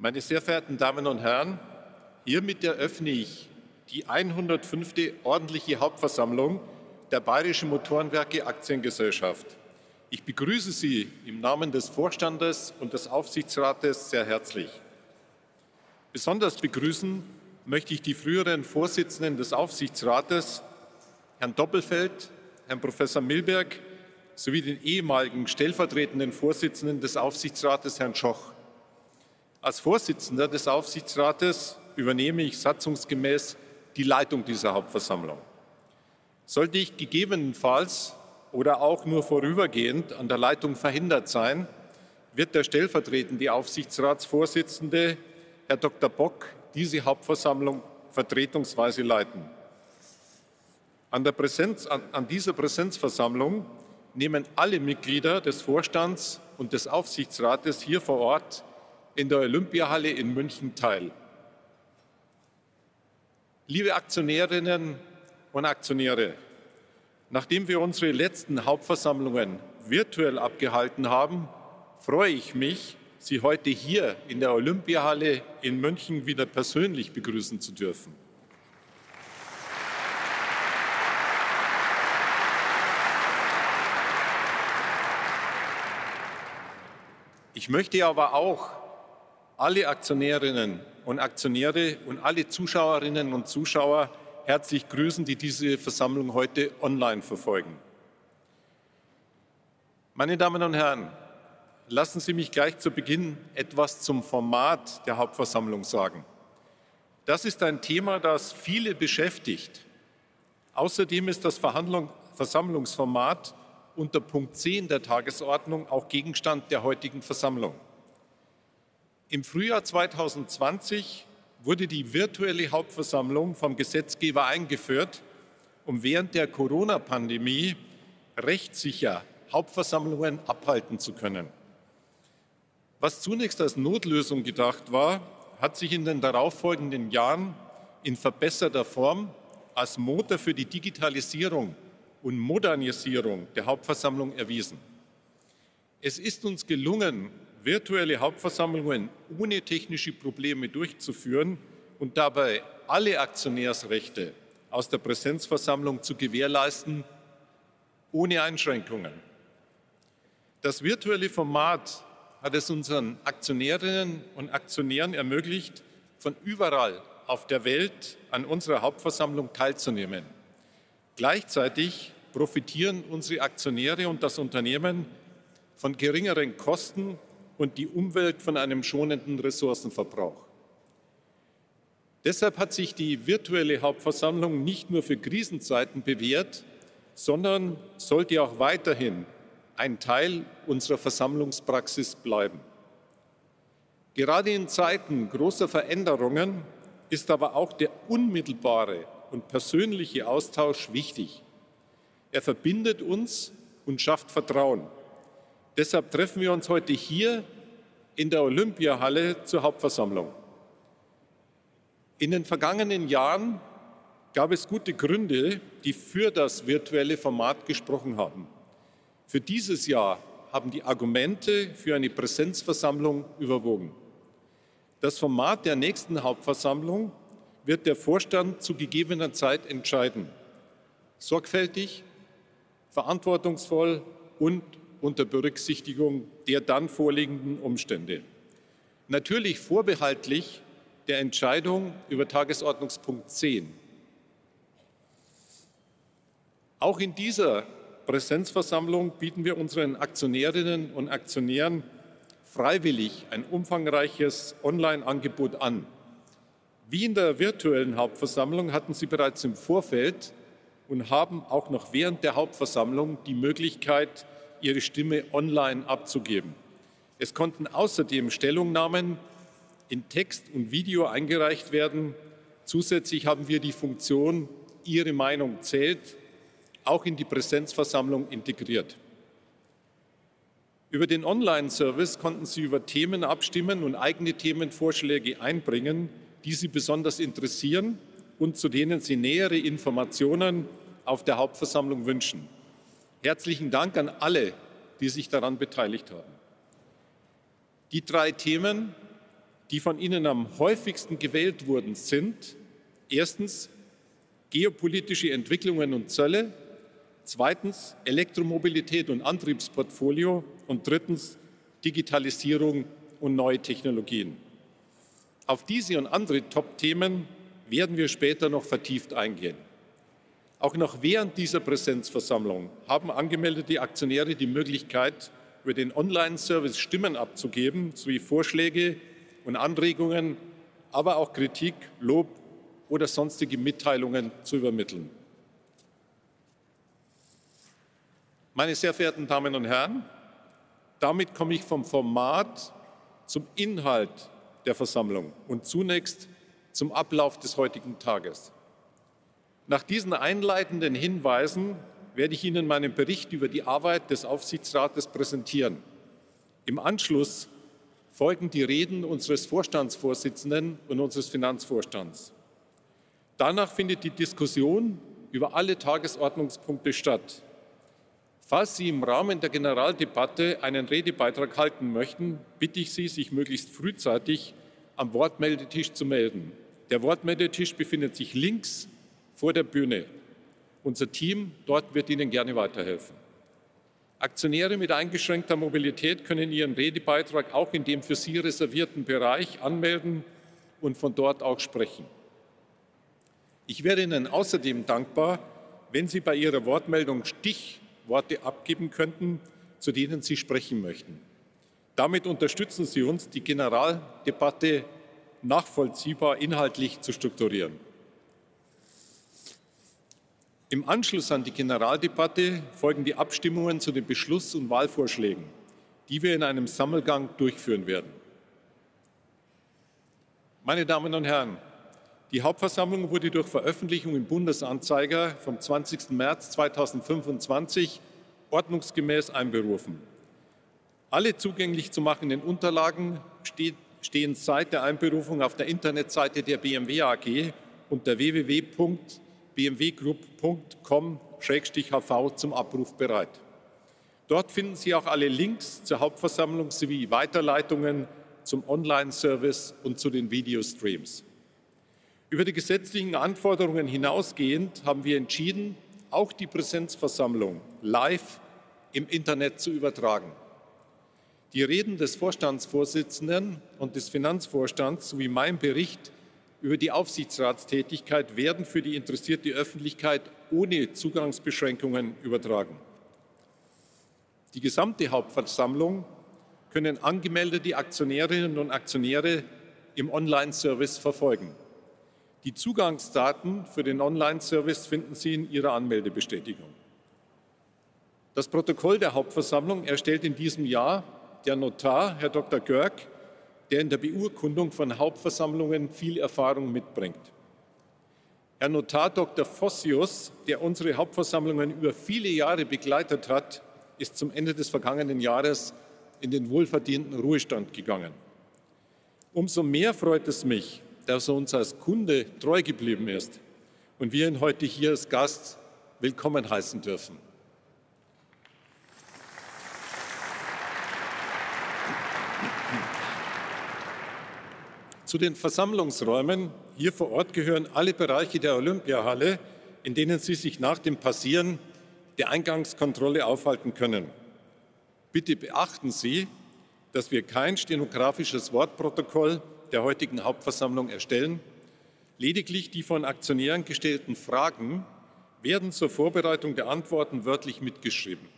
Meine sehr verehrten Damen und Herren, hiermit eröffne ich die 105. ordentliche Hauptversammlung der Bayerischen Motorenwerke Aktiengesellschaft. Ich begrüße Sie im Namen des Vorstandes und des Aufsichtsrates sehr herzlich. Besonders begrüßen möchte ich die früheren Vorsitzenden des Aufsichtsrates, Herrn Doppelfeld, Herrn Professor Milberg, sowie den ehemaligen stellvertretenden Vorsitzenden des Aufsichtsrates, Herrn Schoch. Als Vorsitzender des Aufsichtsrates übernehme ich satzungsgemäß die Leitung dieser Hauptversammlung. Sollte ich gegebenenfalls oder auch nur vorübergehend an der Leitung verhindert sein, wird der stellvertretende Aufsichtsratsvorsitzende, Herr Dr. Bock, diese Hauptversammlung vertretungsweise leiten. An dieser Präsenzversammlung nehmen alle Mitglieder des Vorstands und des Aufsichtsrates hier vor Ort in der Olympiahalle in München teil. Liebe Aktionärinnen und Aktionäre, nachdem wir unsere letzten Hauptversammlungen virtuell abgehalten haben, freue ich mich, Sie heute hier in der Olympiahalle in München wieder persönlich begrüßen zu dürfen. Ich möchte aber auch alle Aktionärinnen und Aktionäre und alle Zuschauerinnen und Zuschauer herzlich grüßen, die diese Versammlung heute online verfolgen. Meine Damen und Herren, lassen Sie mich gleich zu Beginn etwas zum Format der Hauptversammlung sagen. Das ist ein Thema, das viele beschäftigt. Außerdem ist das Versammlungsformat unter Punkt C in der Tagesordnung auch Gegenstand der heutigen Versammlung. Im Frühjahr 2020 wurde die virtuelle Hauptversammlung vom Gesetzgeber eingeführt, um während der Corona-Pandemie rechtssicher Hauptversammlungen abhalten zu können. Was zunächst als Notlösung gedacht war, hat sich in den darauffolgenden Jahren in verbesserter Form als Motor für die Digitalisierung und Modernisierung der Hauptversammlung erwiesen. Es ist uns gelungen, virtuelle Hauptversammlungen ohne technische Probleme durchzuführen und dabei alle Aktionärsrechte aus der Präsenzversammlung zu gewährleisten, ohne Einschränkungen. Das virtuelle Format hat es unseren Aktionärinnen und Aktionären ermöglicht, von überall auf der Welt an unserer Hauptversammlung teilzunehmen. Gleichzeitig profitieren unsere Aktionäre und das Unternehmen von geringeren Kosten und die Umwelt von einem schonenden Ressourcenverbrauch. Deshalb hat sich die virtuelle Hauptversammlung nicht nur für Krisenzeiten bewährt, sondern sollte auch weiterhin ein Teil unserer Versammlungspraxis bleiben. Gerade in Zeiten großer Veränderungen ist aber auch der unmittelbare und persönliche Austausch wichtig. Er verbindet uns und schafft Vertrauen. Deshalb treffen wir uns heute hier in der Olympiahalle zur Hauptversammlung. In den vergangenen Jahren gab es gute Gründe, die für das virtuelle Format gesprochen haben. Für dieses Jahr haben die Argumente für eine Präsenzversammlung überwogen. Das Format der nächsten Hauptversammlung wird der Vorstand zu gegebener Zeit entscheiden. Sorgfältig, verantwortungsvoll und unter Berücksichtigung der dann vorliegenden Umstände. Natürlich vorbehaltlich der Entscheidung über Tagesordnungspunkt 10. Auch in dieser Präsenzversammlung bieten wir unseren Aktionärinnen und Aktionären freiwillig ein umfangreiches Online-Angebot an. Wie in der virtuellen Hauptversammlung hatten Sie bereits im Vorfeld und haben auch noch während der Hauptversammlung die Möglichkeit, Ihre Stimme online abzugeben. Es konnten außerdem Stellungnahmen in Text und Video eingereicht werden. Zusätzlich haben wir die Funktion "Ihre Meinung zählt" auch in die Präsenzversammlung integriert. Über den Online-Service konnten Sie über Themen abstimmen und eigene Themenvorschläge einbringen, die Sie besonders interessieren und zu denen Sie nähere Informationen auf der Hauptversammlung wünschen. Herzlichen Dank an alle, die sich daran beteiligt haben. Die drei Themen, die von Ihnen am häufigsten gewählt wurden, sind: Erstens geopolitische Entwicklungen und Zölle, zweitens Elektromobilität und Antriebsportfolio und drittens Digitalisierung und neue Technologien. Auf diese und andere Topthemen werden wir später noch vertieft eingehen. Auch noch während dieser Präsenzversammlung haben angemeldete Aktionäre die Möglichkeit, über den Online-Service Stimmen abzugeben sowie Vorschläge und Anregungen, aber auch Kritik, Lob oder sonstige Mitteilungen zu übermitteln. Meine sehr verehrten Damen und Herren, damit komme ich vom Format zum Inhalt der Versammlung und zunächst zum Ablauf des heutigen Tages. Nach diesen einleitenden Hinweisen werde ich Ihnen meinen Bericht über die Arbeit des Aufsichtsrates präsentieren. Im Anschluss folgen die Reden unseres Vorstandsvorsitzenden und unseres Finanzvorstands. Danach findet die Diskussion über alle Tagesordnungspunkte statt. Falls Sie im Rahmen der Generaldebatte einen Redebeitrag halten möchten, bitte ich Sie, sich möglichst frühzeitig am Wortmeldetisch zu melden. Der Wortmeldetisch befindet sich links vor der Bühne. Unser Team dort wird Ihnen gerne weiterhelfen. Aktionäre mit eingeschränkter Mobilität können ihren Redebeitrag auch in dem für sie reservierten Bereich anmelden und von dort auch sprechen. Ich wäre Ihnen außerdem dankbar, wenn Sie bei Ihrer Wortmeldung Stichworte abgeben könnten, zu denen Sie sprechen möchten. Damit unterstützen Sie uns, die Generaldebatte nachvollziehbar inhaltlich zu strukturieren. Im Anschluss an die Generaldebatte folgen die Abstimmungen zu den Beschluss- und Wahlvorschlägen, die wir in einem Sammelgang durchführen werden. Meine Damen und Herren, die Hauptversammlung wurde durch Veröffentlichung im Bundesanzeiger vom 20. März 2025 ordnungsgemäß einberufen. Alle zugänglich zu machenden Unterlagen stehen seit der Einberufung auf der Internetseite der BMW AG unter www.bmwgroup.com/hv zum Abruf bereit. Dort finden Sie auch alle Links zur Hauptversammlung sowie Weiterleitungen zum Online-Service und zu den Videostreams. Über die gesetzlichen Anforderungen hinausgehend haben wir entschieden, auch die Präsenzversammlung live im Internet zu übertragen. Die Reden des Vorstandsvorsitzenden und des Finanzvorstands sowie mein Bericht über die Aufsichtsratstätigkeit werden für die interessierte Öffentlichkeit ohne Zugangsbeschränkungen übertragen. Die gesamte Hauptversammlung können angemeldete Aktionärinnen und Aktionäre im Online-Service verfolgen. Die Zugangsdaten für den Online-Service finden Sie in Ihrer Anmeldebestätigung. Das Protokoll der Hauptversammlung erstellt in diesem Jahr der Notar Herr Dr. Görg, der in der Beurkundung von Hauptversammlungen viel Erfahrung mitbringt. Herr Notar Dr. Fossius, der unsere Hauptversammlungen über viele Jahre begleitet hat, ist zum Ende des vergangenen Jahres in den wohlverdienten Ruhestand gegangen. Umso mehr freut es mich, dass er uns als Kunde treu geblieben ist und wir ihn heute hier als Gast willkommen heißen dürfen. Zu den Versammlungsräumen hier vor Ort gehören alle Bereiche der Olympiahalle, in denen Sie sich nach dem Passieren der Eingangskontrolle aufhalten können. Bitte beachten Sie, dass wir kein stenografisches Wortprotokoll der heutigen Hauptversammlung erstellen. Lediglich die von Aktionären gestellten Fragen werden zur Vorbereitung der Antworten wörtlich mitgeschrieben.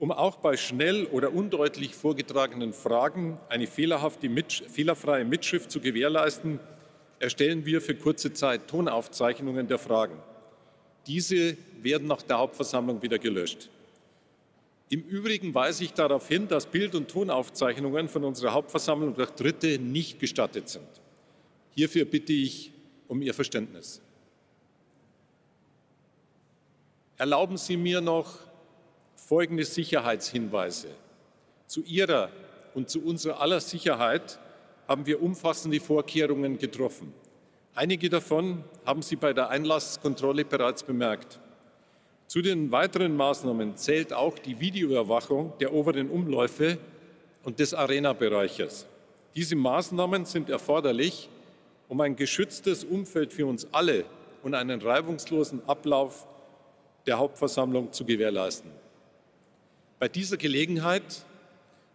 Um auch bei schnell oder undeutlich vorgetragenen Fragen eine fehlerfreie Mitschrift zu gewährleisten, erstellen wir für kurze Zeit Tonaufzeichnungen der Fragen. Diese werden nach der Hauptversammlung wieder gelöscht. Im Übrigen weise ich darauf hin, dass Bild- und Tonaufzeichnungen von unserer Hauptversammlung durch Dritte nicht gestattet sind. Hierfür bitte ich um Ihr Verständnis. Erlauben Sie mir noch folgende Sicherheitshinweise. Zu Ihrer und zu unserer aller Sicherheit haben wir umfassende Vorkehrungen getroffen. Einige davon haben Sie bei der Einlasskontrolle bereits bemerkt. Zu den weiteren Maßnahmen zählt auch die Videoüberwachung der oberen Umläufe und des Arenabereiches. Diese Maßnahmen sind erforderlich, um ein geschütztes Umfeld für uns alle und einen reibungslosen Ablauf der Hauptversammlung zu gewährleisten. Bei dieser Gelegenheit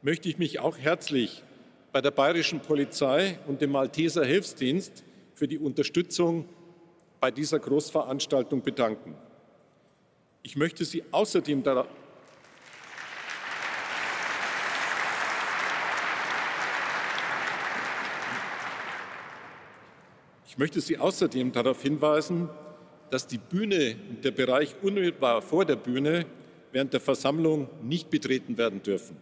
möchte ich mich auch herzlich bei der Bayerischen Polizei und dem Malteser Hilfsdienst für die Unterstützung bei dieser Großveranstaltung bedanken. Ich möchte Sie außerdem darauf hinweisen, dass die Bühne und der Bereich unmittelbar vor der Bühne während der Versammlung nicht betreten werden dürfen.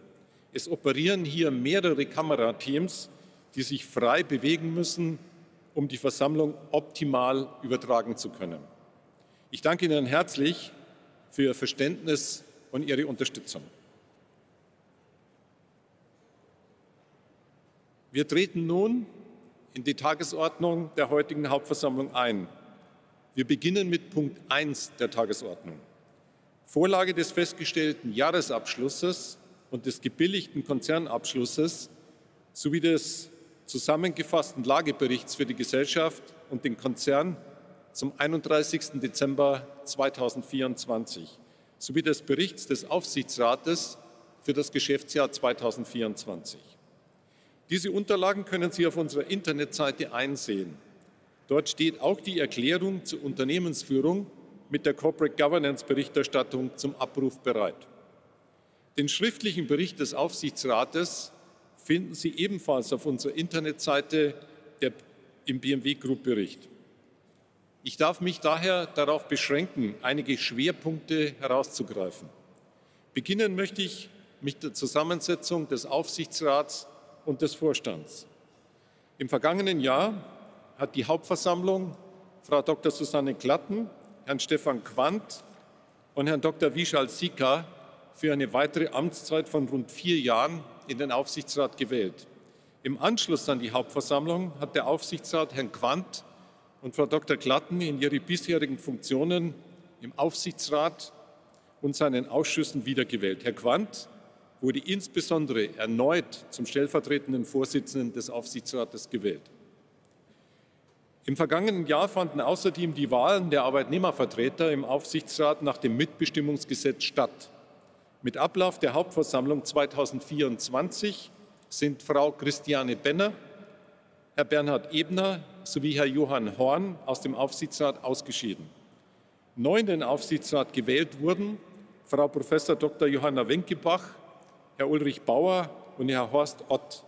Es operieren hier mehrere Kamerateams, die sich frei bewegen müssen, um die Versammlung optimal übertragen zu können. Ich danke Ihnen herzlich für Ihr Verständnis und Ihre Unterstützung. Wir treten nun in die Tagesordnung der heutigen Hauptversammlung ein. Wir beginnen mit Punkt 1 der Tagesordnung: Vorlage des festgestellten Jahresabschlusses und des gebilligten Konzernabschlusses sowie des zusammengefassten Lageberichts für die Gesellschaft und den Konzern zum 31. Dezember 2024 sowie des Berichts des Aufsichtsrates für das Geschäftsjahr 2024. Diese Unterlagen können Sie auf unserer Internetseite einsehen. Dort steht auch die Erklärung zur Unternehmensführung mit der Corporate Governance Berichterstattung zum Abruf bereit. Den schriftlichen Bericht des Aufsichtsrates finden Sie ebenfalls auf unserer Internetseite im BMW Group Bericht. Ich darf mich daher darauf beschränken, einige Schwerpunkte herauszugreifen. Beginnen möchte ich mit der Zusammensetzung des Aufsichtsrats und des Vorstands. Im vergangenen Jahr hat die Hauptversammlung Frau Dr. Susanne Klatten, Herrn Stefan Quandt und Herrn Dr. Vishal Sikka für eine weitere Amtszeit von rund vier Jahren in den Aufsichtsrat gewählt. Im Anschluss an die Hauptversammlung hat der Aufsichtsrat Herrn Quandt und Frau Dr. Klatten in ihre bisherigen Funktionen im Aufsichtsrat und seinen Ausschüssen wiedergewählt. Herr Quandt wurde insbesondere erneut zum stellvertretenden Vorsitzenden des Aufsichtsrates gewählt. Im vergangenen Jahr fanden außerdem die Wahlen der Arbeitnehmervertreter im Aufsichtsrat nach dem Mitbestimmungsgesetz statt. Mit Ablauf der Hauptversammlung 2024 sind Frau Christiane Benner, Herr Bernhard Ebner sowie Herr Johann Horn aus dem Aufsichtsrat ausgeschieden. Neu in den Aufsichtsrat gewählt wurden Frau Professor Dr. Johanna Wenckebach, Herr Ulrich Bauer und Herr Horst Ott.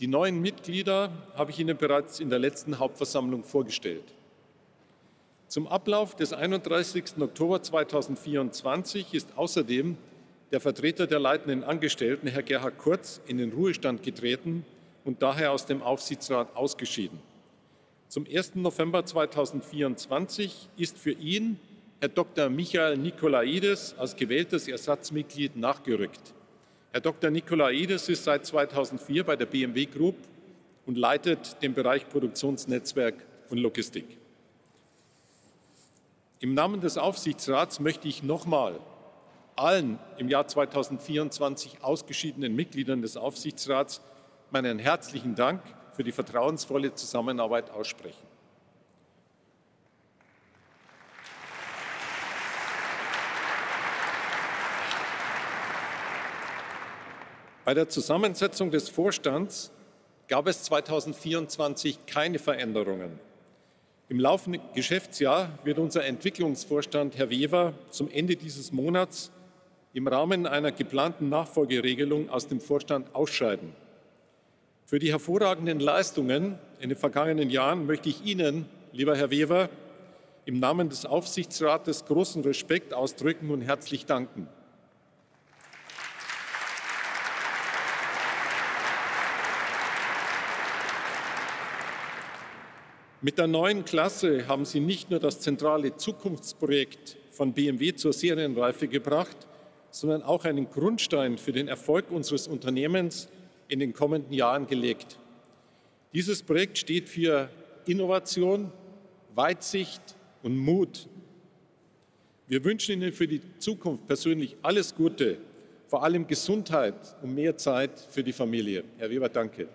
Die neuen Mitglieder habe ich Ihnen bereits in der letzten Hauptversammlung vorgestellt. Zum Ablauf des 31. Oktober 2024 ist außerdem der Vertreter der leitenden Angestellten, Herr Gerhard Kurz, in den Ruhestand getreten und daher aus dem Aufsichtsrat ausgeschieden. Zum 1. November 2024 ist für ihn Herr Dr. Michael Nikolaides als gewähltes Ersatzmitglied nachgerückt. Herr Dr. Nikolaides ist seit 2004 bei der BMW Group und leitet den Bereich Produktionsnetzwerk und Logistik. Im Namen des Aufsichtsrats möchte ich nochmal allen im Jahr 2024 ausgeschiedenen Mitgliedern des Aufsichtsrats meinen herzlichen Dank für die vertrauensvolle Zusammenarbeit aussprechen. Bei der Zusammensetzung des Vorstands gab es 2024 keine Veränderungen. Im laufenden Geschäftsjahr wird unser Entwicklungsvorstand Herr Weber zum Ende dieses Monats im Rahmen einer geplanten Nachfolgeregelung aus dem Vorstand ausscheiden. Für die hervorragenden Leistungen in den vergangenen Jahren möchte ich Ihnen, lieber Herr Weber, im Namen des Aufsichtsrates großen Respekt ausdrücken und herzlich danken. Mit der neuen Klasse haben Sie nicht nur das zentrale Zukunftsprojekt von BMW zur Serienreife gebracht, sondern auch einen Grundstein für den Erfolg unseres Unternehmens in den kommenden Jahren gelegt. Dieses Projekt steht für Innovation, Weitsicht und Mut. Wir wünschen Ihnen für die Zukunft persönlich alles Gute, vor allem Gesundheit und mehr Zeit für die Familie. Herr Weber, danke.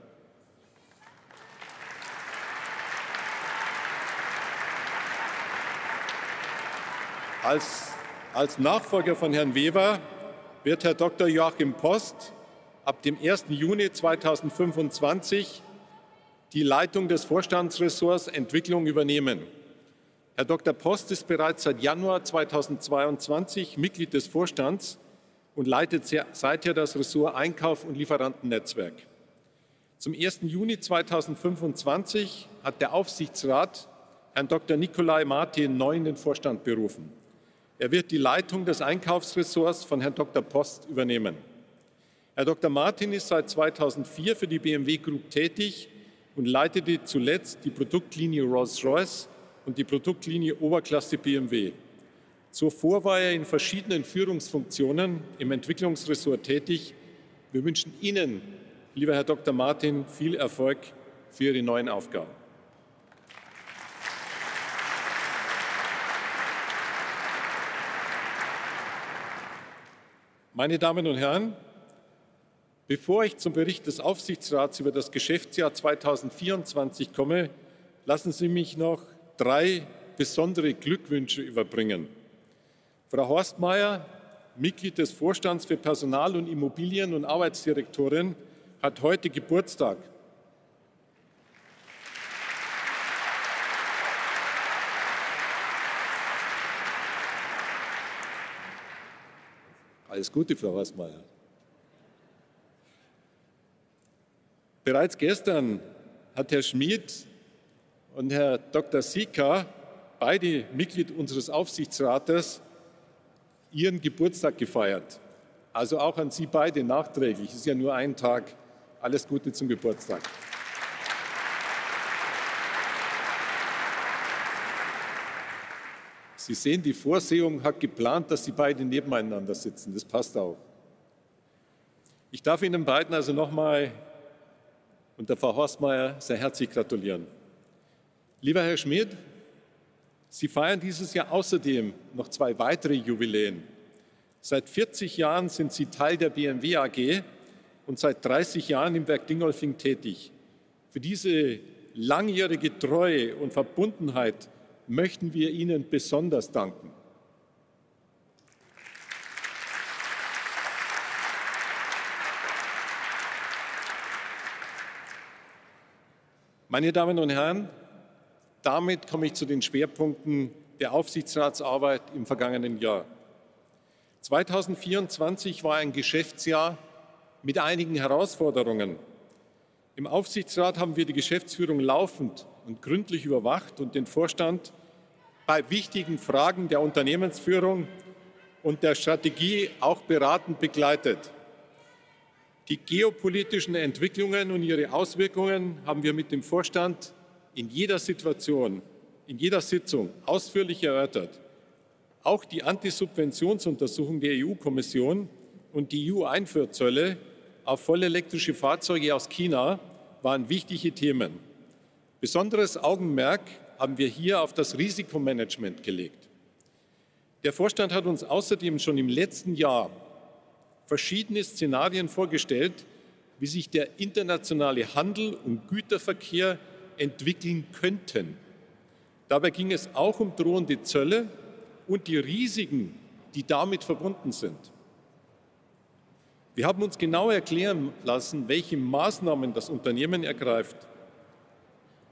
Als Nachfolger von Herrn Weber wird Herr Dr. Joachim Post ab dem 1. Juni 2025 die Leitung des Vorstandsressorts Entwicklung übernehmen. Herr Dr. Post ist bereits seit Januar 2022 Mitglied des Vorstands und leitet seither das Ressort Einkauf und Lieferantennetzwerk. Zum 1. Juni 2025 hat der Aufsichtsrat Herrn Dr. Nikolai Martin neu in den Vorstand berufen. Er wird die Leitung des Einkaufsressorts von Herrn Dr. Post übernehmen. Herr Dr. Martin ist seit 2004 für die BMW Group tätig und leitete zuletzt die Produktlinie Rolls-Royce und die Produktlinie Oberklasse BMW. Zuvor war er in verschiedenen Führungsfunktionen im Entwicklungsressort tätig. Wir wünschen Ihnen, lieber Herr Dr. Martin, viel Erfolg für Ihre neuen Aufgaben. Meine Damen und Herren, bevor ich zum Bericht des Aufsichtsrats über das Geschäftsjahr 2024 komme, lassen Sie mich noch drei besondere Glückwünsche überbringen. Frau Horstmeier, Mitglied des Vorstands für Personal und Immobilien und Arbeitsdirektorin, hat heute Geburtstag. Alles Gute, Frau Horstmeier. Bereits gestern hat Herr Schmid und Herr Dr. Sikka. Beide Mitglieder unseres Aufsichtsrates, ihren Geburtstag gefeiert. Also auch an Sie beide nachträglich. Es ist ja nur ein Tag. Alles Gute zum Geburtstag. Sie sehen, die Vorsehung hat geplant, dass Sie beide nebeneinander sitzen. Das passt auch. Ich darf Ihnen beiden also nochmal und der Frau Horstmeier sehr herzlich gratulieren. Lieber Herr Schmid, Sie feiern dieses Jahr außerdem noch zwei weitere Jubiläen. Seit 40 Jahren sind Sie Teil der BMW AG und seit 30 Jahren im Werk Dingolfing tätig. Für diese langjährige Treue und Verbundenheit möchten wir Ihnen besonders danken. Meine Damen und Herren, damit komme ich zu den Schwerpunkten der Aufsichtsratsarbeit im vergangenen Jahr. 2024 war ein Geschäftsjahr mit einigen Herausforderungen. Im Aufsichtsrat haben wir die Geschäftsführung laufend und gründlich überwacht und den Vorstand bei wichtigen Fragen der Unternehmensführung und der Strategie auch beratend begleitet. Die geopolitischen Entwicklungen und ihre Auswirkungen haben wir mit dem Vorstand in jeder Situation, in jeder Sitzung ausführlich erörtert. Auch die Antisubventionsuntersuchung der EU-Kommission und die EU-Einfuhrzölle auf vollelektrische Fahrzeuge aus China waren wichtige Themen. Besonderes Augenmerk haben wir hier auf das Risikomanagement gelegt. Der Vorstand hat uns außerdem schon im letzten Jahr verschiedene Szenarien vorgestellt, wie sich der internationale Handel und Güterverkehr entwickeln könnten. Dabei ging es auch um drohende Zölle und die Risiken, die damit verbunden sind. Wir haben uns genau erklären lassen, welche Maßnahmen das Unternehmen ergreift.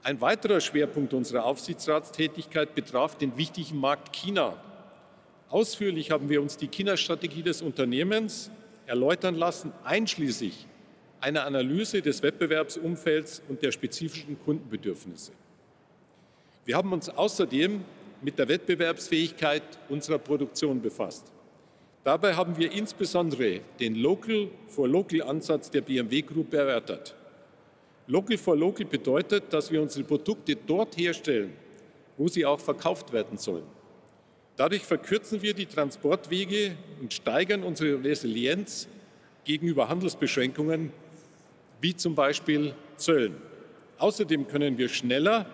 Ein weiterer Schwerpunkt unserer Aufsichtsratstätigkeit betraf den wichtigen Markt China. Ausführlich haben wir uns die China-Strategie des Unternehmens erläutern lassen, einschließlich einer Analyse des Wettbewerbsumfelds und der spezifischen Kundenbedürfnisse. Wir haben uns außerdem mit der Wettbewerbsfähigkeit unserer Produktion befasst. Dabei haben wir insbesondere den Local-for-Local-Ansatz der BMW Group erörtert. Local-for-Local bedeutet, dass wir unsere Produkte dort herstellen, wo sie auch verkauft werden sollen. Dadurch verkürzen wir die Transportwege und steigern unsere Resilienz gegenüber Handelsbeschränkungen, wie zum Beispiel Zöllen. Außerdem können wir schneller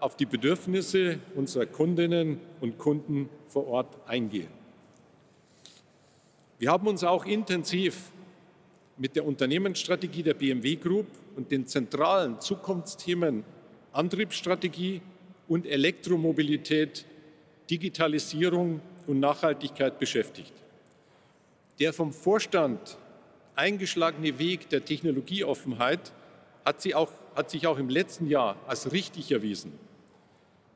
auf die Bedürfnisse unserer Kundinnen und Kunden vor Ort eingehen. Wir haben uns auch intensiv mit der Unternehmensstrategie der BMW Group und den zentralen Zukunftsthemen Antriebsstrategie und Elektromobilität, Digitalisierung und Nachhaltigkeit beschäftigt. Der vom Vorstand eingeschlagene Weg der Technologieoffenheit hat sich auch im letzten Jahr als richtig erwiesen.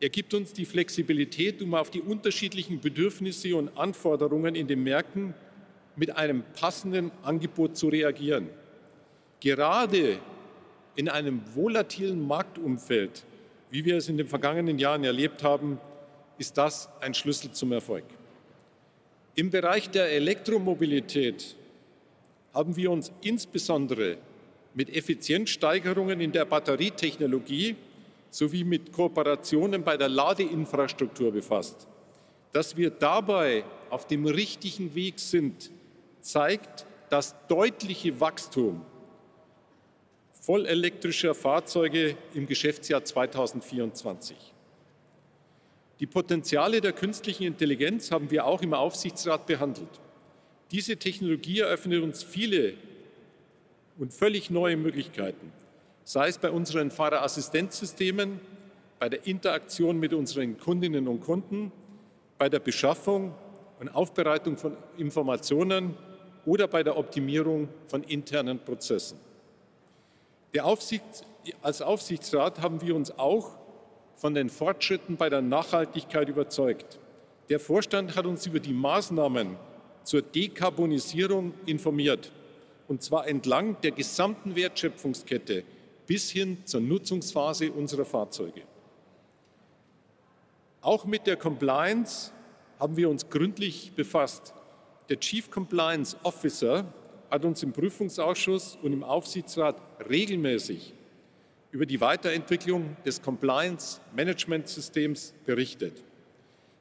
Er gibt uns die Flexibilität, auf die unterschiedlichen Bedürfnisse und Anforderungen in den Märkten mit einem passenden Angebot zu reagieren. Gerade in einem volatilen Marktumfeld, wie wir es in den vergangenen Jahren erlebt haben, ist das ein Schlüssel zum Erfolg. Im Bereich der Elektromobilität haben wir uns insbesondere mit Effizienzsteigerungen in der Batterietechnologie sowie mit Kooperationen bei der Ladeinfrastruktur befasst. Dass wir dabei auf dem richtigen Weg sind, zeigt das deutliche Wachstum vollelektrischer Fahrzeuge im Geschäftsjahr 2024. Die Potenziale der künstlichen Intelligenz haben wir auch im Aufsichtsrat behandelt. Diese Technologie eröffnet uns viele und völlig neue Möglichkeiten, sei es bei unseren Fahrerassistenzsystemen, bei der Interaktion mit unseren Kundinnen und Kunden, bei der Beschaffung und Aufbereitung von Informationen oder bei der Optimierung von internen Prozessen. Als Aufsichtsrat haben wir uns auch von den Fortschritten bei der Nachhaltigkeit überzeugt. Der Vorstand hat uns über die Maßnahmen zur Dekarbonisierung informiert, und zwar entlang der gesamten Wertschöpfungskette bis hin zur Nutzungsphase unserer Fahrzeuge. Auch mit der Compliance haben wir uns gründlich befasst. Der Chief Compliance Officer hat uns im Prüfungsausschuss und im Aufsichtsrat regelmäßig über die Weiterentwicklung des Compliance-Management-Systems berichtet.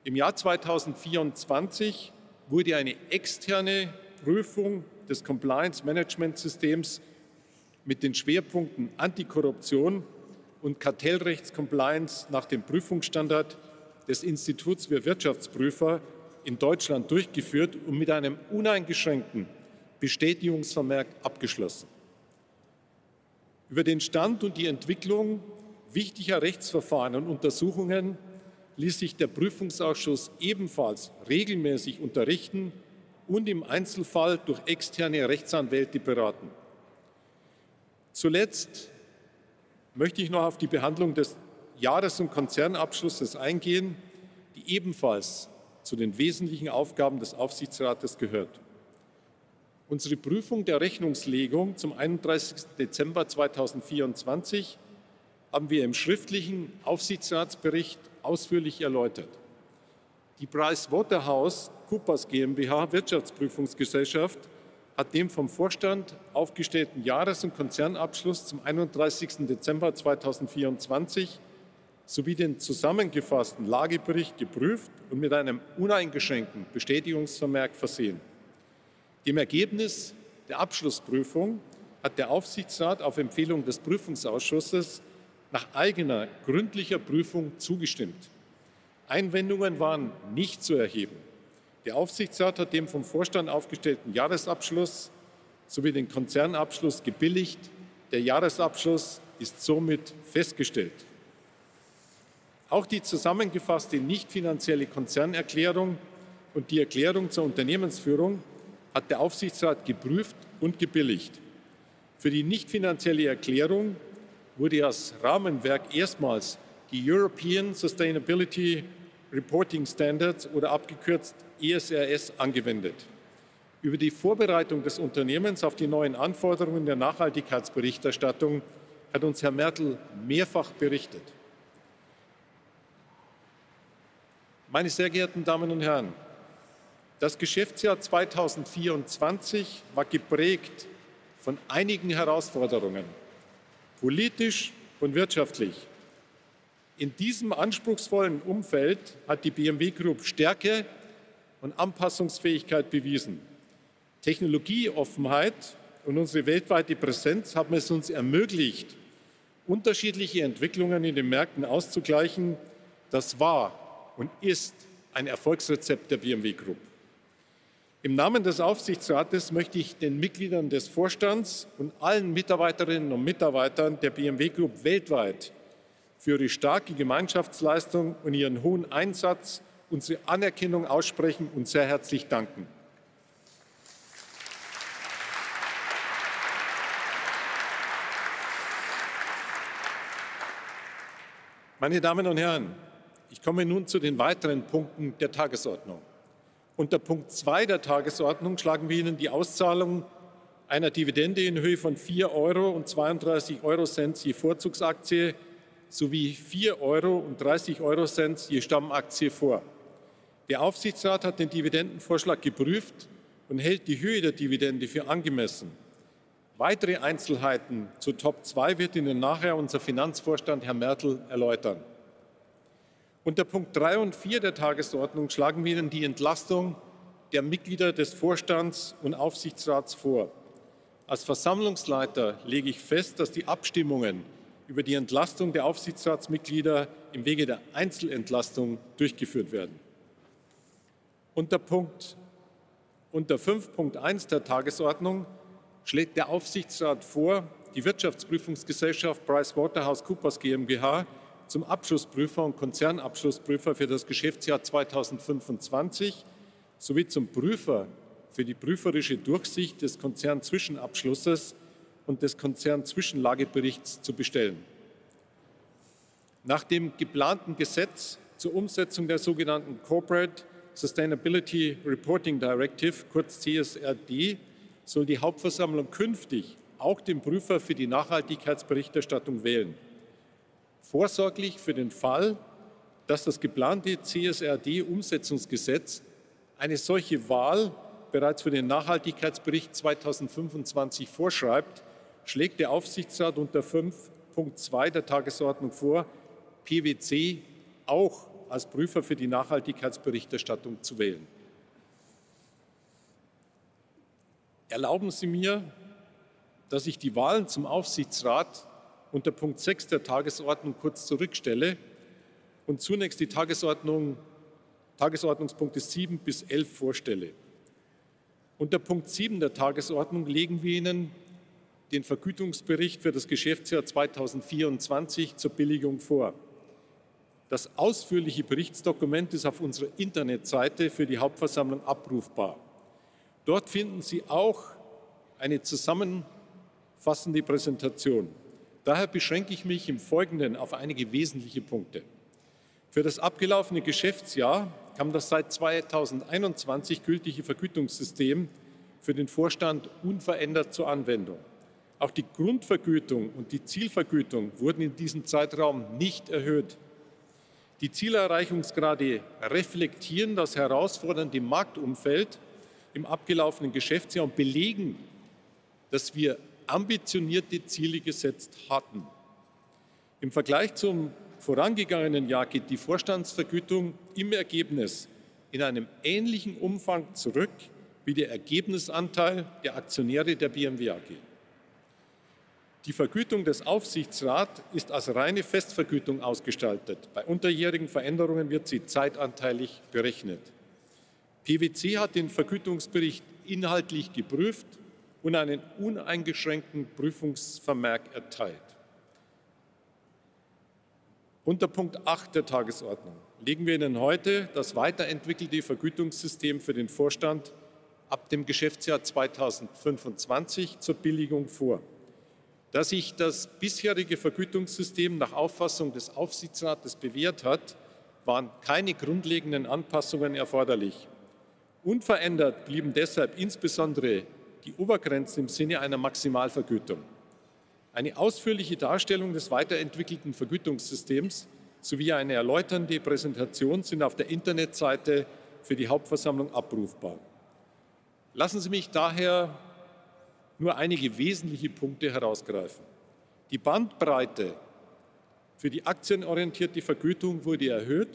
Im Jahr 2024 wurde eine externe Prüfung des Compliance-Management-Systems mit den Schwerpunkten Antikorruption und Kartellrechtskompliance nach dem Prüfungsstandard des Instituts für Wirtschaftsprüfer in Deutschland durchgeführt und mit einem uneingeschränkten Bestätigungsvermerk abgeschlossen. Über den Stand und die Entwicklung wichtiger Rechtsverfahren und Untersuchungen ließ sich der Prüfungsausschuss ebenfalls regelmäßig unterrichten und im Einzelfall durch externe Rechtsanwälte beraten. Zuletzt möchte ich noch auf die Behandlung des Jahres- und Konzernabschlusses eingehen, die ebenfalls zu den wesentlichen Aufgaben des Aufsichtsrates gehört. Unsere Prüfung der Rechnungslegung zum 31. Dezember 2024 haben wir im schriftlichen Aufsichtsratsbericht ausführlich erläutert. Die PricewaterhouseCoopers GmbH Wirtschaftsprüfungsgesellschaft hat den vom Vorstand aufgestellten Jahres- und Konzernabschluss zum 31. Dezember 2024 sowie den zusammengefassten Lagebericht geprüft und mit einem uneingeschränkten Bestätigungsvermerk versehen. Dem Ergebnis der Abschlussprüfung hat der Aufsichtsrat auf Empfehlung des Prüfungsausschusses nach eigener gründlicher Prüfung zugestimmt. Einwendungen waren nicht zu erheben. Der Aufsichtsrat hat den vom Vorstand aufgestellten Jahresabschluss sowie den Konzernabschluss gebilligt. Der Jahresabschluss ist somit festgestellt. Auch die zusammengefasste nicht-finanzielle Konzernerklärung und die Erklärung zur Unternehmensführung hat der Aufsichtsrat geprüft und gebilligt. Für die nicht-finanzielle Erklärung wurde als Rahmenwerk erstmals die European Sustainability Reporting Standards oder abgekürzt ESRS angewendet. Über die Vorbereitung des Unternehmens auf die neuen Anforderungen der Nachhaltigkeitsberichterstattung hat uns Herr Mertl mehrfach berichtet. Meine sehr geehrten Damen und Herren, das Geschäftsjahr 2024 war geprägt von einigen Herausforderungen, politisch und wirtschaftlich. In diesem anspruchsvollen Umfeld hat die BMW Group Stärke und Anpassungsfähigkeit bewiesen. Technologieoffenheit und unsere weltweite Präsenz haben es uns ermöglicht, unterschiedliche Entwicklungen in den Märkten auszugleichen. Das war und ist ein Erfolgsrezept der BMW Group. Im Namen des Aufsichtsrates möchte ich den Mitgliedern des Vorstands und allen Mitarbeiterinnen und Mitarbeitern der BMW Group weltweit für ihre starke Gemeinschaftsleistung und ihren hohen Einsatz unsere Anerkennung aussprechen und sehr herzlich danken. Meine Damen und Herren, ich komme nun zu den weiteren Punkten der Tagesordnung. Unter Punkt 2 der Tagesordnung schlagen wir Ihnen die Auszahlung einer Dividende in Höhe von €4,32 je Vorzugsaktie sowie €4,30 je Stammaktie vor. Der Aufsichtsrat hat den Dividendenvorschlag geprüft und hält die Höhe der Dividende für angemessen. Weitere Einzelheiten zu TOP 2 wird Ihnen nachher unser Finanzvorstand Herr Mertl erläutern. Unter Punkt 3 und 4 der Tagesordnung schlagen wir Ihnen die Entlastung der Mitglieder des Vorstands und Aufsichtsrats vor. Als Versammlungsleiter lege ich fest, dass die Abstimmungen über die Entlastung der Aufsichtsratsmitglieder im Wege der Einzelentlastung durchgeführt werden. Unter Punkt 5.1 der Tagesordnung schlägt der Aufsichtsrat vor, die Wirtschaftsprüfungsgesellschaft Breiswotterhaus-Kupas GmbH zum Abschlussprüfer und Konzernabschlussprüfer für das Geschäftsjahr 2025 sowie zum Prüfer für die prüferische Durchsicht des Konzernzwischenabschlusses und des Konzernzwischenlageberichts zu bestellen. Nach dem geplanten Gesetz zur Umsetzung der sogenannten Corporate Sustainability Reporting Directive, kurz CSRD, soll die Hauptversammlung künftig auch den Prüfer für die Nachhaltigkeitsberichterstattung wählen. Vorsorglich für den Fall, dass das geplante CSRD-Umsetzungsgesetz eine solche Wahl bereits für den Nachhaltigkeitsbericht 2025 vorschreibt, schlägt der Aufsichtsrat unter 5.2 der Tagesordnung vor, PwC auch als Prüfer für die Nachhaltigkeitsberichterstattung zu wählen. Erlauben Sie mir, dass ich die Wahlen zum Aufsichtsrat unter Punkt 6 der Tagesordnung kurz zurückstelle und zunächst die Tagesordnungspunkte 7 bis 11 vorstelle. Unter Punkt 7 der Tagesordnung legen wir Ihnen den Vergütungsbericht für das Geschäftsjahr 2024 zur Billigung vor. Das ausführliche Berichtsdokument ist auf unserer Internetseite für die Hauptversammlung abrufbar. Dort finden Sie auch eine zusammenfassende Präsentation. Daher beschränke ich mich im Folgenden auf einige wesentliche Punkte. Für das abgelaufene Geschäftsjahr kam das seit 2021 gültige Vergütungssystem für den Vorstand unverändert zur Anwendung. Auch die Grundvergütung und die Zielvergütung wurden in diesem Zeitraum nicht erhöht. Die Zielerreichungsgrade reflektieren das herausfordernde Marktumfeld im abgelaufenen Geschäftsjahr und belegen, dass wir ambitionierte Ziele gesetzt hatten. Im Vergleich zum vorangegangenen Jahr geht die Vorstandsvergütung im Ergebnis in einem ähnlichen Umfang zurück wie der Ergebnisanteil der Aktionäre der BMW AG. Die Vergütung des Aufsichtsrats ist als reine Festvergütung ausgestaltet. Bei unterjährigen Veränderungen wird sie zeitanteilig berechnet. PwC hat den Vergütungsbericht inhaltlich geprüft und einen uneingeschränkten Prüfungsvermerk erteilt. Unter Punkt 8 der Tagesordnung legen wir Ihnen heute das weiterentwickelte Vergütungssystem für den Vorstand ab dem Geschäftsjahr 2025 zur Billigung vor. Da sich das bisherige Vergütungssystem nach Auffassung des Aufsichtsrates bewährt hat, waren keine grundlegenden Anpassungen erforderlich. Unverändert blieben deshalb insbesondere die Obergrenzen im Sinne einer Maximalvergütung. Eine ausführliche Darstellung des weiterentwickelten Vergütungssystems sowie eine erläuternde Präsentation sind auf der Internetseite für die Hauptversammlung abrufbar. Lassen Sie mich daher nur einige wesentliche Punkte herausgreifen. Die Bandbreite für die aktienorientierte Vergütung wurde erhöht,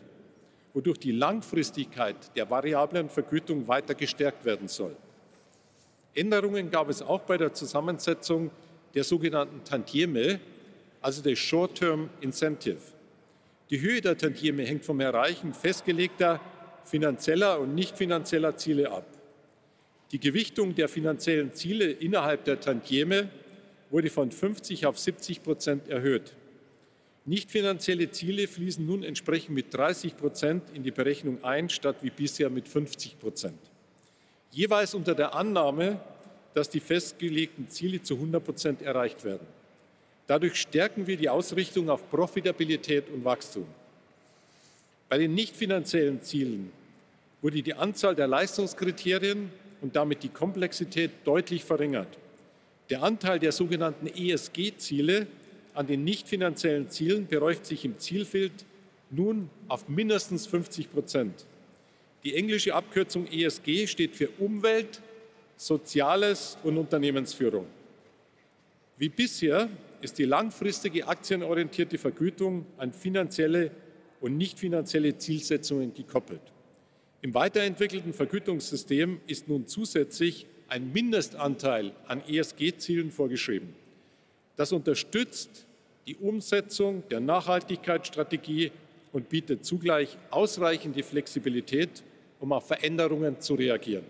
wodurch die Langfristigkeit der variablen Vergütung weiter gestärkt werden soll. Änderungen gab es auch bei der Zusammensetzung der sogenannten Tantieme, also der Short-Term Incentive. Die Höhe der Tantieme hängt vom Erreichen festgelegter finanzieller und nicht-finanzieller Ziele ab. Die Gewichtung der finanziellen Ziele innerhalb der Tantieme wurde von 50% auf 70% erhöht. Nicht-finanzielle Ziele fließen nun entsprechend mit 30% in die Berechnung ein, statt wie bisher mit 50%. Jeweils unter der Annahme, dass die festgelegten Ziele zu 100% erreicht werden. Dadurch stärken wir die Ausrichtung auf Profitabilität und Wachstum. Bei den nicht-finanziellen Zielen wurde die Anzahl der Leistungskriterien und damit die Komplexität deutlich verringert. Der Anteil der sogenannten ESG-Ziele an den nicht-finanziellen Zielen beläuft sich im Zielfeld nun auf mindestens 50%. Die englische Abkürzung ESG steht für Umwelt, Soziales und Unternehmensführung. Wie bisher ist die langfristige aktienorientierte Vergütung an finanzielle und nicht-finanzielle Zielsetzungen gekoppelt. Im weiterentwickelten Vergütungssystem ist nun zusätzlich ein Mindestanteil an ESG-Zielen vorgeschrieben. Das unterstützt die Umsetzung der Nachhaltigkeitsstrategie und bietet zugleich ausreichende Flexibilität, auf Veränderungen zu reagieren.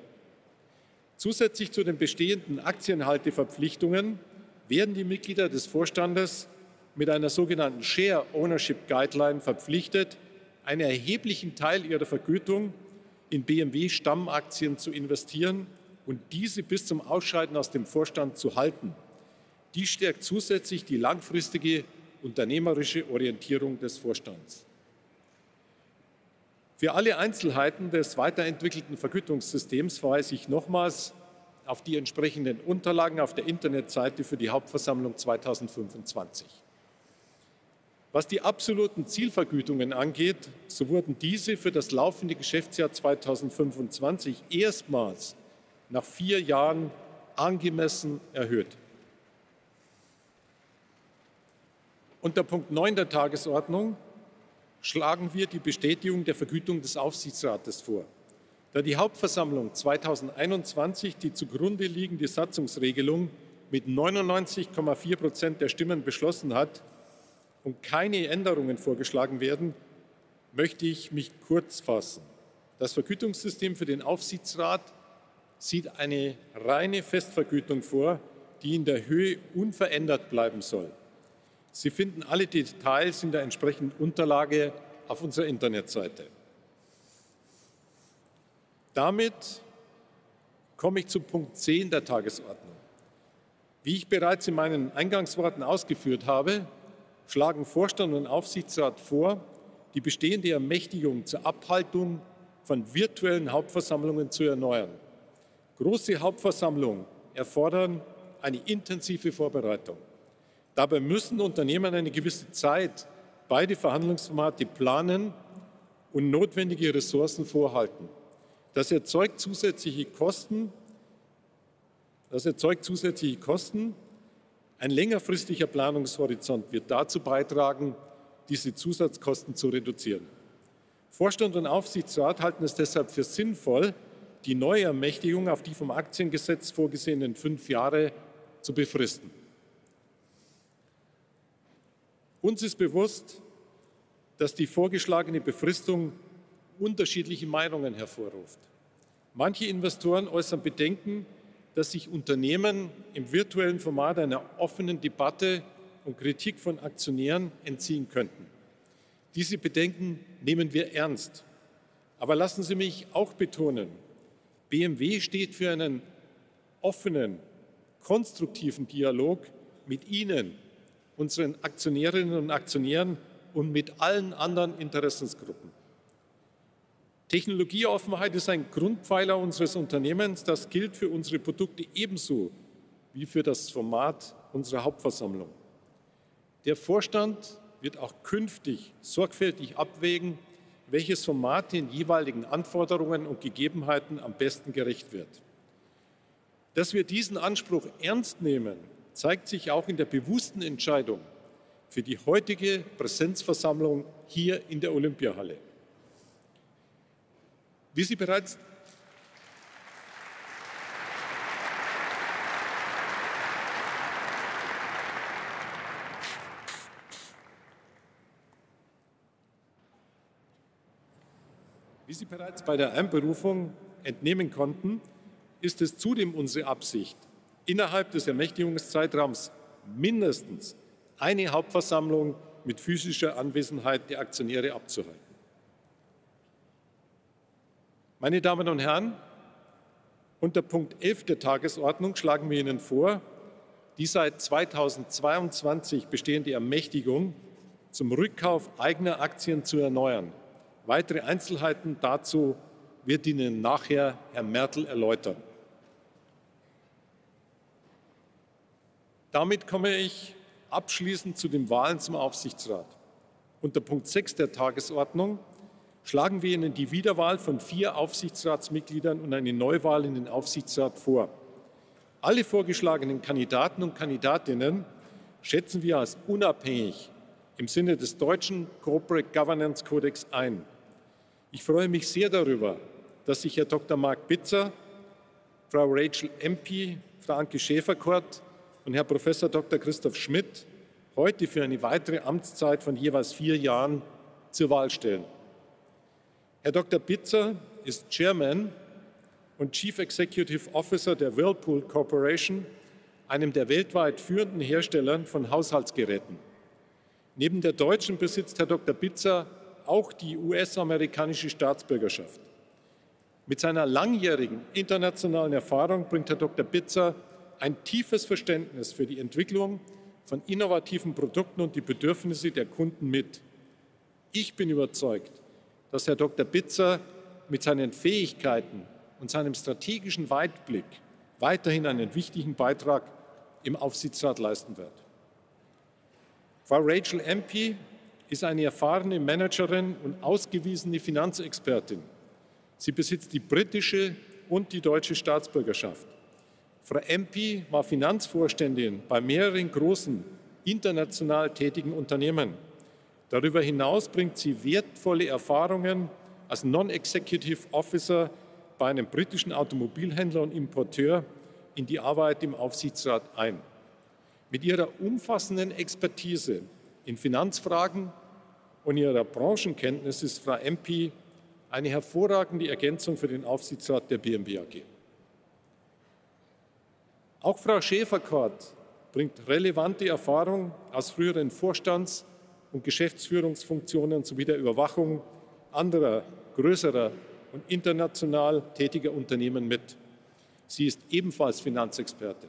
Zusätzlich zu den bestehenden Aktienhalteverpflichtungen werden die Mitglieder des Vorstandes mit einer sogenannten Share Ownership Guideline verpflichtet, einen erheblichen Teil ihrer Vergütung in BMW Stammaktien zu investieren und diese bis zum Ausscheiden aus dem Vorstand zu halten. Dies stärkt zusätzlich die langfristige unternehmerische Orientierung des Vorstands. Für alle Einzelheiten des weiterentwickelten Vergütungssystems verweise ich nochmals auf die entsprechenden Unterlagen auf der Internetseite für die Hauptversammlung 2025. Was die absoluten Zielvergütungen angeht, so wurden diese für das laufende Geschäftsjahr 2025 erstmals nach vier Jahren angemessen erhöht. Unter Punkt 9 der Tagesordnung schlagen wir die Bestätigung der Vergütung des Aufsichtsrates vor. Da die Hauptversammlung 2021 die zugrunde liegende Satzungsregelung mit 99,4% der Stimmen beschlossen hat und keine Änderungen vorgeschlagen werden, möchte ich mich kurz fassen. Das Vergütungssystem für den Aufsichtsrat sieht eine reine Festvergütung vor, die in der Höhe unverändert bleiben soll. Sie finden alle Details in der entsprechenden Unterlage auf unserer Internetseite. Damit komme ich zu Punkt 10 der Tagesordnung. Wie ich bereits in meinen Eingangsworten ausgeführt habe, schlagen Vorstand und Aufsichtsrat vor, die bestehende Ermächtigung zur Abhaltung von virtuellen Hauptversammlungen zu erneuern. Große Hauptversammlungen erfordern eine intensive Vorbereitung. Dabei müssen Unternehmen eine gewisse Zeit beide Verhandlungsformate planen und notwendige Ressourcen vorhalten. Das erzeugt zusätzliche Kosten. Ein längerfristiger Planungshorizont wird dazu beitragen, diese Zusatzkosten zu reduzieren. Vorstand und Aufsichtsrat halten es deshalb für sinnvoll, die neue Ermächtigung auf die vom Aktiengesetz vorgesehenen fünf Jahre zu befristen. Uns ist bewusst, dass die vorgeschlagene Befristung unterschiedliche Meinungen hervorruft. Manche Investoren äußern Bedenken, dass sich Unternehmen im virtuellen Format einer offenen Debatte und Kritik von Aktionären entziehen könnten. Diese Bedenken nehmen wir ernst. Aber lassen Sie mich auch betonen: BMW steht für einen offenen, konstruktiven Dialog mit Ihnen, unseren Aktionärinnen und Aktionären und mit allen anderen Interessensgruppen. Technologieoffenheit ist ein Grundpfeiler unseres Unternehmens. Das gilt für unsere Produkte ebenso wie für das Format unserer Hauptversammlung. Der Vorstand wird auch künftig sorgfältig abwägen, welches Format den jeweiligen Anforderungen und Gegebenheiten am besten gerecht wird. Dass wir diesen Anspruch ernst nehmen, zeigt sich auch in der bewussten Entscheidung für die heutige Präsenzversammlung hier in der Olympiahalle. Wie Sie bereits... Wie Sie bereits bei der Einberufung entnehmen konnten, ist es zudem unsere Absicht, innerhalb des Ermächtigungszeitraums mindestens eine Hauptversammlung mit physischer Anwesenheit der Aktionäre abzuhalten. Meine Damen und Herren, unter Punkt 11 der Tagesordnung schlagen wir Ihnen vor, die seit 2022 bestehende Ermächtigung zum Rückkauf eigener Aktien zu erneuern. Weitere Einzelheiten dazu wird Ihnen nachher Herr Mertl erläutern. Damit komme ich abschließend zu den Wahlen zum Aufsichtsrat. Unter Punkt 6 der Tagesordnung schlagen wir Ihnen die Wiederwahl von vier Aufsichtsratsmitgliedern und eine Neuwahl in den Aufsichtsrat vor. Alle vorgeschlagenen Kandidaten und Kandidatinnen schätzen wir als unabhängig im Sinne des deutschen Corporate Governance Kodex ein. Ich freue mich sehr darüber, dass sich Herr Dr. Marc Bitzer, Frau Rachel Empey, Frau Anke Schäferkordt und Herr Professor Dr. Christoph Schmidt heute für eine weitere Amtszeit von jeweils vier Jahren zur Wahl stellen. Bitzer ist Chairman und Chief Executive Officer der Whirlpool Corporation, einem der weltweit führenden Hersteller von Haushaltsgeräten. Neben der deutschen besitzt Herr Dr. Bitzer auch die US-amerikanische Staatsbürgerschaft. Mit seiner langjährigen internationalen Erfahrung bringt Herr Dr. Bitzer ein tiefes Verständnis für die Entwicklung von innovativen Produkten und die Bedürfnisse der Kunden mit. Ich bin überzeugt, dass Herr Dr. Bitzer mit seinen Fähigkeiten und seinem strategischen Weitblick weiterhin einen wichtigen Beitrag im Aufsichtsrat leisten wird. Frau Rachel Empie ist eine erfahrene Managerin und ausgewiesene Finanzexpertin. Sie besitzt die britische und die deutsche Staatsbürgerschaft. Frau Empey war Finanzvorständin bei mehreren großen international tätigen Unternehmen. Darüber hinaus bringt sie wertvolle Erfahrungen als Non-Executive Officer bei einem britischen Automobilhändler und Importeur in die Arbeit im Aufsichtsrat ein. Mit ihrer umfassenden Expertise in Finanzfragen und ihrer Branchenkenntnis ist Frau Empey eine hervorragende Ergänzung für den Aufsichtsrat der BMW AG. Auch Frau Schäferkordt bringt relevante Erfahrungen aus früheren Vorstands- und Geschäftsführungsfunktionen sowie der Überwachung anderer größerer und international tätiger Unternehmen mit. Sie ist ebenfalls Finanzexpertin.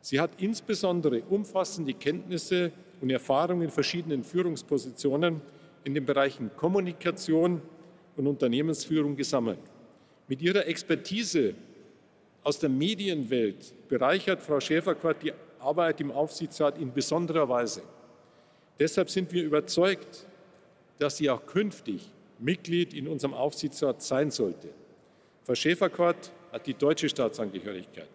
Sie hat insbesondere umfassende Kenntnisse und Erfahrungen in verschiedenen Führungspositionen in den Bereichen Kommunikation und Unternehmensführung gesammelt. Mit ihrer Expertise aus der Medienwelt bereichert Frau Schäferkordt die Arbeit im Aufsichtsrat in besonderer Weise. Deshalb sind wir überzeugt, dass sie auch künftig Mitglied in unserem Aufsichtsrat sein sollte. Frau Schäferkordt hat die deutsche Staatsangehörigkeit.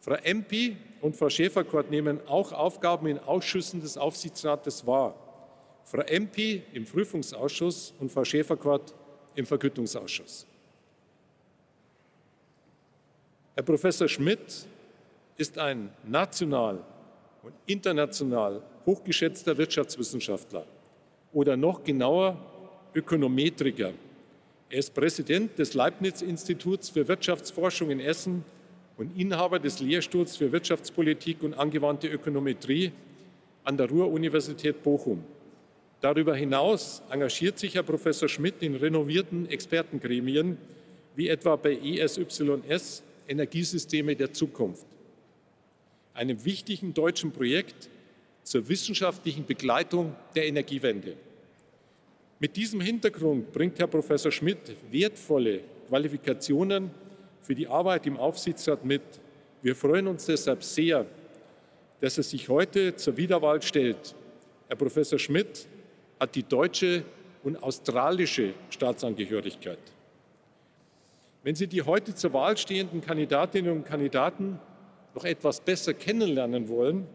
Frau Empie und Frau Schäferkordt nehmen auch Aufgaben in Ausschüssen des Aufsichtsrates wahr: Frau Empie im Prüfungsausschuss und Frau Schäferkordt im Vergütungsausschuss. Herr Professor Schmidt ist ein national und international hochgeschätzter Wirtschaftswissenschaftler oder noch genauer Ökonometriker. Er ist Präsident des Leibniz-Instituts für Wirtschaftsforschung in Essen und Inhaber des Lehrstuhls für Wirtschaftspolitik und angewandte Ökonometrie an der Ruhr-Universität Bochum. Darüber hinaus engagiert sich Herr Professor Schmidt in renommierten Expertengremien wie etwa bei ESYS Energiesysteme der Zukunft, einem wichtigen deutschen Projekt zur wissenschaftlichen Begleitung der Energiewende. Mit diesem Hintergrund bringt Herr Professor Schmidt wertvolle Qualifikationen für die Arbeit im Aufsichtsrat mit. Wir freuen uns deshalb sehr, dass er sich heute zur Wiederwahl stellt. Herr Professor Schmidt hat die deutsche und australische Staatsangehörigkeit. Wenn Sie die heute zur Wahl stehenden Kandidatinnen und Kandidaten noch etwas besser kennenlernen wollen,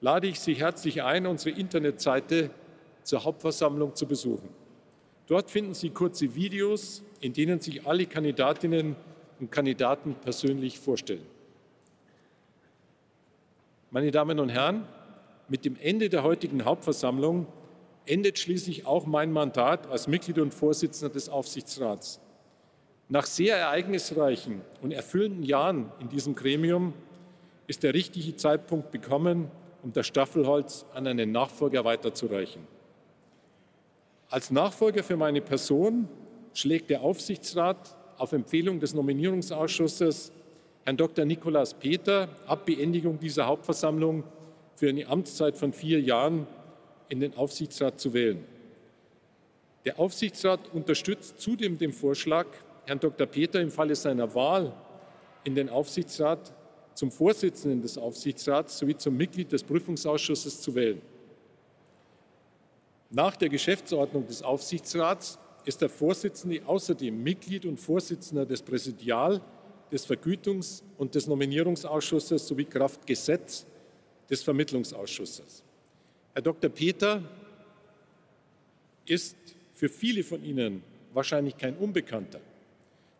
lade ich Sie herzlich ein, unsere Internetseite zur Hauptversammlung zu besuchen. Dort finden Sie kurze Videos, in denen sich alle Kandidatinnen und Kandidaten persönlich vorstellen. Meine Damen und Herren, mit dem Ende der heutigen Hauptversammlung endet schließlich auch mein Mandat als Mitglied und Vorsitzender des Aufsichtsrats. Nach sehr ereignisreichen und erfüllenden Jahren in diesem Gremium ist der richtige Zeitpunkt gekommen, das Staffelholz an einen Nachfolger weiterzureichen. Als Nachfolger für meine Person schlägt der Aufsichtsrat auf Empfehlung des Nominierungsausschusses Herrn Dr. Nicolas Peter ab Beendigung dieser Hauptversammlung für eine Amtszeit von vier Jahren in den Aufsichtsrat zu wählen. Der Aufsichtsrat unterstützt zudem den Vorschlag, Herrn Dr. Peter im Falle seiner Wahl in den Aufsichtsrat zum Vorsitzenden des Aufsichtsrats sowie zum Mitglied des Prüfungsausschusses zu wählen. Nach der Geschäftsordnung des Aufsichtsrats ist der Vorsitzende außerdem Mitglied und Vorsitzender des Präsidial-, des Vergütungs- und des Nominierungsausschusses sowie kraft Gesetz des Vermittlungsausschusses. Herr Dr. Peter ist für viele von Ihnen wahrscheinlich kein Unbekannter.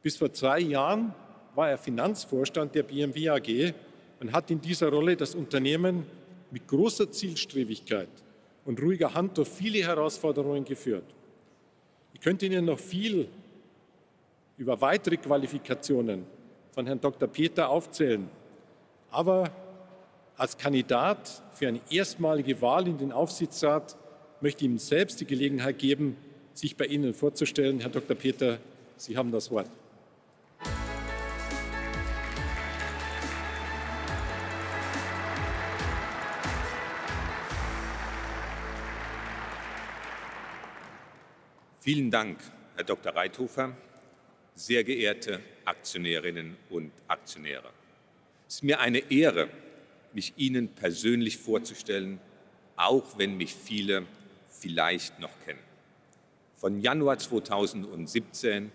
Bis vor zwei Jahren war er Finanzvorstand der BMW AG und hat in dieser Rolle das Unternehmen mit großer Zielstrebigkeit und ruhiger Hand durch viele Herausforderungen geführt. Ich könnte Ihnen noch viel über weitere Qualifikationen von Herrn Dr. Peter erzählen. Peter aufzählen, aber als Kandidat für eine erstmalige Wahl in den Aufsichtsrat möchte ich ihm selbst die Gelegenheit geben, sich bei Ihnen vorzustellen. Herr Dr. Peter, Sie haben das Wort. Vielen Dank, Herr Dr. Reithofer, sehr geehrte Aktionärinnen und Aktionäre. Es ist mir eine Ehre, mich Ihnen persönlich vorzustellen, auch wenn mich viele vielleicht noch kennen. Von Januar 2017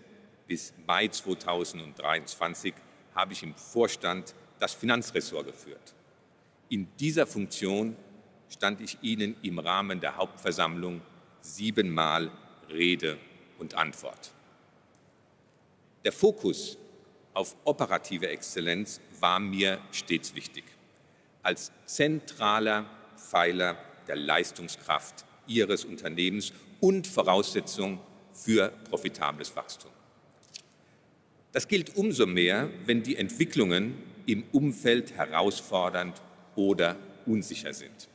bis Mai 2023 habe ich im Vorstand das Finanzressort geführt. In dieser Funktion stand ich Ihnen im Rahmen der Hauptversammlung sieben Mal Rede und Antwort. Der Fokus auf operative Exzellenz war mir stets wichtig als zentraler Pfeiler der Leistungskraft Ihres Unternehmens und Voraussetzung für profitables Wachstum. Das gilt umso mehr, wenn die Entwicklungen im Umfeld herausfordernd oder unsicher sind.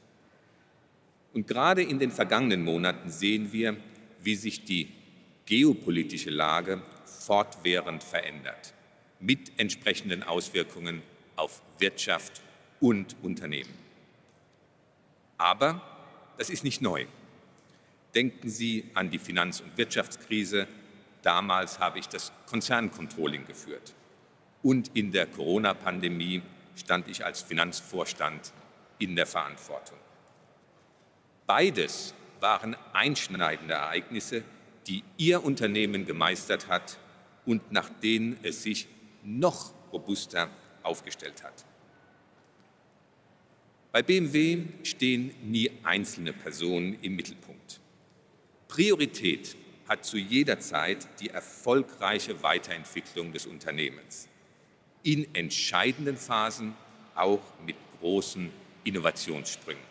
Gerade in den vergangenen Monaten sehen wir, wie sich die geopolitische Lage fortwährend verändert, mit entsprechenden Auswirkungen auf Wirtschaft und Unternehmen. Aber das ist nicht neu. Denken Sie an die Finanz- und Wirtschaftskrise. Damals habe ich das Konzerncontrolling geführt und in der Corona-Pandemie stand ich als Finanzvorstand in der Verantwortung. Beides waren einschneidende Ereignisse, die Ihr Unternehmen gemeistert hat und nach denen es sich noch robuster aufgestellt hat. Bei BMW stehen nie einzelne Personen im Mittelpunkt. Priorität hat zu jeder Zeit die erfolgreiche Weiterentwicklung des Unternehmens in entscheidenden Phasen, auch mit großen Innovationssprüngen.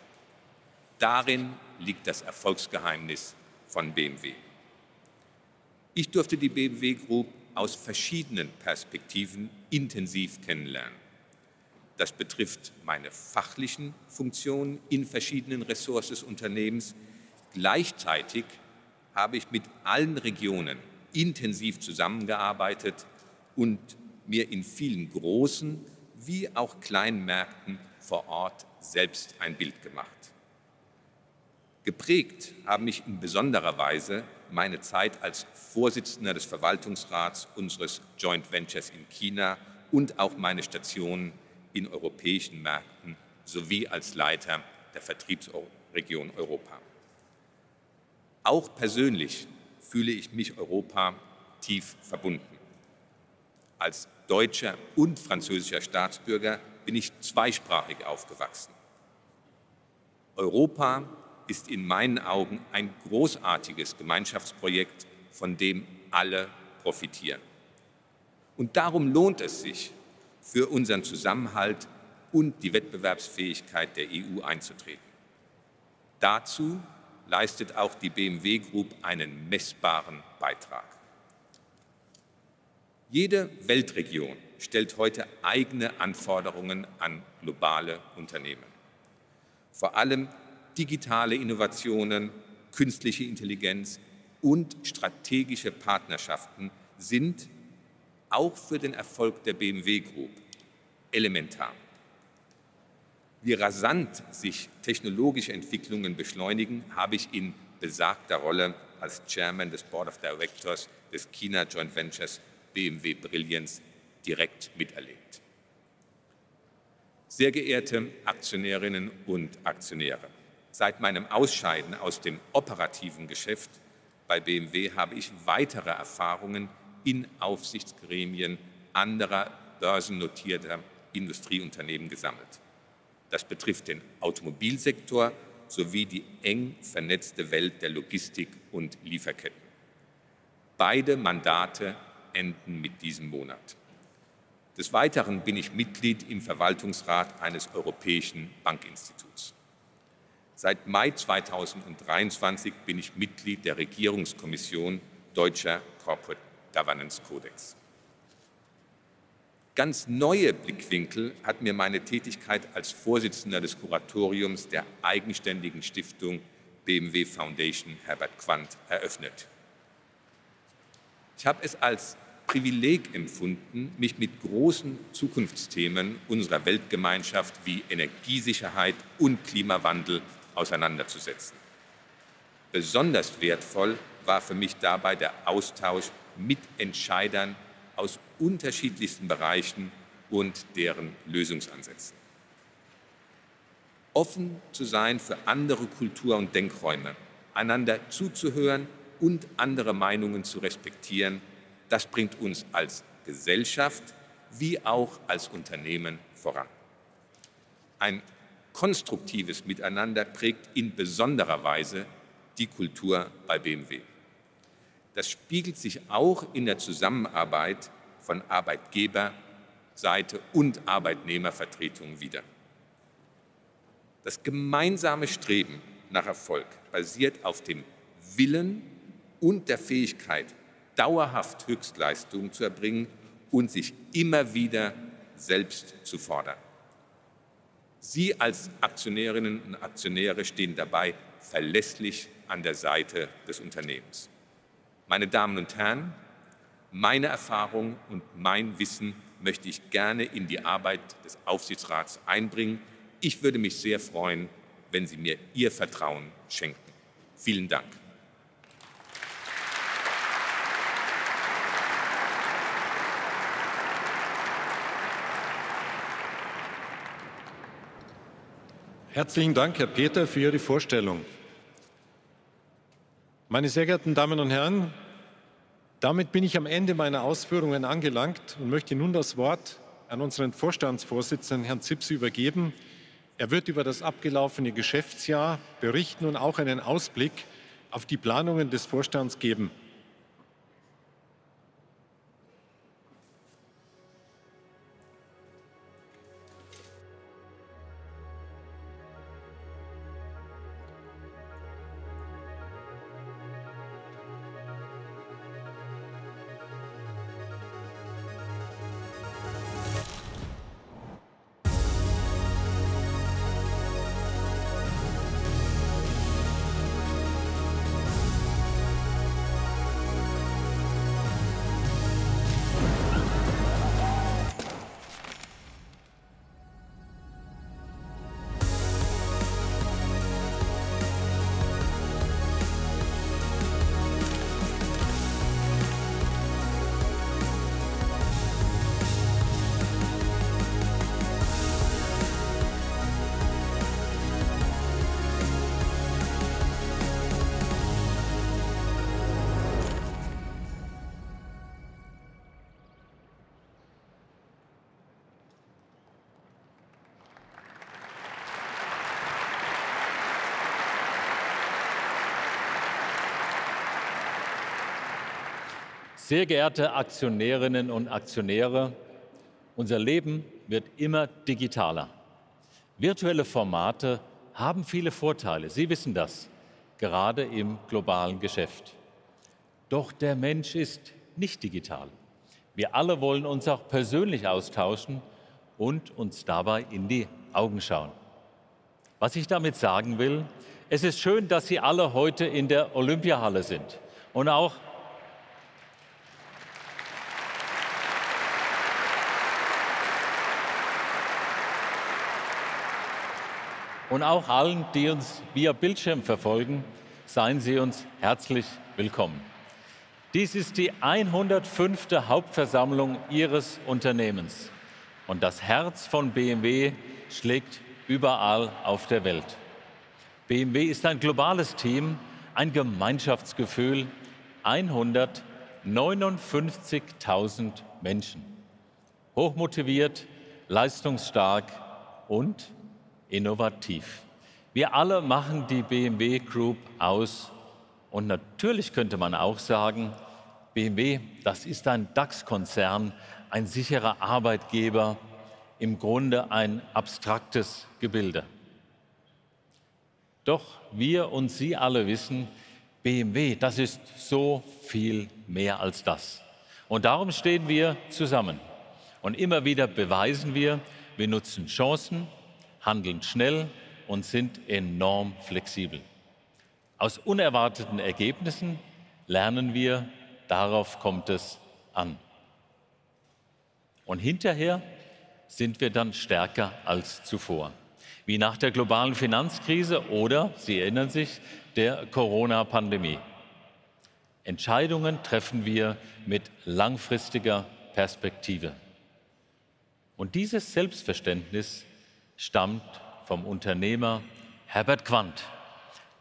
Darin liegt das Erfolgsgeheimnis von BMW. Ich durfte die BMW Group aus verschiedenen Perspektiven intensiv kennenlernen. Das betrifft meine fachlichen Funktionen in verschiedenen Ressorts des Unternehmens. Gleichzeitig habe ich mit allen Regionen intensiv zusammengearbeitet und mir in vielen großen wie auch kleinen Märkten vor Ort selbst ein Bild gemacht. Geprägt haben mich in besonderer Weise meine Zeit als Vorsitzender des Verwaltungsrats unseres Joint Ventures in China und auch meine Station in europäischen Märkten sowie als Leiter der Vertriebsregion Europa. Auch persönlich fühle ich mich Europa tief verbunden. Als deutscher und französischer Staatsbürger bin ich zweisprachig aufgewachsen. Europa ist in meinen Augen ein großartiges Gemeinschaftsprojekt, von dem alle profitieren. Darum lohnt es sich, für unseren Zusammenhalt und die Wettbewerbsfähigkeit der EU einzutreten. Dazu leistet auch die BMW Group einen messbaren Beitrag. Jede Weltregion stellt heute eigene Anforderungen an globale Unternehmen. Vor allem digitale Innovationen, künstliche Intelligenz und strategische Partnerschaften sind auch für den Erfolg der BMW Group elementar. Wie rasant sich technologische Entwicklungen beschleunigen, habe ich in besagter Rolle als Chairman des Board of Directors des China Joint Ventures BMW Brilliance direkt miterlebt. Sehr geehrte Aktionärinnen und Aktionäre, seit meinem Ausscheiden aus dem operativen Geschäft bei BMW habe ich weitere Erfahrungen in Aufsichtsgremien anderer börsennotierter Industrieunternehmen gesammelt. Das betrifft den Automobilsektor sowie die eng vernetzte Welt der Logistik und Lieferketten. Beide Mandate enden mit diesem Monat. Des Weiteren bin ich Mitglied im Verwaltungsrat eines europäischen Bankinstituts. Seit Mai 2023 bin ich Mitglied der Regierungskommission Deutscher Corporate Governance Kodex. Ganz neue Blickwinkel hat mir meine Tätigkeit als Vorsitzender des Kuratoriums der eigenständigen Stiftung BMW Foundation Herbert Quandt eröffnet. Ich habe es als Privileg empfunden, mich mit großen Zukunftsthemen unserer Weltgemeinschaft wie Energiesicherheit und Klimawandel auseinanderzusetzen. Besonders wertvoll war für mich dabei der Austausch mit Entscheidern aus unterschiedlichsten Bereichen und deren Lösungsansätzen. Offen zu sein für andere Kulturen und Denkräume, einander zuzuhören und andere Meinungen zu respektieren, das bringt uns als Gesellschaft wie auch als Unternehmen voran. Ein konstruktives Miteinander prägt in besonderer Weise die Kultur bei BMW. Das spiegelt sich auch in der Zusammenarbeit von Arbeitgeberseite und Arbeitnehmervertretung wider. Das gemeinsame Streben nach Erfolg basiert auf dem Willen und der Fähigkeit, dauerhaft Höchstleistungen zu erbringen und sich immer wieder selbst zu fordern. Sie als Aktionärinnen und Aktionäre stehen dabei verlässlich an der Seite des Unternehmens. Meine Damen und Herren, meine Erfahrung und mein Wissen möchte ich gerne in die Arbeit des Aufsichtsrats einbringen. Ich würde mich sehr freuen, wenn Sie mir Ihr Vertrauen schenken. Vielen Dank. Herzlichen Dank, Herr Peter, für Ihre Vorstellung. Meine sehr geehrten Damen und Herren, damit bin ich am Ende meiner Ausführungen angelangt und möchte nun das Wort an unseren Vorstandsvorsitzenden Herrn Zipse übergeben. Er wird über das abgelaufene Geschäftsjahr berichten und auch einen Ausblick auf die Planungen des Vorstands geben. Sehr geehrte Aktionärinnen und Aktionäre, unser Leben wird immer digitaler. Virtuelle Formate haben viele Vorteile, Sie wissen das, gerade im globalen Geschäft. Doch der Mensch ist nicht digital. Wir alle wollen uns auch persönlich austauschen und uns dabei in die Augen schauen. Was ich damit sagen will: Es ist schön, dass Sie alle heute in der Olympiahalle sind und auch allen, die uns via Bildschirm verfolgen, seien Sie uns herzlich willkommen. Dies ist die 105. Hauptversammlung Ihres Unternehmens und das Herz von BMW schlägt überall auf der Welt. BMW ist ein globales Team, ein Gemeinschaftsgefühl, 159.000 Menschen. Hochmotiviert, leistungsstark und innovativ. Wir alle machen die BMW Group aus und natürlich könnte man auch sagen: BMW, das ist ein DAX-Konzern, ein sicherer Arbeitgeber, im Grunde ein abstraktes Gebilde. Doch wir und Sie alle wissen: BMW, das ist so viel mehr als das. Darum stehen wir zusammen und immer wieder beweisen wir: Wir nutzen Chancen, handeln schnell und sind enorm flexibel. Aus unerwarteten Ergebnissen lernen wir, darauf kommt es an. Hinterher sind wir dann stärker als zuvor. Wie nach der globalen Finanzkrise oder, Sie erinnern sich, der Corona-Pandemie. Entscheidungen treffen wir mit langfristiger Perspektive. Und dieses Selbstverständnis stammt vom Unternehmer Herbert Quandt.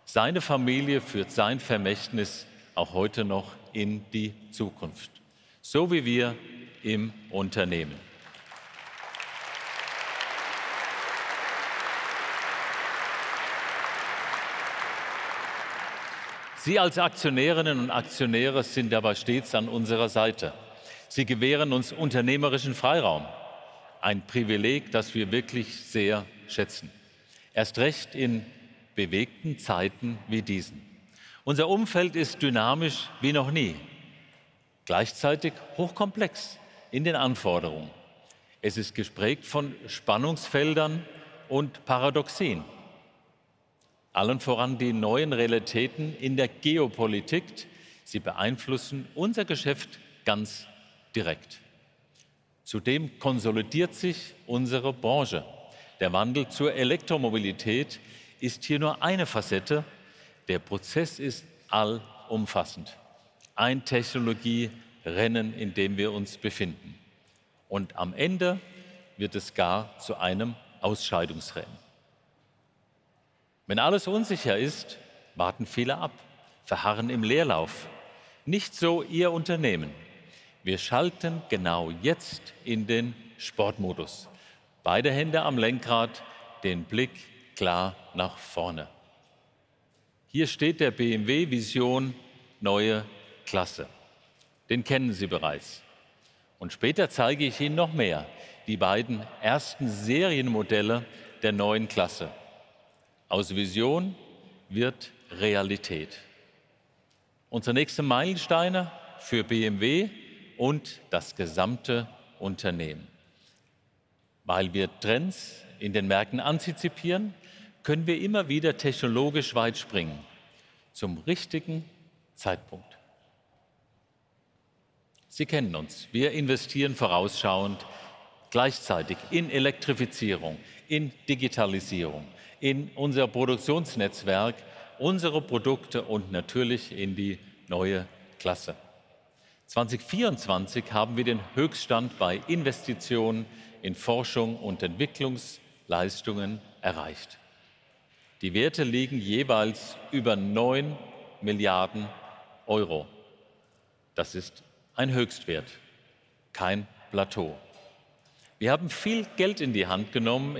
Seine Familie führt sein Vermächtnis auch heute noch in die Zukunft. So wie wir im Unternehmen. Sie als Aktionärinnen und Aktionäre sind dabei stets an unserer Seite. Sie gewähren uns unternehmerischen Freiraum. Ein Privileg, das wir wirklich sehr schätzen. Erst recht in bewegten Zeiten wie diesen. Unser Umfeld ist dynamisch wie noch nie. Gleichzeitig hochkomplex in den Anforderungen. Es ist geprägt von Spannungsfeldern und Paradoxien. Allen voran die neuen Realitäten in der Geopolitik. Sie beeinflussen unser Geschäft ganz direkt. Zudem konsolidiert sich unsere Branche. Der Wandel zur Elektromobilität ist hier nur eine Facette. Der Prozess ist allumfassend. Ein Technologierennen, in dem wir uns befinden. Am Ende wird es gar zu einem Ausscheidungsrennen. Wenn alles unsicher ist, warten viele ab, verharren im Leerlauf. Nicht so Ihr Unternehmen. Wir schalten genau jetzt in den Sportmodus. Beide Hände am Lenkrad, den Blick klar nach vorne. Hier steht der BMW Vision Neue Klasse. Den kennen Sie bereits. Später zeige ich Ihnen noch mehr die beiden ersten Serienmodelle der neuen Klasse. Aus Vision wird Realität. Unser nächster Meilenstein für BMW und das gesamte Unternehmen. Weil wir Trends in den Märkten antizipieren, können wir immer wieder technologisch weit springen zum richtigen Zeitpunkt. Sie kennen uns. Wir investieren vorausschauend gleichzeitig in Elektrifizierung, in Digitalisierung, in unser Produktionsnetzwerk, unsere Produkte und natürlich in die Neue Klasse. 2024 haben wir den Höchststand bei Investitionen in Forschung und Entwicklungsleistungen erreicht. Die Werte liegen jeweils über €9 Milliarden. Das ist ein Höchstwert, kein Plateau. Wir haben viel Geld in die Hand genommen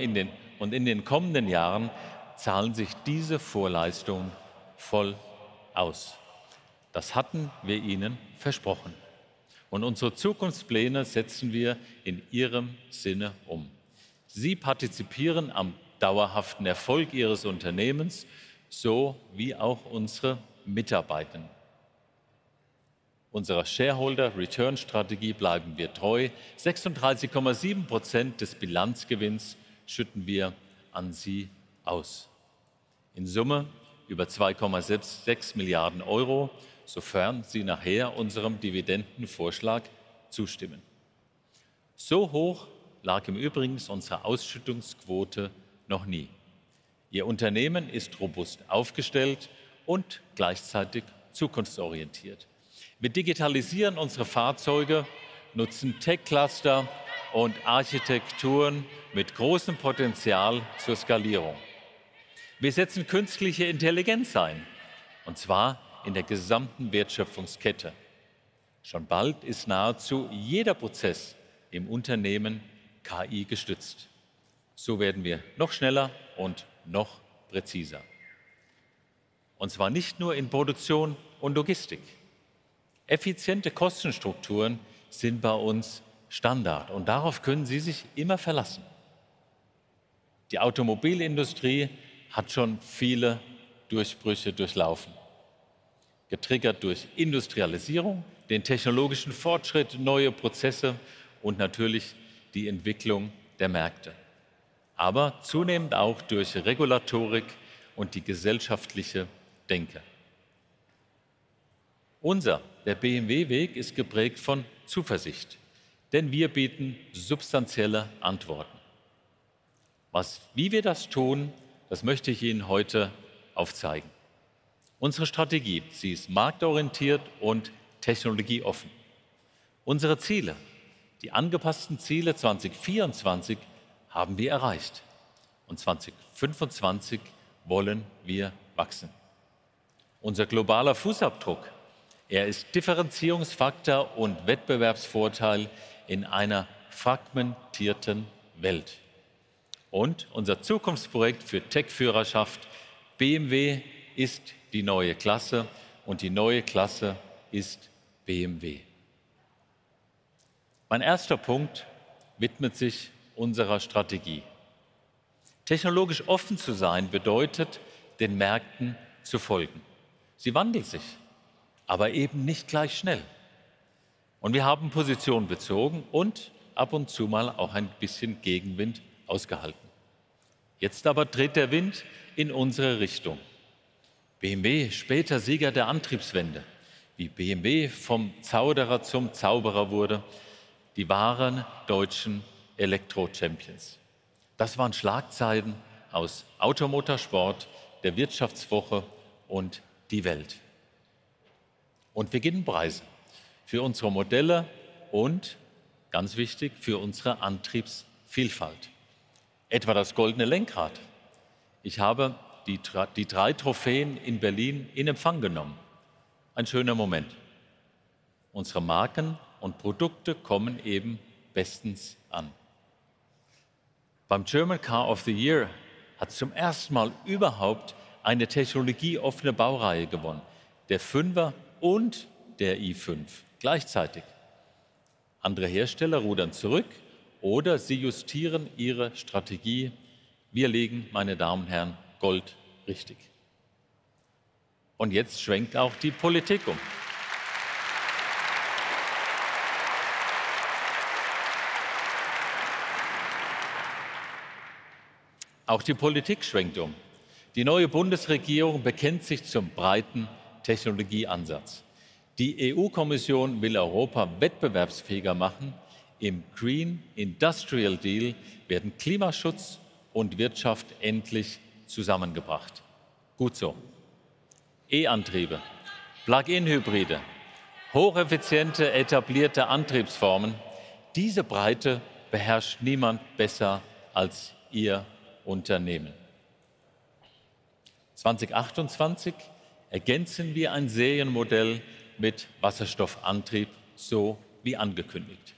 und in den kommenden Jahren zahlen sich diese Vorleistungen voll aus. Das hatten wir Ihnen versprochen. Und unsere Zukunftspläne setzen wir in Ihrem Sinne um. Sie partizipieren am dauerhaften Erfolg Ihres Unternehmens, so wie auch unsere Mitarbeitenden. Unserer Shareholder-Return-Strategie bleiben wir treu. 36,7% des Bilanzgewinns schütten wir an Sie aus. In Summe über €2,6 Milliarden, sofern Sie nachher unserem Dividendenvorschlag zustimmen. So hoch lag im Übrigen unsere Ausschüttungsquote noch nie. Ihr Unternehmen ist robust aufgestellt und gleichzeitig zukunftsorientiert. Wir digitalisieren unsere Fahrzeuge, nutzen Tech-Cluster und Architekturen mit großem Potenzial zur Skalierung. Wir setzen künstliche Intelligenz ein, und zwar in der gesamten Wertschöpfungskette. Schon bald ist nahezu jeder Prozess im Unternehmen KI-gestützt. So werden wir noch schneller und noch präziser. Und zwar nicht nur in Produktion und Logistik. Effiziente Kostenstrukturen sind bei uns Standard und darauf können Sie sich immer verlassen. Die Automobilindustrie hat schon viele Durchbrüche durchlaufen. Getriggert durch Industrialisierung, den technologischen Fortschritt, neue Prozesse und natürlich die Entwicklung der Märkte. Aber zunehmend auch durch Regulatorik und die gesellschaftliche Denke. Unser BMW Weg ist geprägt von Zuversicht, denn wir bieten substanzielle Antworten. Was, wie wir das tun, das möchte ich Ihnen heute aufzeigen. Unsere Strategie ist marktorientiert und technologieoffen. Unsere Ziele, die angepassten Ziele 2024, haben wir erreicht. 2025 wollen wir wachsen. Unser globaler Fußabdruck ist Differenzierungsfaktor und Wettbewerbsvorteil in einer fragmentierten Welt. Unser Zukunftsprojekt für Techführerschaft BMW ist die Neue Klasse und die Neue Klasse ist BMW. Mein erster Punkt widmet sich unserer Strategie. Technologisch offen zu sein bedeutet, den Märkten zu folgen. Sie wandeln sich, aber eben nicht gleich schnell. Wir haben Position bezogen und ab und zu mal auch ein bisschen Gegenwind ausgehalten. Jetzt aber dreht der Wind in unsere Richtung. BMW, später Sieger der Antriebswende, wie BMW vom Zauderer zum Zauberer wurde, die wahren deutschen Elektro-Champions. Das waren Schlagzeilen aus auto motor und sport, der Wirtschaftswoche und die Welt. Wir gehen preisen für unsere Modelle und ganz wichtig für unsere Antriebsvielfalt. Etwa das goldene Lenkrad. Ich habe die drei Trophäen in Berlin in Empfang genommen. Ein schöner Moment. Unsere Marken und Produkte kommen eben bestens an. Beim German Car of the Year hat zum ersten Mal überhaupt eine technologieoffene Baureihe gewonnen. Der Fünfer und der i5 gleichzeitig. Andere Hersteller rudern zurück oder sie justieren ihre Strategie. Wir legen, meine Damen und Herren, vor. Die neue Bundesregierung bekennt sich zum breiten Technologieansatz. Die EU-Kommission will Europa wettbewerbsfähiger machen. Im Green Industrial Deal werden Klimaschutz und Wirtschaft endlich zusammengebracht. Gut so. E-Antriebe, Plug-in-Hybride, hocheffiziente etablierte Antriebsformen. Diese Breite beherrscht niemand besser als Ihr Unternehmen. 2028 ergänzen wir ein Serienmodell mit Wasserstoffantrieb, so wie angekündigt.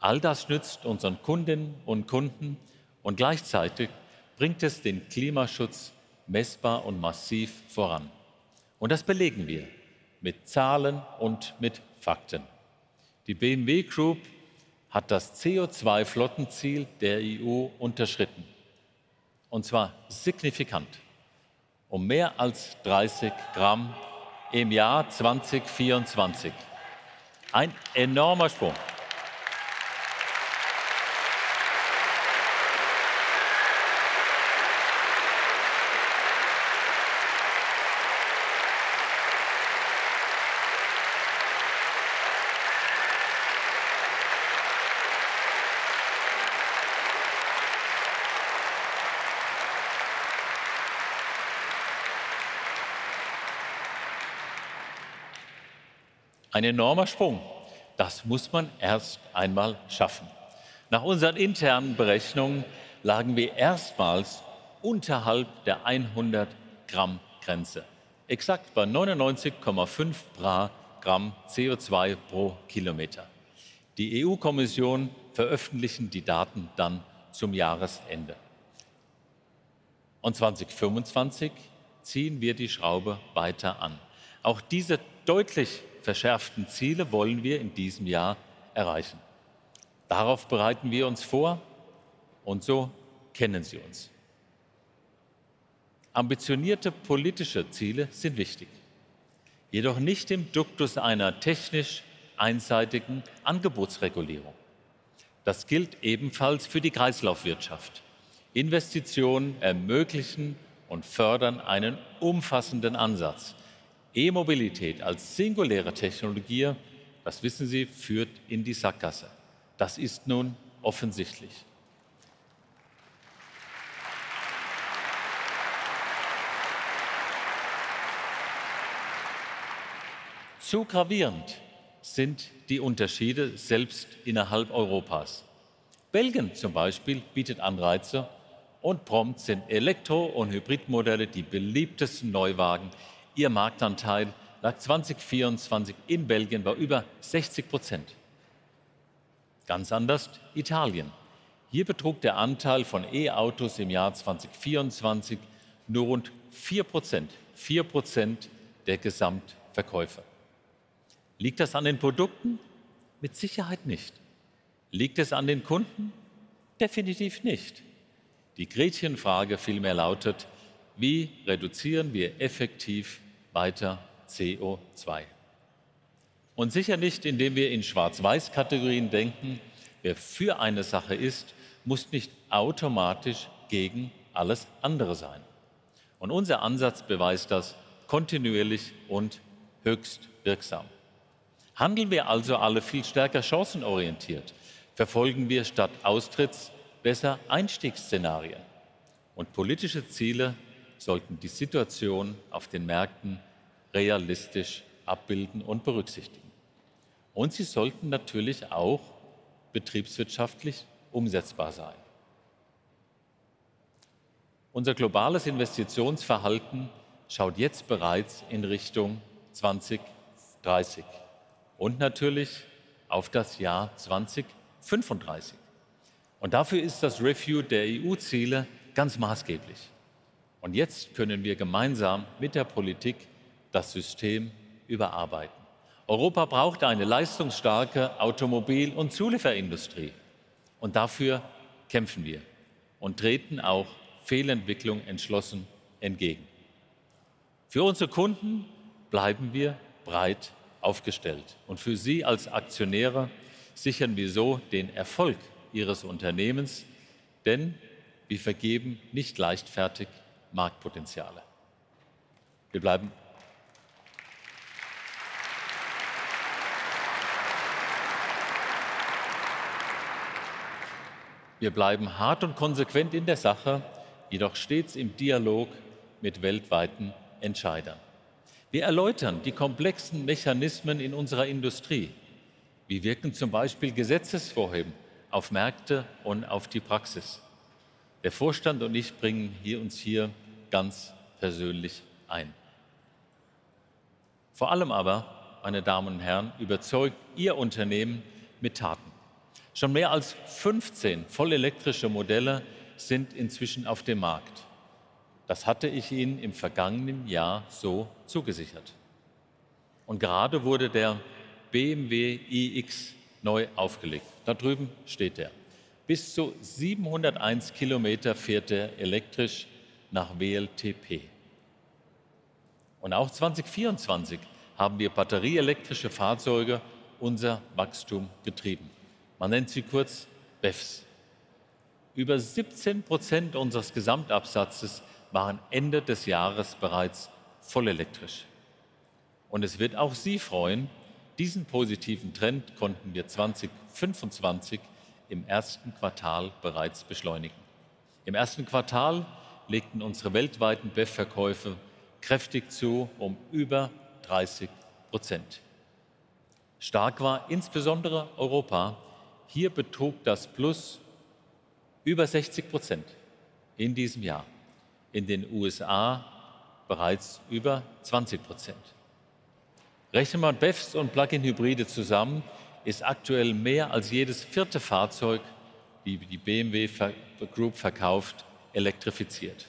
All das nützt unseren Kundinnen und Kunden und gleichzeitig bringt es den Klimaschutz messbar und massiv voran. Das belegen wir mit Zahlen und mit Fakten. Die BMW Group hat das CO2-Flottenziel der EU unterschritten. Und zwar signifikant. Mehr als 30 Gramm im Jahr 2024. Ein enormer Sprung. Das muss man erst einmal schaffen. Nach unseren internen Berechnungen lagen wir erstmals unterhalb der 100-Gramm-Grenze. Exakt bei 99,5 Gramm CO2 pro Kilometer. Die EU-Kommission veröffentlicht die Daten dann zum Jahresende. 2025 ziehen wir die Schraube weiter an. Auch diese deutlich verschärften Ziele wollen wir in diesem Jahr erreichen. Darauf bereiten wir uns vor. So kennen Sie uns. Ambitionierte politische Ziele sind wichtig. Jedoch nicht im Duktus einer technisch einseitigen Angebotsregulierung. Das gilt ebenfalls für die Kreislaufwirtschaft. Investitionen ermöglichen und fördern einen umfassenden Ansatz. E-Mobilität als singuläre Technologie, das wissen Sie, führt in die Sackgasse. Das ist nun offensichtlich. Zu gravierend sind die Unterschiede selbst innerhalb Europas. Belgien zum Beispiel bietet Anreize und prompt sind Elektro- und Hybridmodelle die beliebtesten Neuwagen. Ihr Marktanteil lag 2024 in Belgien bei über 60%. Ganz anders Italien. Hier betrug der Anteil von E-Autos im Jahr 2024 nur rund 4%. 4% der Gesamtverkäufe. Liegt das an den Produkten? Mit Sicherheit nicht. Liegt es an den Kunden? Definitiv nicht. Die Gretchenfrage vielmehr lautet: Wie reduzieren wir effektiv weiter CO2? Sicher nicht, indem wir in Schwarz-Weiß-Kategorien denken. Wer für eine Sache ist, muss nicht automatisch gegen alles andere sein. Unser Ansatz beweist das kontinuierlich und höchst wirksam. Handeln wir also alle viel stärker chancenorientiert, verfolgen wir statt Austritts besser Einstiegsszenarien. Politische Ziele sollten die Situation auf den Märkten realistisch abbilden und berücksichtigen. Sie sollten natürlich auch betriebswirtschaftlich umsetzbar sein. Unser globales Investitionsverhalten schaut jetzt bereits in Richtung 2030 und natürlich auf das Jahr 2035. Dafür ist das Review der EU-Ziele ganz maßgeblich. Jetzt können wir gemeinsam mit der Politik das System überarbeiten. Europa braucht eine leistungsstarke Automobil- und Zulieferindustrie. Dafür kämpfen wir und treten auch Fehlentwicklungen entschlossen entgegen. Für unsere Kunden bleiben wir breit aufgestellt. Für Sie als Aktionäre sichern wir so den Erfolg Ihres Unternehmens. Denn wir vergeben nicht leichtfertig Marktpotenziale. Wir bleiben hart und konsequent in der Sache, jedoch stets im Dialog mit weltweiten Entscheidern. Wir erläutern die komplexen Mechanismen in unserer Industrie. Wie wirken zum Beispiel Gesetzesvorhaben auf Märkte und auf die Praxis? Der Vorstand und ich bringen uns hier ganz persönlich ein. Vor allem aber, meine Damen und Herren, überzeugt Ihr Unternehmen mit Taten. Schon mehr als 15 vollelektrische Modelle sind inzwischen auf dem Markt. Das hatte ich Ihnen im vergangenen Jahr so zugesichert. Gerade wurde der BMW iX neu aufgelegt. Da drüben steht: Bis zu 701 Kilometer fährt elektrisch nach WLTP. Auch 2024 haben batterieelektrische Fahrzeuge unser Wachstum getrieben. Man nennt sie kurz BEVs. Über 17% unseres Gesamtabsatzes waren Ende des Jahres bereits vollelektrisch. Es wird auch Sie freuen: Diesen positiven Trend konnten wir 2025 im ersten Quartal bereits beschleunigen. Im ersten Quartal legten unsere weltweiten BEV-Verkäufe kräftig zu, über 30%. Stark war insbesondere Europa. Hier betrug das Plus über 60% in diesem Jahr. In den USA bereits über 20%. Rechnet man BEVs und Plug-in-Hybride zusammen, ist aktuell mehr als jedes vierte Fahrzeug, das die BMW Group verkauft, elektrifiziert.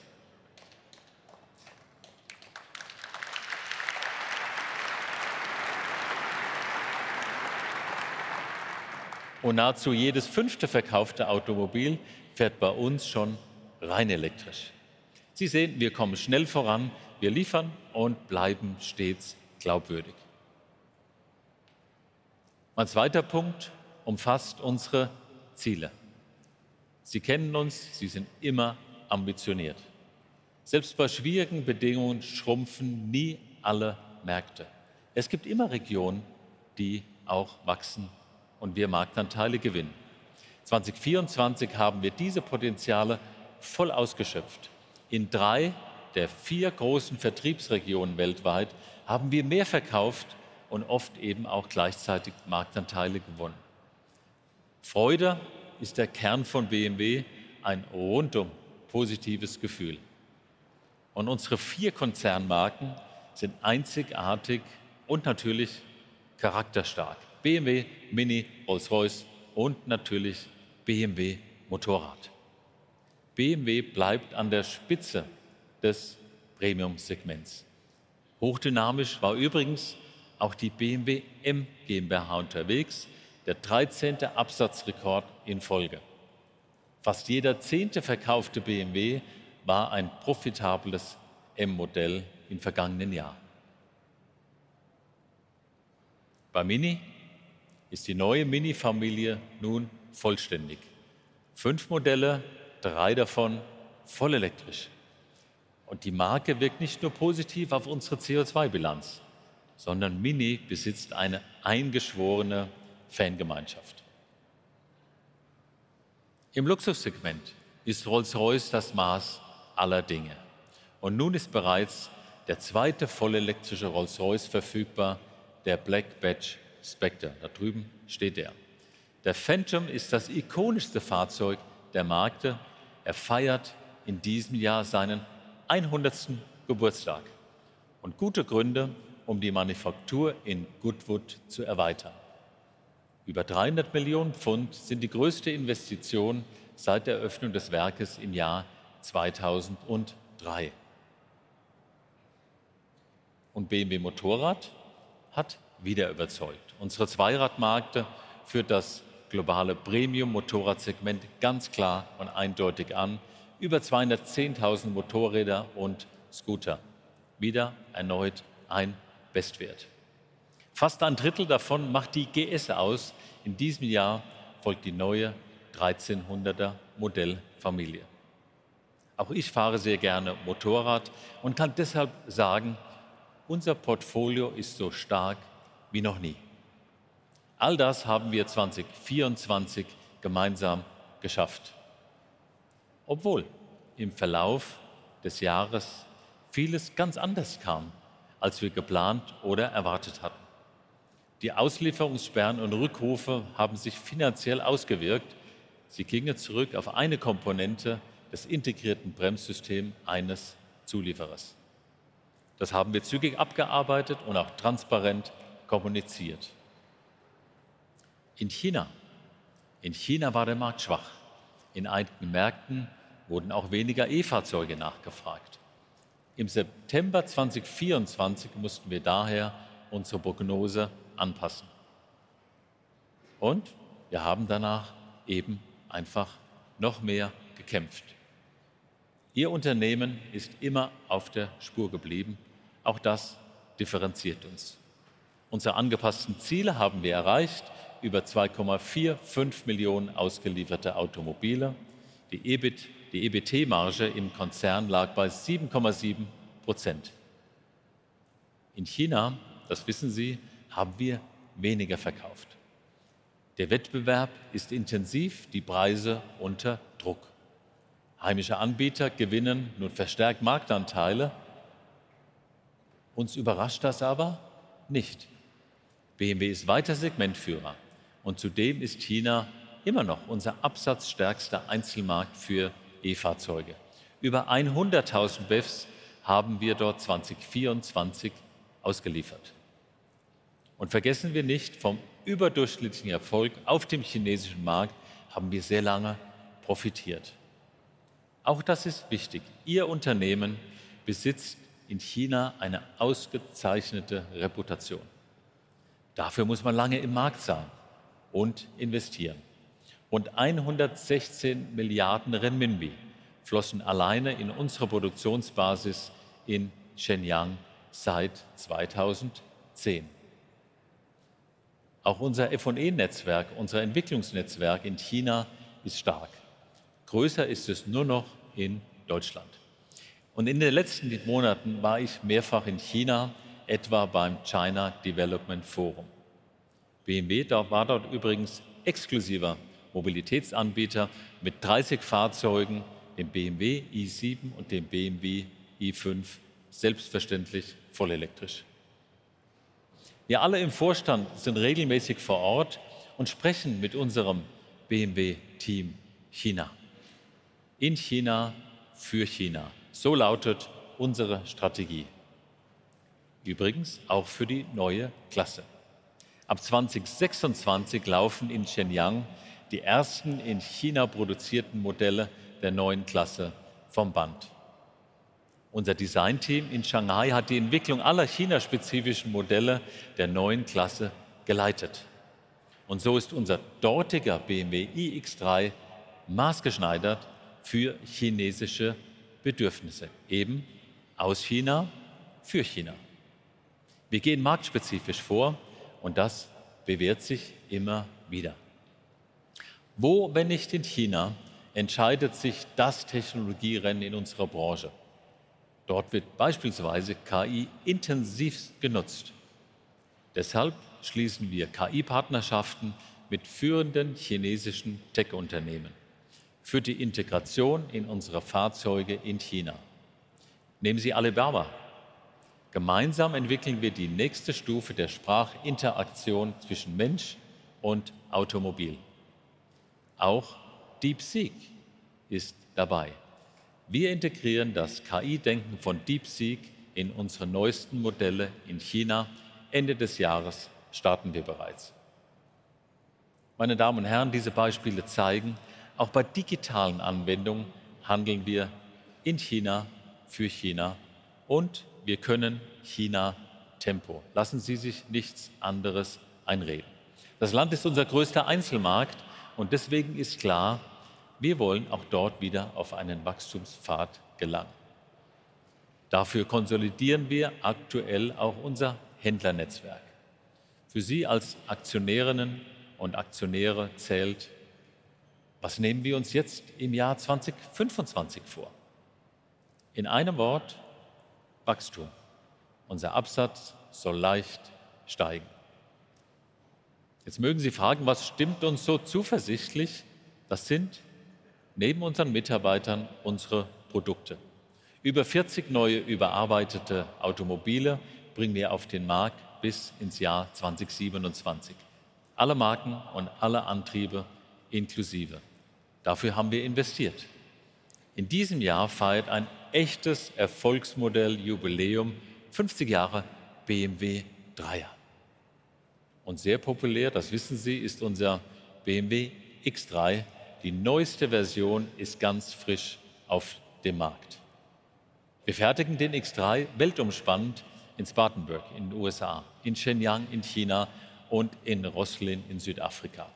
Nahezu jedes fünfte verkaufte Automobil fährt bei uns schon rein elektrisch. Sie sehen, wir kommen schnell voran. Wir liefern und bleiben stets glaubwürdig. Mein zweiter Punkt umfasst unsere Ziele. Sie kennen uns. Sie sind immer ambitioniert. Selbst bei schwierigen Bedingungen schrumpfen nie alle Märkte. Es gibt immer Regionen, die auch wachsen und wir Marktanteile gewinnen. 2024 haben wir diese Potenziale voll ausgeschöpft. In drei der vier großen Vertriebsregionen weltweit haben wir mehr verkauft und oft eben auch gleichzeitig Marktanteile gewonnen. Freude ist der Kern von BMW. Ein rundum positives Gefühl. Unsere vier Konzernmarken sind einzigartig und natürlich charakterstark. BMW, MINI, Rolls-Royce und natürlich BMW Motorrad. BMW bleibt an der Spitze des Premium-Segments. Hochdynamisch war die BMW M GmbH unterwegs. Der 13. Absatzrekord in Folge. Fast jeder zehnte verkaufte BMW war ein profitables M-Modell im vergangenen Jahr. Bei MINI ist die neue MINI-Familie nun vollständig. Fünf Modelle, drei davon vollelektrisch. Die Marke wirkt nicht nur positiv auf unsere CO₂-Bilanz, sondern MINI besitzt eine eingeschworene Fangemeinschaft. Im Luxussegment ist Rolls-Royce das Maß aller Dinge. Nun ist bereits der zweite vollelektrische Rolls-Royce verfügbar, der Black Badge Spectre. Der Phantom ist das ikonischste Fahrzeug der Märkte, feiert in diesem Jahr seinen 100. Geburtstag und gute Gründe, die Manufaktur in Goodwood zu erweitern. Über £300 Millionen sind die größte Investition seit der Eröffnung des Werkes im Jahr 2003. BMW Motorrad hat wieder überzeugt. Unsere Zweiradmarke führt das globale Premium-Motorradsegment ganz klar und eindeutig an. Über 210.000 Motorräder und Scooter. Wieder erneut ein Bestwert. Fast ein Drittel davon macht die GS aus. In diesem Jahr folgt die neue 1300er Modellfamilie. Auch ich fahre sehr gerne Motorrad und kann deshalb sagen: Unser Portfolio ist so stark wie noch nie. All das haben wir 2024 gemeinsam geschafft, obwohl im Verlauf des Jahres vieles ganz anders kam, als wir geplant oder erwartet hatten. Die Auslieferungssperren und Rückrufe haben sich finanziell ausgewirkt. Sie gingen zurück auf eine Komponente des integrierten Bremssystems eines Zulieferers. Das haben wir zügig abgearbeitet und auch transparent kommuniziert. In China war der Markt schwach. In einigen Märkten wurden auch weniger E-Fahrzeuge nachgefragt. Im September 2024 mussten wir daher unsere Prognose anpassen. Wir haben danach noch mehr gekämpft. Ihr Unternehmen ist immer auf der Spur geblieben. Auch das differenziert uns. Unsere angepassten Ziele haben wir erreicht. Über 2,45 Millionen ausgelieferte Automobile. Die EBIT, die EBITDA-Marge im Konzern lag bei 7,7%. In China, das wissen Sie, haben wir weniger verkauft. Der Wettbewerb ist intensiv. Die Preise unter Druck. Heimische Anbieter gewinnen nun verstärkt Marktanteile. Uns überrascht das aber nicht. BMW ist weiter Segmentführer. Zudem ist China immer noch unser absatzstärkster Einzelmarkt für E-Fahrzeuge. Über 100.000 BEVs haben wir dort 2024 ausgeliefert. Und vergessen wir nicht: Vom überdurchschnittlichen Erfolg auf dem chinesischen Markt haben wir sehr lange profitiert. Auch das ist wichtig. Ihr Unternehmen besitzt in China eine ausgezeichnete Reputation. Dafür muss man lange im Markt sein und investieren. Rund ¥116 Milliarden flossen alleine in unsere Produktionsbasis in Shenyang seit 2010. Auch unser F&E-Netzwerk, unser Entwicklungsnetzwerk in China ist stark. Größer ist es nur noch in Deutschland. In den letzten Monaten war ich mehrfach in China, etwa beim China Development Forum. BMW war dort übrigens exklusiver Mobilitätsanbieter mit 30 Fahrzeugen, dem BMW i7 und dem BMW i5, selbstverständlich vollelektrisch. Wir alle im Vorstand sind regelmäßig vor Ort und sprechen mit unserem BMW-Team China. In China, für China. So lautet unsere Strategie. Übrigens auch für die neue Klasse. Ab 2026 laufen in Shenyang die ersten in China produzierten Modelle der neuen Klasse vom Band. Unser Designteam in Shanghai hat die Entwicklung aller china-spezifischen Modelle der neuen Klasse geleitet. Und so ist unser dortiger BMW iX3 maßgeschneidert für chinesische Bedürfnisse. Eben aus China, für China. Wir gehen marktspezifisch vor. Und das bewährt sich immer wieder. Wo, wenn nicht in China, entscheidet sich das Technologierennen in unserer Branche? Dort wird beispielsweise KI intensivst genutzt. Deshalb schließen wir KI-Partnerschaften mit führenden chinesischen Tech-Unternehmen für die Integration in unsere Fahrzeuge in China. Nehmen Sie Alibaba. Gemeinsam entwickeln wir die nächste Stufe der Sprachinteraktion zwischen Mensch und Automobil. Auch DeepSeek ist dabei. Wir integrieren das KI-Denken von DeepSeek in unsere neuesten Modelle in China. Ende des Jahres starten wir bereits. Meine Damen und Herren, diese Beispiele zeigen: Auch bei digitalen Anwendungen handeln wir in China, für China. Und wir können China-Tempo. Lassen Sie sich nichts anderes einreden. Das Land ist unser größter Einzelmarkt. Und deswegen ist klar: Wir wollen auch dort wieder auf einen Wachstumspfad gelangen. Dafür konsolidieren wir aktuell auch unser Händlernetzwerk. Für Sie als Aktionärinnen und Aktionäre zählt: Was nehmen wir uns jetzt im Jahr 2025 vor? In einem Wort: Wachstum. Unser Absatz soll leicht steigen. Jetzt mögen Sie fragen: Was stimmt uns so zuversichtlich? Das sind neben unseren Mitarbeitern unsere Produkte. Über 40 neue überarbeitete Automobile bringen wir auf den Markt bis ins Jahr 2027. Alle Marken und alle Antriebe inklusive. Dafür haben wir investiert. In diesem Jahr feiert ein echtes Erfolgsmodell-Jubiläum: 50 Jahre BMW 3er. Sehr populär, das wissen Sie, ist unser BMW X3. Die neueste Version ist ganz frisch auf dem Markt. Wir fertigen den X3 weltumspannend in Spartanburg in den USA, in Shenyang in China und in Rosslyn in Südafrika.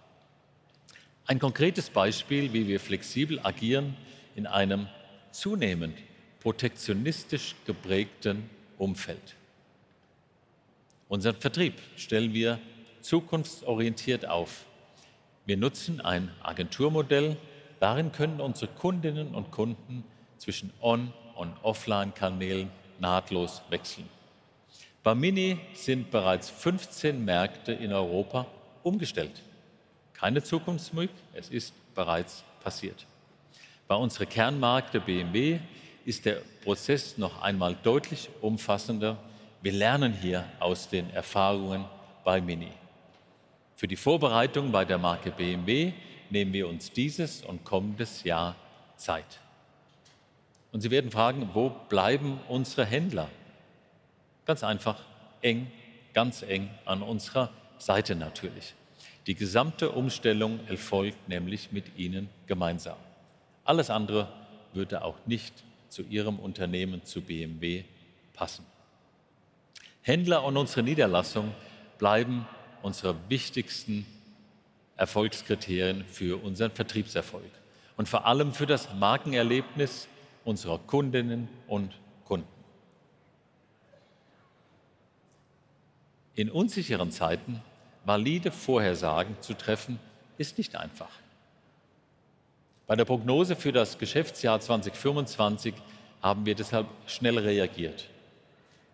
Ein konkretes Beispiel, wie wir flexibel agieren in einem zunehmend protektionistisch geprägten Umfeld. Unseren Vertrieb stellen wir zukunftsorientiert auf. Wir nutzen ein Agenturmodell. Darin können unsere Kundinnen und Kunden zwischen On- und Offline-Kanälen nahtlos wechseln. Bei Mini sind bereits 15 Märkte in Europa umgestellt. Keine Zukunftsmöglichkeit. Es ist bereits passiert. Bei unserer Kernmarke BMW ist der Prozess noch einmal deutlich umfassender. Wir lernen hier aus den Erfahrungen bei Mini. Für die Vorbereitung bei der Marke BMW nehmen wir uns dieses und kommendes Jahr Zeit. Sie werden fragen: Wo bleiben unsere Händler? Ganz einfach. Eng, ganz eng an unserer Seite natürlich. Die gesamte Umstellung erfolgt nämlich mit ihnen gemeinsam. Alles andere würde auch nicht zu unserem Unternehmen, zu BMW, passen. Händler und unsere Niederlassungen bleiben unsere wichtigsten Erfolgskriterien für unseren Vertriebserfolg. Vor allem für das Markenerlebnis unserer Kundinnen und Kunden. In unsicheren Zeiten valide Vorhersagen zu treffen, ist nicht einfach. Bei der Prognose für das Geschäftsjahr 2025 haben wir deshalb schnell reagiert.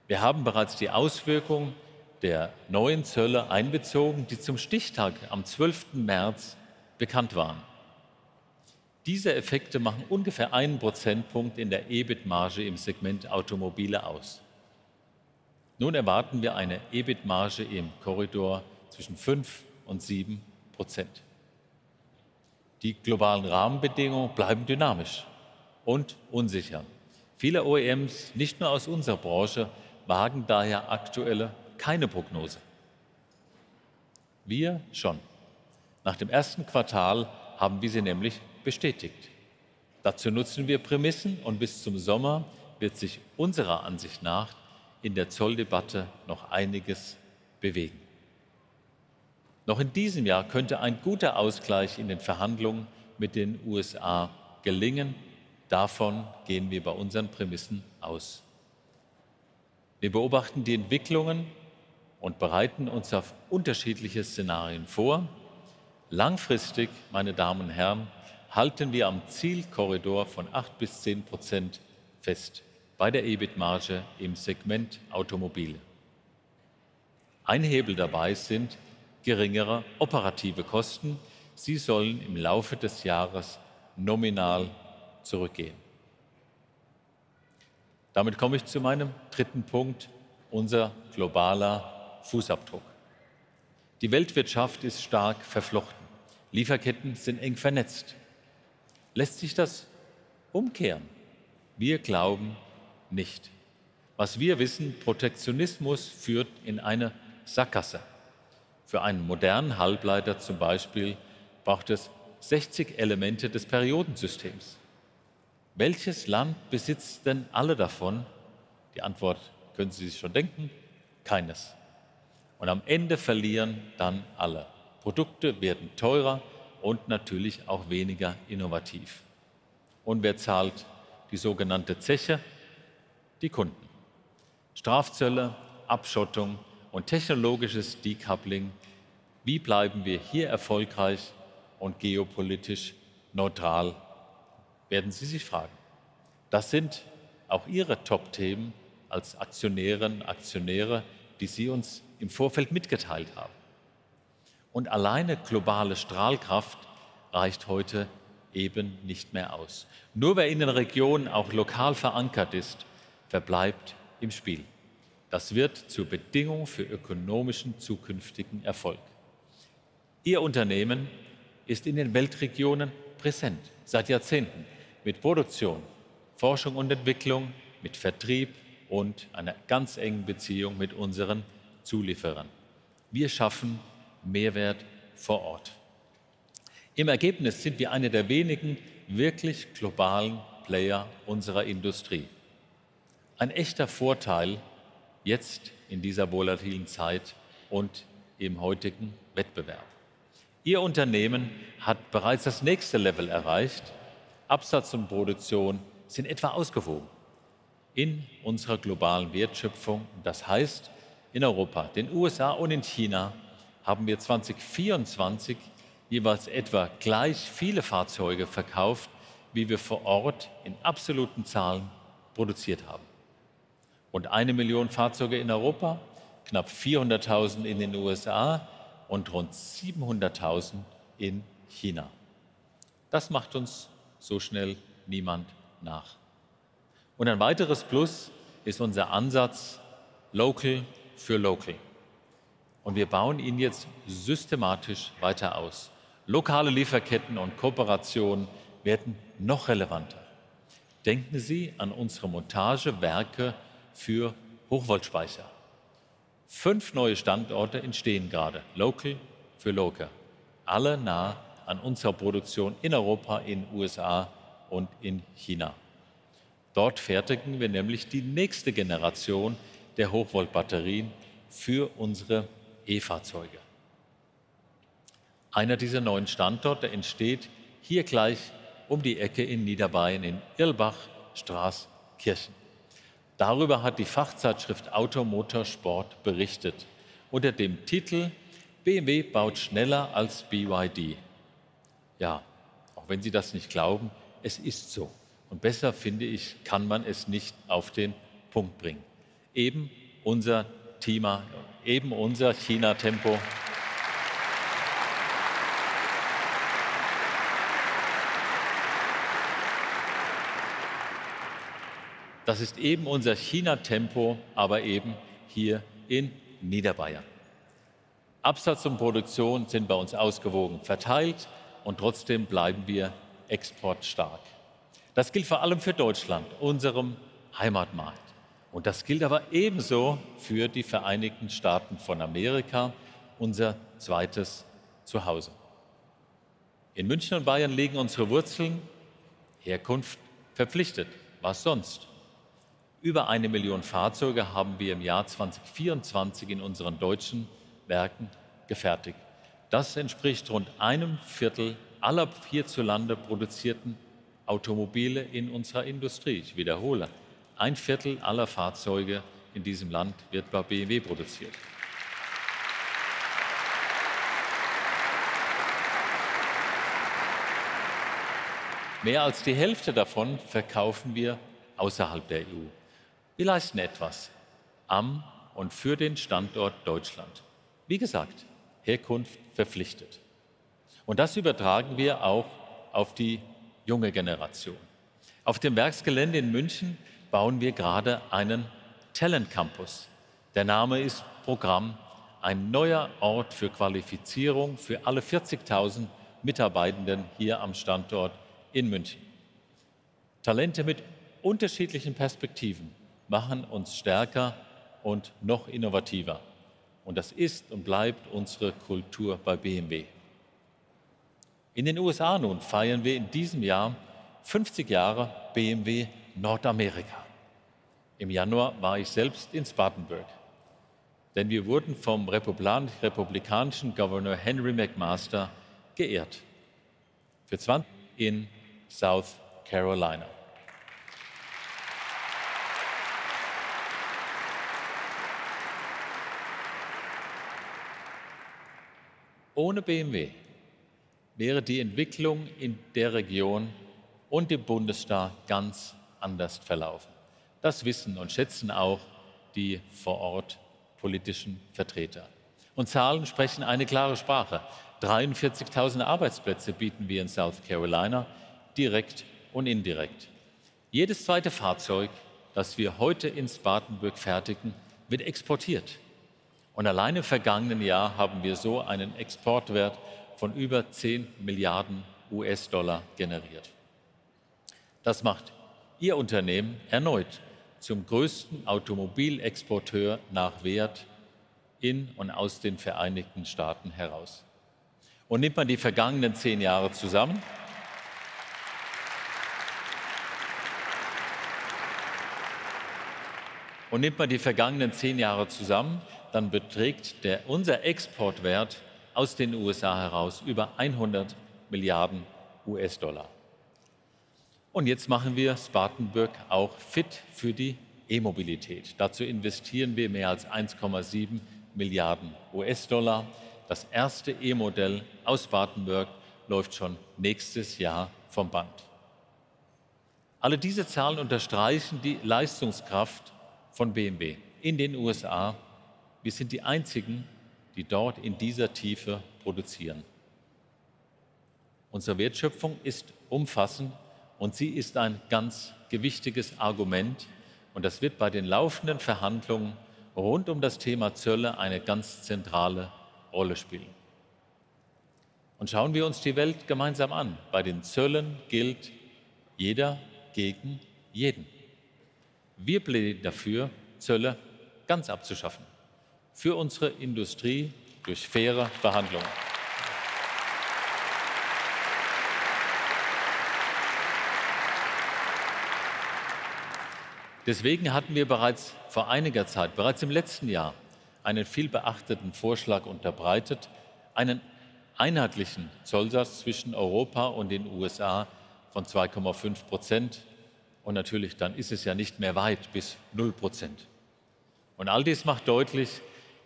Wir haben bereits die Auswirkungen der neuen Zölle einbezogen, die zum Stichtag am 12. März bekannt waren. Diese Effekte machen ungefähr einen Prozentpunkt in der EBIT-Marge im Segment Automobile aus. Nun erwarten wir eine EBIT-Marge im Korridor zwischen 5% und 7%. Die globalen Rahmenbedingungen bleiben dynamisch und unsicher. Viele OEMs, nicht nur aus unserer Branche, wagen daher aktuell keine Prognose. Wir schon. Nach dem ersten Quartal haben wir sie nämlich bestätigt. Dazu nutzen wir Prämissen. Bis zum Sommer wird sich unserer Ansicht nach in der Zolldebatte noch einiges bewegen. Noch in diesem Jahr könnte ein guter Ausgleich in den Verhandlungen mit den USA gelingen. Davon gehen wir bei unseren Prämissen aus. Wir beobachten die Entwicklungen und bereiten uns auf unterschiedliche Szenarien vor. Langfristig, meine Damen und Herren, halten wir am Zielkorridor von 8% bis 10% fest bei der EBIT-Marge im Segment Automobile. Ein Hebel dabei sind geringere operative Kosten. Sie sollen im Laufe des Jahres nominal zurückgehen. Damit komme ich zu meinem dritten Punkt: Unser globaler Fußabdruck. Die Weltwirtschaft ist stark verflochten. Lieferketten sind eng vernetzt. Lässt sich das umkehren? Wir glauben nicht. Was wir wissen: Protektionismus führt in eine Sackgasse. Für einen modernen Halbleiter zum Beispiel braucht es 60 Elemente des Periodensystems. Welches Land besitzt denn alle davon? Die Antwort können Sie sich schon denken: Keines. Am Ende verlieren dann alle. Produkte werden teurer und natürlich auch weniger innovativ. Wer zahlt die sogenannte Zeche? Die Kunden. Strafzölle, Abschottung und technologisches Decoupling. Wie bleiben wir hier erfolgreich und geopolitisch neutral? Werden Sie sich fragen. Das sind auch Ihre Top-Themen als Aktionärinnen und Aktionäre, die Sie uns im Vorfeld mitgeteilt haben. Alleine globale Strahlkraft reicht heute eben nicht mehr aus. Nur wer in den Regionen auch lokal verankert ist, verbleibt im Spiel. Das wird zur Bedingung für ökonomischen zukünftigen Erfolg. Ihr Unternehmen ist in den Weltregionen präsent. Seit Jahrzehnten mit Produktion, Forschung und Entwicklung, mit Vertrieb und einer ganz engen Beziehung mit unseren Zulieferern. Wir schaffen Mehrwert vor Ort. Im Ergebnis sind wir einer der wenigen wirklich globalen Player unserer Industrie. Ein echter Vorteil jetzt in dieser volatilen Zeit und im heutigen Wettbewerb. Ihr Unternehmen hat bereits das nächste Level erreicht. Absatz und Produktion sind etwa ausgewogen in unserer globalen Wertschöpfung. Das heißt in Europa, den USA und in China haben wir 2024 jeweils etwa gleich viele Fahrzeuge verkauft, wie wir vor Ort in absoluten Zahlen produziert haben. Rund eine Million Fahrzeuge in Europa, knapp 400.000 in den USA und rund 700.000 in China. Das macht uns so schnell niemand nach. Ein weiteres Plus ist unser Ansatz: Local for Local. Wir bauen ihn jetzt systematisch weiter aus. Lokale Lieferketten und Kooperationen werden noch relevanter. Denken Sie an unsere Montagewerke für Hochvoltspeicher. Fünf neue Standorte entstehen gerade. Local for Local. Alle nah an unserer Produktion in Europa, in den USA und in China. Dort fertigen wir nämlich die nächste Generation der Hochvoltbatterien für unsere E-Fahrzeuge. Einer dieser neuen Standorte entsteht hier gleich um die Ecke in Niederbayern in Irlbach-Straßkirchen. Darüber hat die Fachzeitschrift Auto Motor Sport berichtet unter dem Titel: "BMW baut schneller als BYD". Auch wenn Sie das nicht glauben, es ist so. Besser, finde ich, kann man es nicht auf den Punkt bringen. Das ist unser Thema, das ist unser China-Tempo. Das ist unser China-Tempo, aber hier in Niederbayern. Absatz und Produktion sind bei uns ausgewogen verteilt. Trotzdem bleiben wir exportstark. Das gilt vor allem für Deutschland, unserem Heimatmarkt. Und das gilt aber ebenso für die Vereinigten Staaten von Amerika, unser zweites Zuhause. In München und Bayern liegen unsere Wurzeln. Herkunft verpflichtet. Was sonst? Über eine Million Fahrzeuge haben wir im Jahr 2024 in unseren deutschen Werken gefertigt. Das entspricht rund einem Viertel aller hierzulande produzierten Automobile in unserer Industrie. Ich wiederhole: Ein Viertel aller Fahrzeuge in diesem Land wird bei BMW produziert. Mehr als die Hälfte davon verkaufen wir außerhalb der EU. Wir leisten etwas am und für den Standort Deutschland. Wie gesagt: Herkunft verpflichtet. Und das übertragen wir auch auf die junge Generation. Auf dem Werksgelände in München bauen wir gerade einen Talent-Campus. Der Name ist Programm. Ein neuer Ort für Qualifizierung für alle 40.000 Mitarbeitenden hier am Standort in München. Talente mit unterschiedlichen Perspektiven machen uns stärker und noch innovativer. Und das ist und bleibt unsere Kultur bei BMW. In den USA nun feiern wir in diesem Jahr 50 Jahre BMW Nordamerika. Im Januar war ich selbst in Spartanburg. Denn wir wurden vom republikanischen Gouverneur Henry McMaster geehrt. In South Carolina. Ohne BMW wäre die Entwicklung in der Region und im Bundesstaat ganz anders verlaufen. Das wissen und schätzen auch die vor Ort politischen Vertreter. Zahlen sprechen eine klare Sprache. 43.000 Arbeitsplätze bieten wir in South Carolina direkt und indirekt. Jedes zweite Fahrzeug, das wir heute in Spartanburg fertigen, wird exportiert. Alleine im vergangenen Jahr haben wir so einen Exportwert von über $10 Milliarden generiert. Das macht Ihr Unternehmen erneut zum größten Automobilexporteur nach Wert in und aus den Vereinigten Staaten heraus. Nimmt man die vergangenen zehn Jahre zusammen, dann beträgt unser Exportwert aus den USA heraus über $100 Milliarden. Jetzt machen wir Spartanburg auch fit für die E-Mobilität. Dazu investieren wir mehr als $1,7 Milliarden. Das erste E-Modell aus Spartanburg läuft schon nächstes Jahr vom Band. Alle diese Zahlen unterstreichen die Leistungskraft von BMW in den USA. Wir sind die einzigen, die dort in dieser Tiefe produzieren. Unsere Wertschöpfung ist umfassend und sie ist ein ganz gewichtiges Argument. Das wird bei den laufenden Verhandlungen rund das Thema Zölle eine ganz zentrale Rolle spielen. Schauen wir uns die Welt gemeinsam an. Bei den Zöllen gilt: Jeder gegen jeden. Wir plädieren dafür, Zölle ganz abzuschaffen. Für unsere Industrie durch faire Behandlung. Deswegen hatten wir bereits vor einiger Zeit, bereits im letzten Jahr, einen viel beachteten Vorschlag unterbreitet: Einen einheitlichen Zollsatz zwischen Europa und den USA von 2,5%. Natürlich, dann ist es ja nicht mehr weit bis 0%. All dies macht deutlich: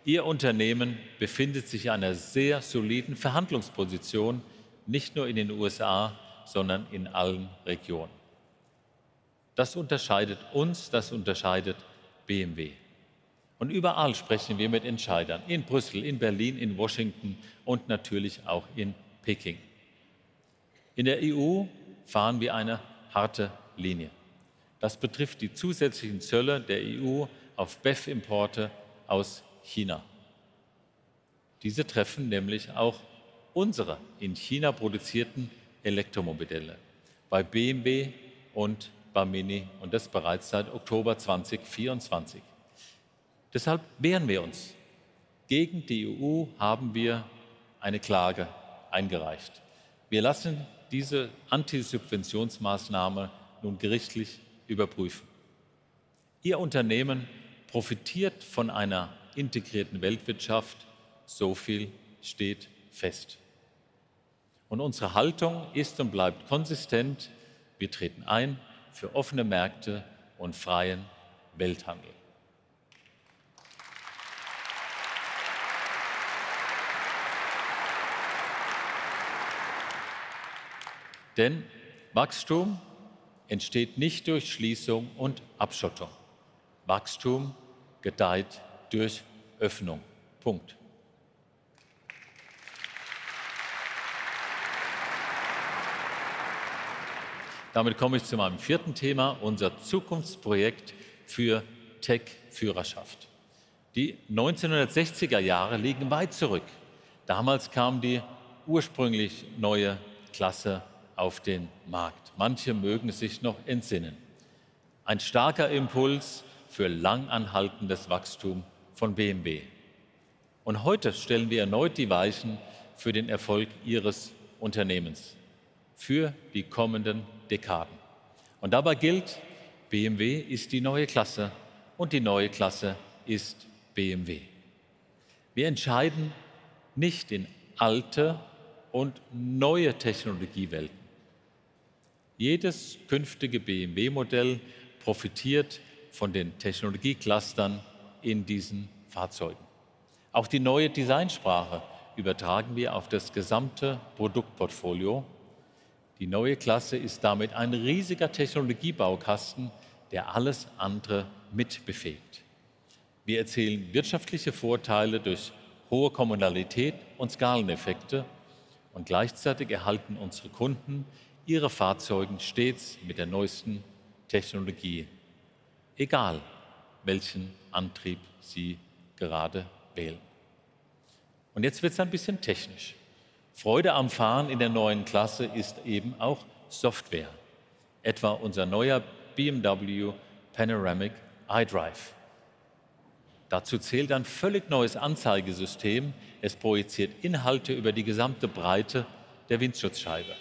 Ihr Unternehmen befindet sich in einer sehr soliden Verhandlungsposition. Nicht nur in den USA, sondern in allen Regionen. Das unterscheidet uns, das unterscheidet BMW. Überall sprechen wir mit Entscheidern. In Brüssel, in Berlin, in Washington und natürlich auch in Peking. In der EU fahren wir eine harte Linie. Das betrifft die zusätzlichen Zölle der EU auf BEV-Importe aus China. Diese treffen nämlich auch unsere in China produzierten Elektromobile bei BMW und bei Mini. Das bereits seit Oktober 2024. Deshalb wehren wir uns. Gegen die EU haben wir eine Klage eingereicht. Wir lassen diese Antisubventionsmaßnahme nun gerichtlich überprüfen. Ihr Unternehmen profitiert von einer integrierten Weltwirtschaft. So viel steht fest. Unsere Haltung ist und bleibt konsistent. Wir treten ein für offene Märkte und freien Welthandel. Denn Wachstum entsteht nicht durch Schließung und Abschottung. Wachstum gedeiht durch Öffnung. Punkt. Damit komme ich zu meinem vierten Thema: Unser Zukunftsprojekt für Techführerschaft. Die 1960er Jahre liegen weit zurück. Damals kam die ursprünglich neue Klasse auf den Markt. Manche mögen sich noch entsinnen. Ein starker Impuls für langanhaltendes Wachstum von BMW. Heute stellen wir erneut die Weichen für den Erfolg Ihres Unternehmens. Für die kommenden Dekaden. Dabei gilt: BMW ist die neue Klasse und die neue Klasse ist BMW. Wir entscheiden nicht in alte und neue Technologiewelten. Jedes künftige BMW-Modell profitiert von den Technologie-Clustern in diesen Fahrzeugen. Auch die neue Designsprache übertragen wir auf das gesamte Produktportfolio. Die neue Klasse ist damit ein riesiger Technologie-Baukasten, der alles andere mit befähigt. Wir erzielen wirtschaftliche Vorteile durch hohe Kommunalität und Skaleneffekte. Gleichzeitig erhalten unsere Kunden ihre Fahrzeuge stets mit der neuesten Technologie, egal welchen Antrieb sie gerade wählen. Jetzt wird es ein bisschen technisch. Freude am Fahren in der neuen Klasse ist eben auch Software. Etwa unser neuer BMW Panoramic iDrive. Dazu zählt ein völlig neues Anzeigesystem. Es projiziert Inhalte über die gesamte Breite der Windschutzscheibe.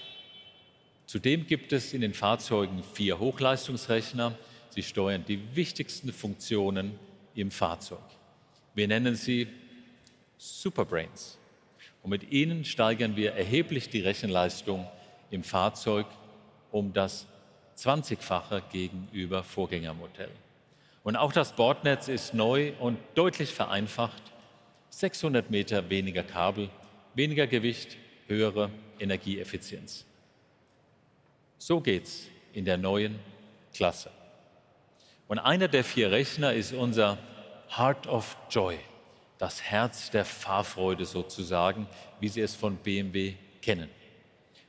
Zudem gibt es in den Fahrzeugen vier Hochleistungsrechner. Sie steuern die wichtigsten Funktionen im Fahrzeug. Wir nennen sie Superbrains. Mit ihnen steigern wir erheblich die Rechenleistung im Fahrzeug - das 20-Fache gegenüber dem Vorgängermodell. Auch das Bordnetz ist neu und deutlich vereinfacht. 600 Meter weniger Kabel, weniger Gewicht, höhere Energieeffizienz. So geht es in der neuen Klasse. Einer der vier Rechner ist unser Heart of Joy. Das Herz der Fahrfreude sozusagen, wie Sie es von BMW kennen.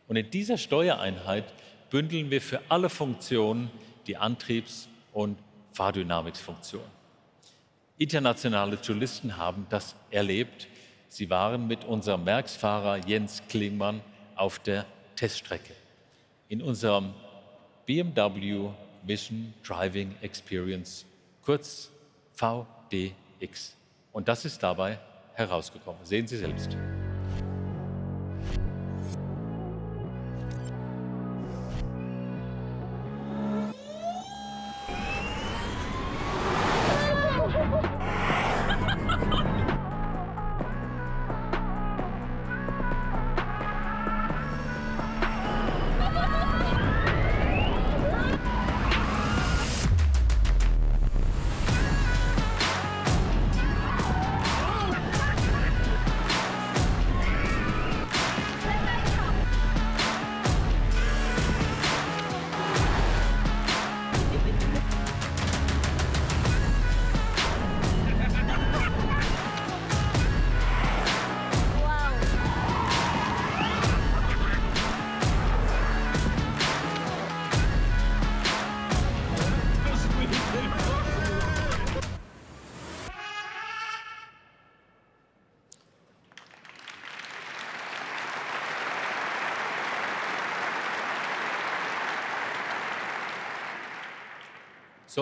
Und in dieser Steuereinheit bündeln wir für alle Funktionen die Antriebs- und Fahrdynamikfunktion. Internationale Touristen haben das erlebt. Sie waren mit unserem Werksfahrer Jens Klingmann auf der Teststrecke. In unserem BMW Mission Driving Experience, kurz VDX. Das ist dabei herausgekommen. Sehen Sie selbst.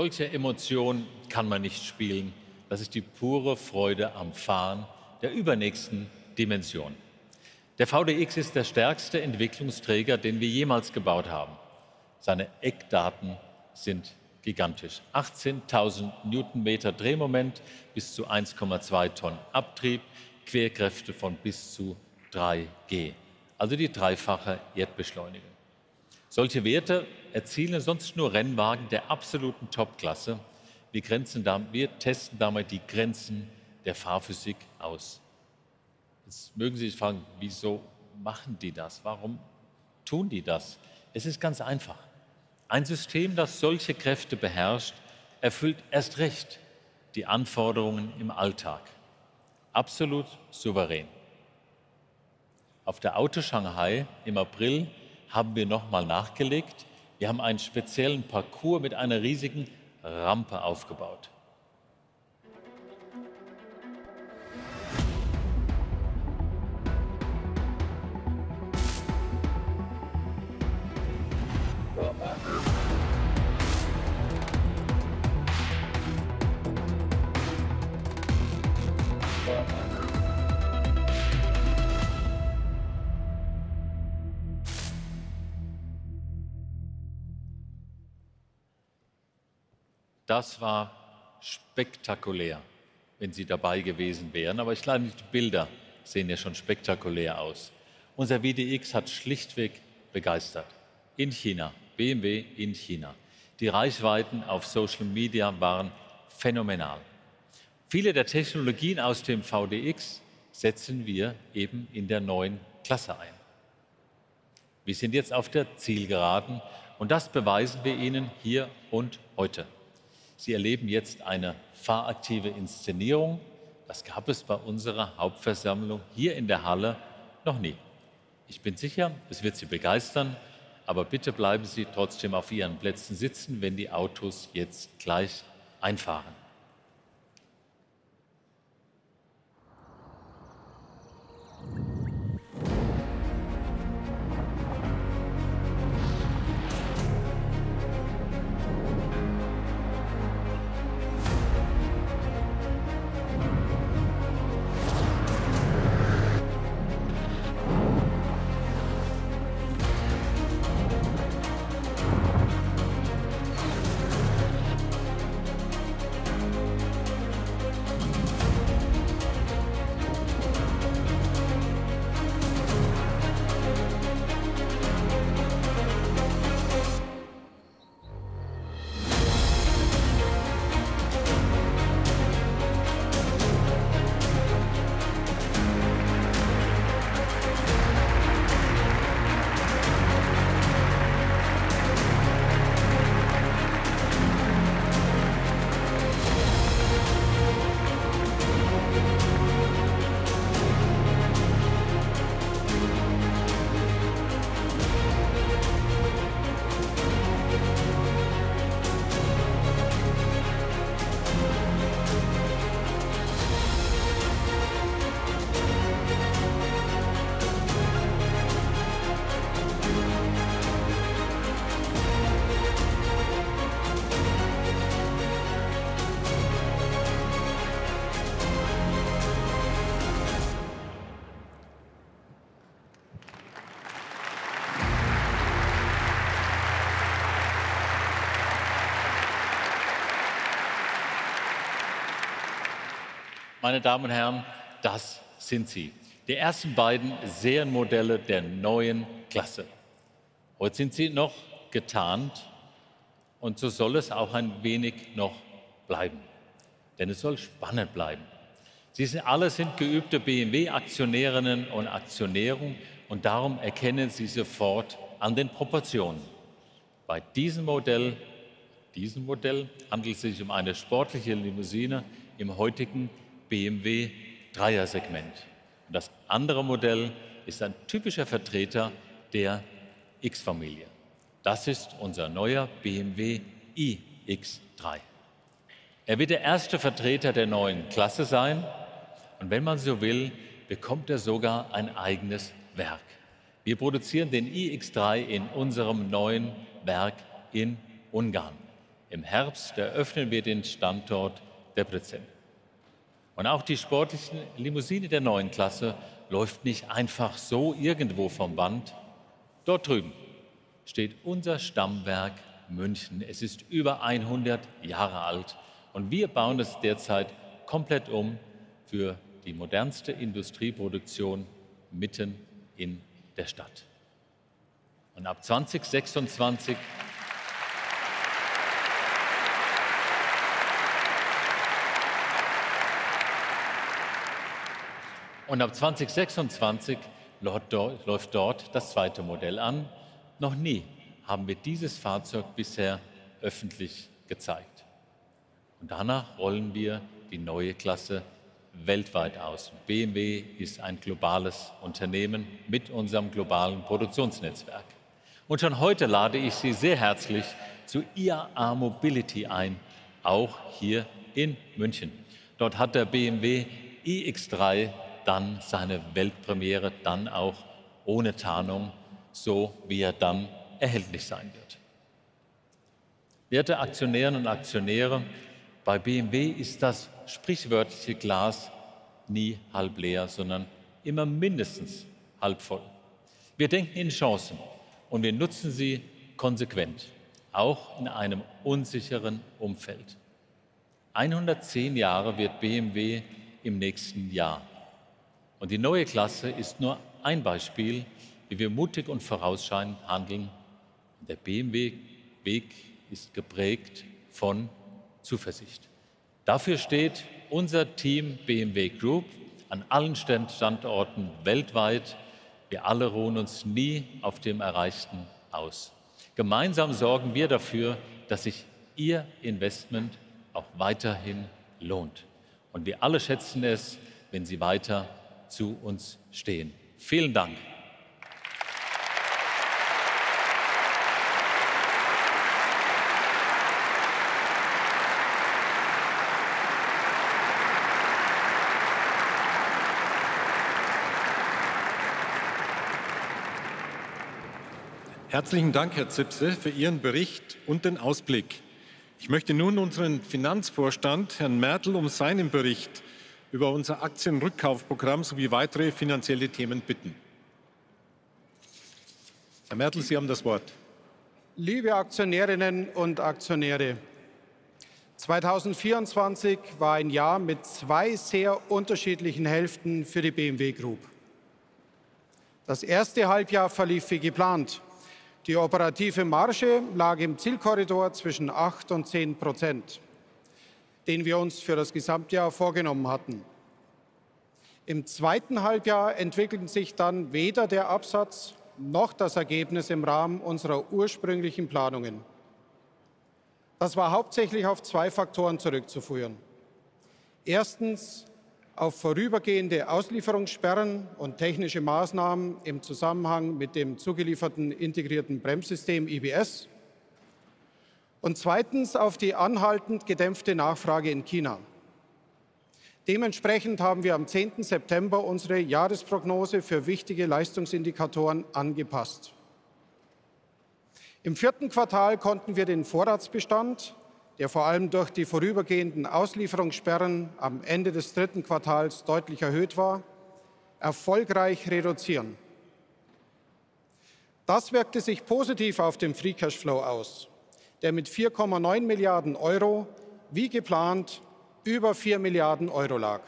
Solche Emotionen kann man nicht spielen. Das ist die pure Freude am Fahren der übernächsten Dimension. Der VDX ist der stärkste Entwicklungsträger, den wir jemals gebaut haben. Seine Eckdaten sind gigantisch: 18.000 Newtonmeter Drehmoment, bis zu 1,2 Tonnen Abtrieb, Querkräfte von bis zu 3G. Also die dreifache Erdbeschleunigung. Solche Werte erzielen sonst nur Rennwagen der absoluten Top-Klasse. Wir grenzen damit, wir testen damit die Grenzen der Fahrphysik aus. Jetzt mögen Sie sich fragen: Wieso machen die das? Warum tun die das? Es ist ganz einfach. Ein System, das solche Kräfte beherrscht, erfüllt erst recht die Anforderungen im Alltag. Absolut souverän. Auf der Auto Shanghai im April haben wir nochmal nachgelegt. Wir haben einen speziellen Parcours mit einer riesigen Rampe aufgebaut. Das war spektakulär, wenn Sie dabei gewesen wären. Aber ich glaube, die Bilder sehen ja schon spektakulär aus. Unser VDX hat schlichtweg begeistert in China. BMW in China. Die Reichweiten auf Social Media waren phänomenal. Viele der Technologien aus dem VDX setzen wir eben in der neuen Klasse ein. Wir sind jetzt auf der Zielgeraden. Und das beweisen wir Ihnen hier und heute. Sie erleben jetzt eine fahraktive Inszenierung. Das gab es bei unserer Hauptversammlung hier in der Halle noch nie. Ich bin sicher, es wird Sie begeistern. Aber bitte bleiben Sie trotzdem auf Ihren Plätzen sitzen, wenn die Autos jetzt gleich einfahren. Meine Damen und Herren, das sind sie. Die ersten beiden Serienmodelle der neuen Klasse. Heute sind sie noch getarnt. Und so soll es auch ein wenig noch bleiben. Denn es soll spannend bleiben. Sie sind alle geübte BMW-Aktionärinnen und Aktionäre. Und darum erkennen Sie sofort an den Proportionen, bei diesem Modell handelt es sich um eine sportliche Limousine im heutigen BMW-Dreiersegment. Und das andere Modell ist ein typischer Vertreter der X-Familie. Das ist unser neuer BMW iX3. Er wird der erste Vertreter der neuen Klasse sein. Und wenn man so will, bekommt er sogar ein eigenes Werk. Wir produzieren den iX3 in unserem neuen Werk in Ungarn. Im Herbst eröffnen wir den Standort Debrecen. Und auch die sportliche Limousine der neuen Klasse läuft nicht einfach so irgendwo vom Band. Dort drüben steht unser Stammwerk München. Es ist über 100 Jahre alt. Und wir bauen es derzeit komplett für die modernste Industrieproduktion mitten in der Stadt um. Ab 2026 läuft dort das zweite Modell an. Noch nie haben wir dieses Fahrzeug bisher öffentlich gezeigt. Und danach rollen wir die neue Klasse weltweit aus. BMW ist ein globales Unternehmen mit unserem globalen Produktionsnetzwerk. Und schon heute lade ich Sie sehr herzlich zur IAA Mobility ein. Auch hier in München. Dort hat der BMW iX3 dann seine Weltpremiere. Dann auch ohne Tarnung. So wie er dann erhältlich sein wird. Werte Aktionärinnen und Aktionäre, bei BMW ist das sprichwörtliche Glas nie halb leer, sondern immer mindestens halb voll. Wir denken in Chancen und wir nutzen sie konsequent. Auch in einem unsicheren Umfeld. 110 Jahre wird BMW im nächsten Jahr. Die neue Klasse ist nur ein Beispiel, wie wir mutig und vorausschauend handeln. Der BMW-Weg ist geprägt von Zuversicht. Dafür steht unser Team BMW Group an allen Standorten weltweit. Wir alle ruhen uns nie auf dem Erreichten aus. Gemeinsam sorgen wir dafür, dass sich Ihr Investment auch weiterhin lohnt. Und wir alle schätzen es, wenn Sie weiter zu uns stehen. Vielen Dank. Herzlichen Dank, Herr Zipse, für Ihren Bericht und den Ausblick. Ich möchte nun unseren Finanzvorstand, Herrn Mertl, seinen Bericht über unser Aktienrückkaufprogramm sowie weitere finanzielle Themen bitten. Herr Mertl, Sie haben das Wort. Liebe Aktionärinnen und Aktionäre, 2024 war ein Jahr mit zwei sehr unterschiedlichen Hälften für die BMW Group. Das erste Halbjahr verlief wie geplant. Die operative Marge lag im Zielkorridor zwischen 8% und 10%, den wir uns für das Gesamtjahr vorgenommen hatten. Im zweiten Halbjahr entwickelten sich dann weder der Absatz noch das Ergebnis im Rahmen unserer ursprünglichen Planungen. Das war hauptsächlich auf zwei Faktoren zurückzuführen. Erstens auf vorübergehende Auslieferungssperren und technische Maßnahmen im Zusammenhang mit dem zugelieferten integrierten Bremssystem IBS. Und zweitens auf die anhaltend gedämpfte Nachfrage in China. Dementsprechend haben wir am 10. September unsere Jahresprognose für wichtige Leistungsindikatoren angepasst. Im vierten Quartal konnten wir den Vorratsbestand, der vor allem durch die vorübergehenden Auslieferungssperren am Ende des dritten Quartals deutlich erhöht war, erfolgreich reduzieren. Das wirkte sich positiv auf den Free Cash Flow aus, der mit €4,9 Milliarden, wie geplant, über €4 Milliarden lag.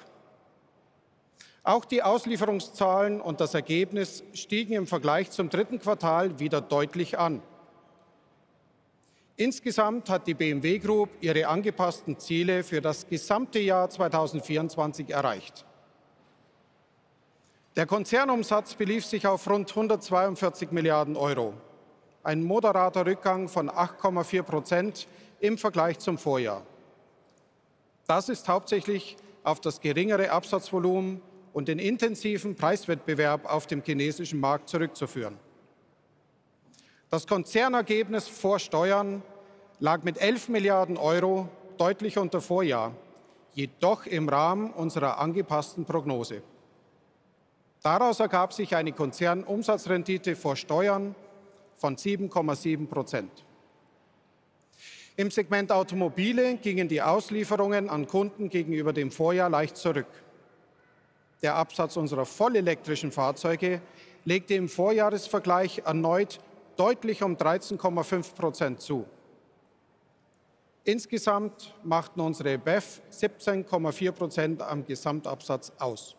Auch die Auslieferungszahlen und das Ergebnis stiegen im Vergleich zum dritten Quartal wieder deutlich an. Insgesamt hat die BMW Group ihre angepassten Ziele für das gesamte Jahr 2024 erreicht. Der Konzernumsatz belief sich auf rund €142 Milliarden. Ein moderater Rückgang von 8,4% im Vergleich zum Vorjahr. Das ist hauptsächlich auf das geringere Absatzvolumen und den intensiven Preiswettbewerb auf dem chinesischen Markt zurückzuführen. Das Konzernergebnis vor Steuern lag mit €11 Milliarden deutlich unter Vorjahr, jedoch im Rahmen unserer angepassten Prognose. Daraus ergab sich eine Konzernumsatzrendite vor Steuern von 7,7%. Im Segment Automobile gingen die Auslieferungen an Kunden gegenüber dem Vorjahr leicht zurück. Der Absatz unserer vollelektrischen Fahrzeuge legte im Vorjahresvergleich erneut deutlich 13,5% zu. Insgesamt machten unsere BEV 17,4% am Gesamtabsatz aus.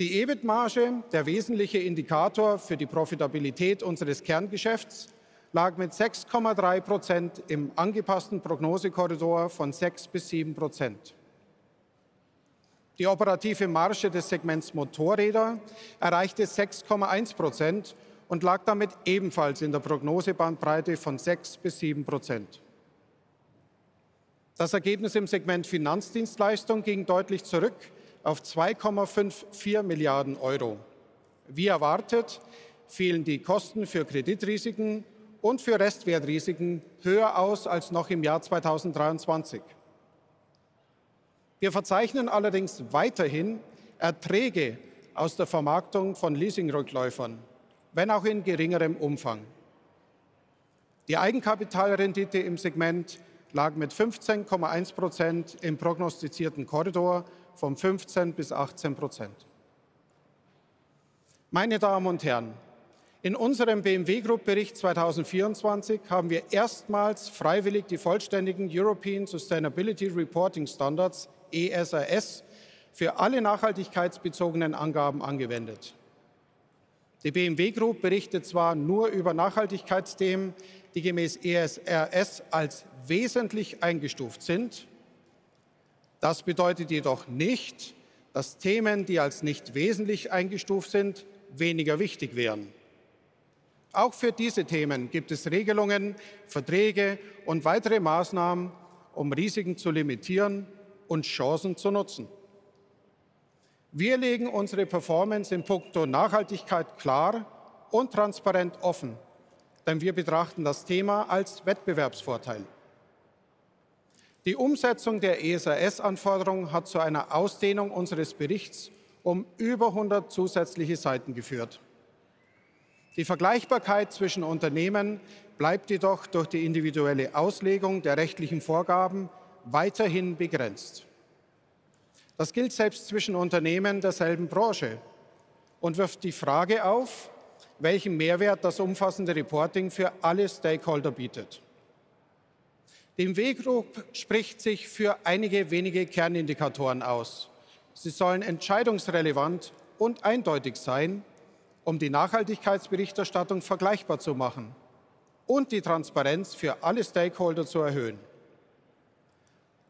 Die EBIT-Marge, der wesentliche Indikator für die Profitabilität unseres Kerngeschäfts, lag mit 6,3% im angepassten Prognosekorridor von 6 bis 7%. Die operative Marge des Segments Motorräder erreichte 6,1% und lag damit ebenfalls in der Prognosebandbreite von 6 bis 7%. Das Ergebnis im Segment Finanzdienstleistung ging deutlich zurück auf €2,54 Milliarden. Wie erwartet fielen die Kosten für Kreditrisiken und für Restwertrisiken höher aus als noch im Jahr 2023. Wir verzeichnen allerdings weiterhin Erträge aus der Vermarktung von Leasingrückläufern, wenn auch in geringerem Umfang. Die Eigenkapitalrendite im Segment lag mit 15,1% im prognostizierten Korridor von 15 bis 18%. Meine Damen und Herren, in unserem BMW Group Bericht 2024 haben wir erstmals freiwillig die vollständigen European Sustainability Reporting Standards (ESRS) für alle nachhaltigkeitsbezogenen Angaben angewendet. Die BMW Group berichtet zwar nur über Nachhaltigkeitsthemen, die gemäß ESRS als wesentlich eingestuft sind. Das bedeutet jedoch nicht, dass Themen, die als nicht wesentlich eingestuft sind, weniger wichtig wären. Auch für diese Themen gibt es Regelungen, Verträge und weitere Maßnahmen, Risiken zu limitieren und Chancen zu nutzen. Wir legen unsere Performance in puncto Nachhaltigkeit klar und transparent offen, denn wir betrachten das Thema als Wettbewerbsvorteil. Die Umsetzung der ESRS-Anforderung hat zu einer Ausdehnung unseres Berichts über 100 zusätzliche Seiten geführt. Die Vergleichbarkeit zwischen Unternehmen bleibt jedoch durch die individuelle Auslegung der rechtlichen Vorgaben weiterhin begrenzt. Das gilt selbst zwischen Unternehmen derselben Branche und wirft die Frage auf, welchen Mehrwert das umfassende Reporting für alle Stakeholder bietet. Die BMW Group spricht sich für einige wenige Kernindikatoren aus. Sie sollen entscheidungsrelevant und eindeutig sein, die Nachhaltigkeitsberichterstattung vergleichbar zu machen und die Transparenz für alle Stakeholder zu erhöhen.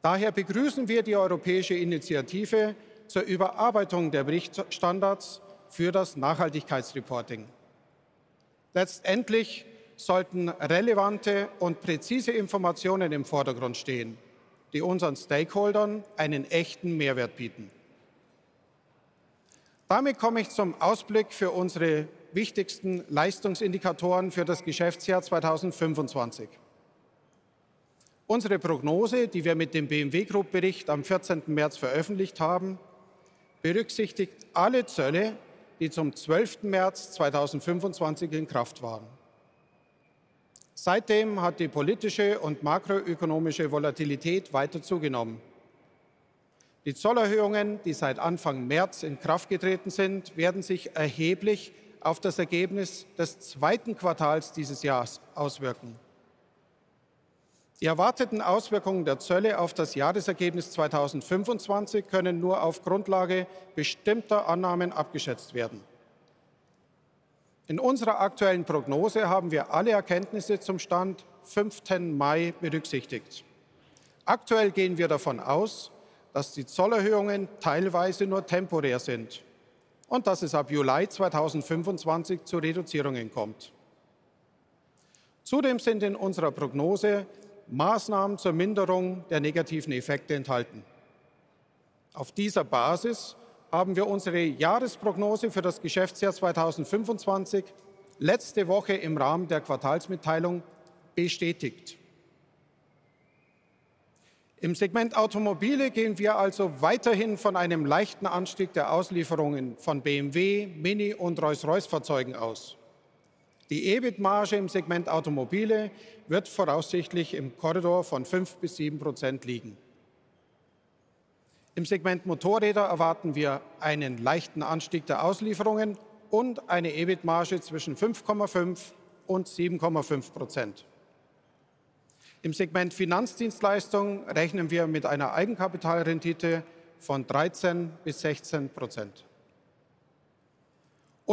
Daher begrüßen wir die europäische Initiative zur Überarbeitung der Berichtsstandards für das Nachhaltigkeitsreporting. Letztendlich sollten relevante und präzise Informationen im Vordergrund stehen, die unseren Stakeholdern einen echten Mehrwert bieten. Damit komme ich zum Ausblick für unsere wichtigsten Leistungsindikatoren für das Geschäftsjahr 2025. Unsere Prognose, die wir mit dem BMW Group Bericht am 14. März veröffentlicht haben, berücksichtigt alle Zölle, die zum 12. März 2025 in Kraft waren. Seitdem hat die politische und makroökonomische Volatilität weiter zugenommen. Die Zollerhöhungen, die seit Anfang März in Kraft getreten sind, werden sich erheblich auf das Ergebnis des zweiten Quartals dieses Jahres auswirken. Die erwarteten Auswirkungen der Zölle auf das Jahresergebnis 2025 können nur auf Grundlage bestimmter Annahmen abgeschätzt werden. In unserer aktuellen Prognose haben wir alle Erkenntnisse zum Stand 15. Mai berücksichtigt. Aktuell gehen wir davon aus, dass die Zollerhöhungen teilweise nur temporär sind und dass es ab Juli 2025 zu Reduzierungen kommt. Zudem sind in unserer Prognose Maßnahmen zur Minderung der negativen Effekte enthalten. Auf dieser Basis haben wir unsere Jahresprognose für das Geschäftsjahr 2025 letzte Woche im Rahmen der Quartalsmitteilung bestätigt. Im Segment Automobile gehen wir also weiterhin von einem leichten Anstieg der Auslieferungen von BMW, MINI und Rolls-Royce-Fahrzeugen aus. Die EBIT-Marge im Segment Automobile wird voraussichtlich im Korridor von 5 bis 7% liegen. Im Segment Motorräder erwarten wir einen leichten Anstieg der Auslieferungen und eine EBIT-Marge zwischen 5,5 und 7,5%. Im Segment Finanzdienstleistung rechnen wir mit einer Eigenkapitalrendite von 13 bis 16%.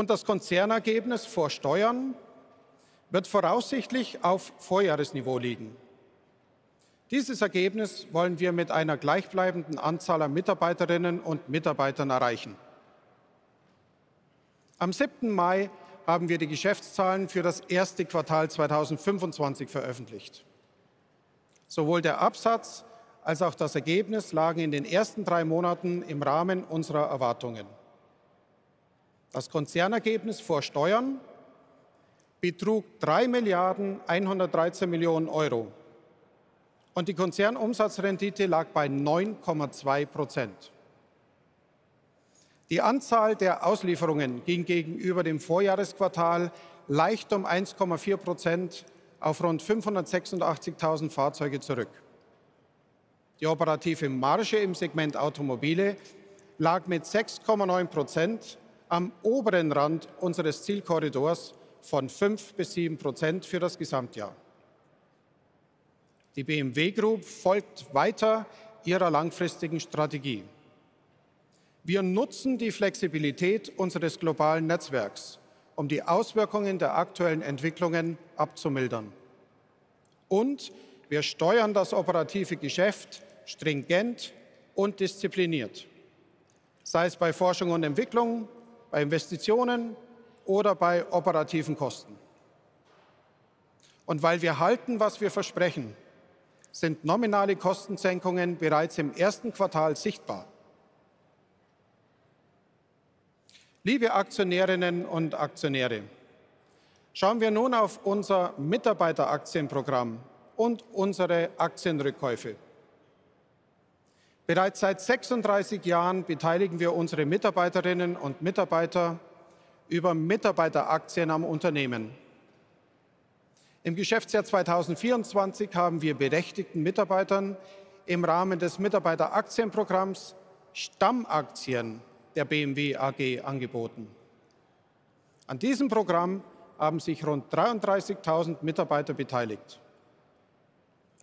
Das Konzernergebnis vor Steuern wird voraussichtlich auf Vorjahresniveau liegen. Dieses Ergebnis wollen wir mit einer gleichbleibenden Anzahl an Mitarbeiterinnen und Mitarbeitern erreichen. Am 7. Mai haben wir die Geschäftszahlen für das erste Quartal 2025 veröffentlicht. Sowohl der Absatz als auch das Ergebnis lagen in den ersten drei Monaten im Rahmen unserer Erwartungen. Das Konzernergebnis vor Steuern betrug €3.113.000.000 und die Konzernumsatzrendite lag bei 9,2%. Die Anzahl der Auslieferungen ging gegenüber dem Vorjahresquartal leicht um 1,4% auf rund 586.000 Fahrzeuge zurück. Die operative Marge im Segment Automobile lag mit 6,9% am oberen Rand unseres Zielkorridors von 5 bis 7% für das Gesamtjahr. Die BMW Group folgt weiter ihrer langfristigen Strategie. Wir nutzen die Flexibilität unseres globalen Netzwerks, die Auswirkungen der aktuellen Entwicklungen abzumildern. Wir steuern das operative Geschäft stringent und diszipliniert, sei es bei Forschung und Entwicklung, bei Investitionen oder bei operativen Kosten. Und weil wir halten, was wir versprechen, sind nominale Kostensenkungen bereits im ersten Quartal sichtbar. Liebe Aktionärinnen und Aktionäre, schauen wir nun auf unser Mitarbeiteraktienprogramm und unsere Aktienrückkäufe. Bereits seit 36 Jahren beteiligen wir unsere Mitarbeiterinnen und Mitarbeiter über Mitarbeiteraktien am Unternehmen. Im Geschäftsjahr 2024 haben wir berechtigten Mitarbeitern im Rahmen des Mitarbeiteraktienprogramms Stammaktien der BMW AG angeboten. An diesem Programm haben sich rund 33.000 Mitarbeiter beteiligt.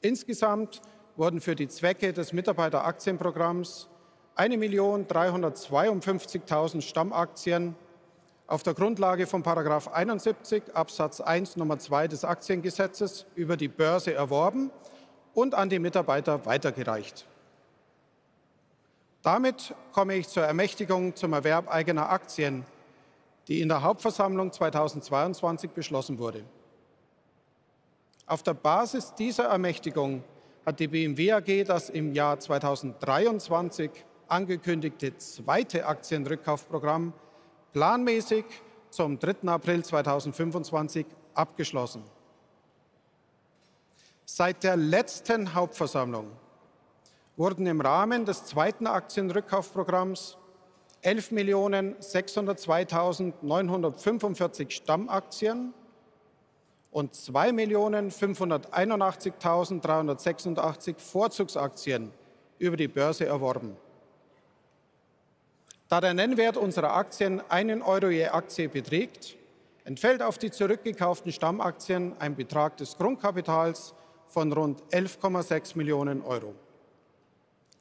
Insgesamt wurden für die Zwecke des Mitarbeiteraktienprogramms 1.352.000 Stammaktien auf der Grundlage von Paragraf 71 Absatz 1 Nummer 2 des Aktiengesetzes über die Börse erworben und an die Mitarbeiter weitergereicht. Damit komme ich zur Ermächtigung zum Erwerb eigener Aktien, die in der Hauptversammlung 2022 beschlossen wurde. Auf der Basis dieser Ermächtigung hat die BMW AG das im Jahr 2023 angekündigte zweite Aktienrückkaufprogramm planmäßig zum 3. April 2025 abgeschlossen. Seit der letzten Hauptversammlung wurden im Rahmen des zweiten Aktienrückkaufprogramms 11.602.945 Stammaktien und 2.581.386 Vorzugsaktien über die Börse erworben. Da der Nennwert unserer Aktien €1 je Aktie beträgt, entfällt auf die zurückgekauften Stammaktien ein Betrag des Grundkapitals von rund €11,6 Millionen.